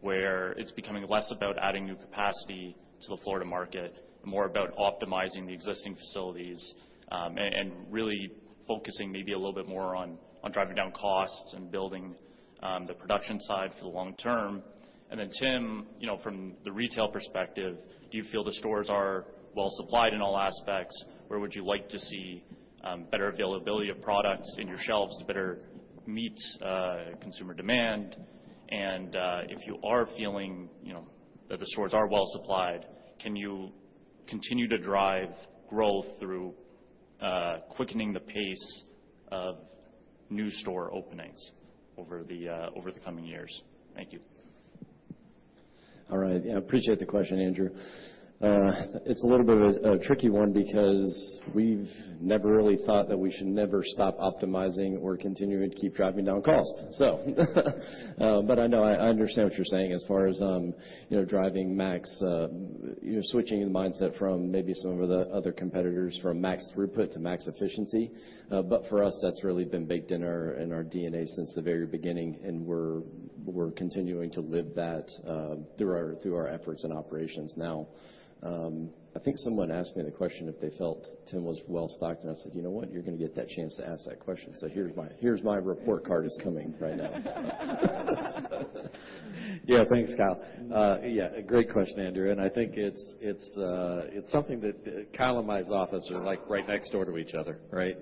where it's becoming less about adding new capacity to the Florida market, and more about optimizing the existing facilities, and really focusing maybe a little bit more on driving down costs and building the production side for the long term. Tim, you know, from the retail perspective, do you feel the stores are well supplied in all aspects? Where would you like to see better availability of products in your shelves to better meet consumer demand? If you are feeling, you know, that the stores are well supplied, can you continue to drive growth through quickening the pace of new store openings over the coming years? Thank you. All right. I appreciate the question, Andrew. It's a little bit of a tricky one because we've never really thought that we should never stop optimizing or continuing to keep driving down costs. I know, I understand what you're saying as far as, you know, driving max, you know, switching the mindset from maybe some of the other competitors from max throughput to max efficiency. For us, that's really been baked in our DNA since the very beginning, and we're continuing to live that, through our efforts and operations now. I think someone asked me the question if they felt Tim was well stocked, and I said, "You know what? You're gonna get that chance to ask that question." Here's my report card is coming right now. Yeah. Thanks, Kyle. Yeah, great question, Andrew. I think it's something that Kyle and my office are like, right next door to each other, right?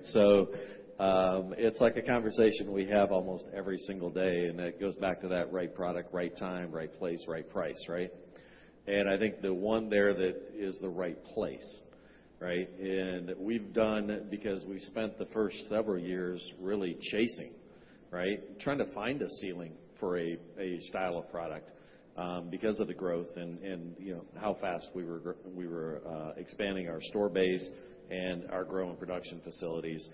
It's like a conversation we have almost every single day, and it goes back to that right product, right time, right place, right price, right? I think the one there that is the right place, right? We've done because we spent the first several years really chasing, right? Trying to find a ceiling for a style of product, because of the growth and, you know, how fast we were expanding our store base and our growing production facilities.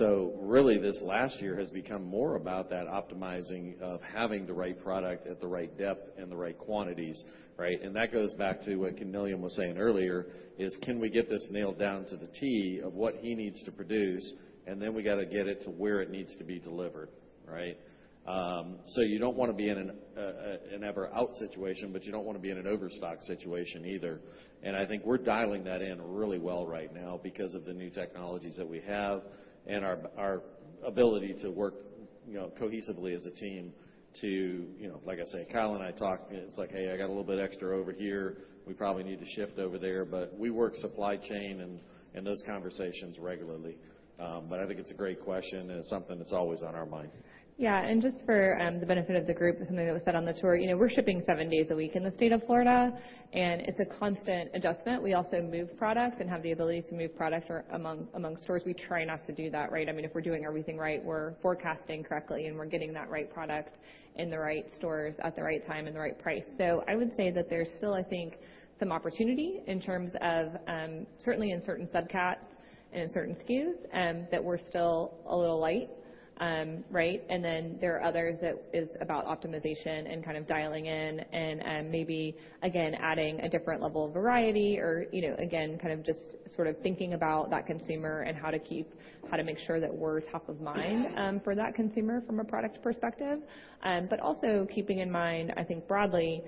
Really this last year has become more about that optimizing of having the right product at the right depth and the right quantities, right? That goes back to what Nilyum was saying earlier, is can we get this nailed down to the T of what he needs to produce, and then we gotta get it to where it needs to be delivered, right? You don't wanna be in an ever out situation, but you don't wanna be in an overstock situation either. I think we're dialing that in really well right now because of the new technologies that we have and our ability to work, you know, cohesively as a team to, you know. Like I say, Kyle and I talk, it's like, "Hey, I got a little bit extra over here. We probably need to shift over there." We work supply chain and those conversations regularly. I think it's a great question and it's something that's always on our mind. Yeah. Just for the benefit of the group and something that was said on the tour, you know, we're shipping seven days a week in the state of Florida, and it's a constant adjustment. We also move products and have the ability to move product or among, amongst stores. We try not to do that, right? I mean, if we're doing everything right, we're forecasting correctly and we're getting that right product in the right stores at the right time and the right price. I would say that there's still, I think, some opportunity in terms of certainly in certain subcats and in certain SKUs that we're still a little light, right? There are others that is about optimization and kind of dialing in and, maybe again, adding a different level of variety or, you know, again, kind of just sort of thinking about that consumer and how to make sure that we're top of mind, for that consumer from a product perspective. Also keeping in mind, I think broadly,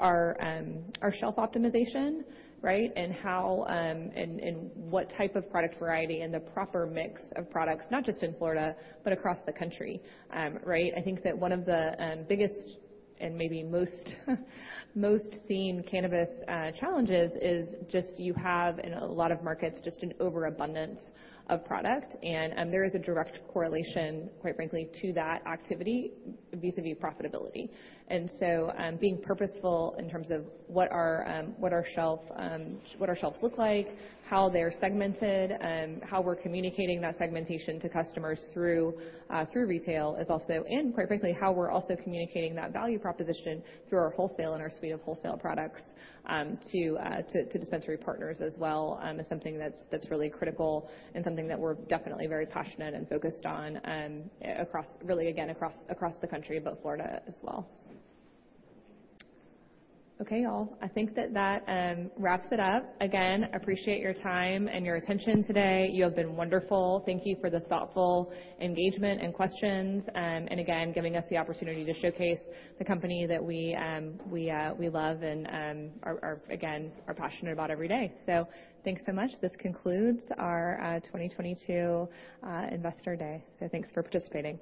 our shelf optimization, right? How and what type of product variety and the proper mix of products, not just in Florida, but across the country, right? I think that one of the biggest and maybe most seen cannabis challenges is just you have in a lot of markets just an overabundance of product. There is a direct correlation, quite frankly, to that activity vis-à-vis profitability. Being purposeful in terms of what our shelves look like, how they're segmented, how we're communicating that segmentation to customers through retail is also, and quite frankly, how we're also communicating that value proposition through our wholesale and our suite of wholesale products to dispensary partners as well, is something that's really critical and something that we're definitely very passionate and focused on across the country, but Florida as well. Okay, y'all. I think that wraps it up. Again, appreciate your time and your attention today. You have been wonderful. Thank you for the thoughtful engagement and questions, and again, giving us the opportunity to showcase the company that we love and are passionate about every day. Thanks so much. This concludes our 2022 Investor Day. Thanks for participating.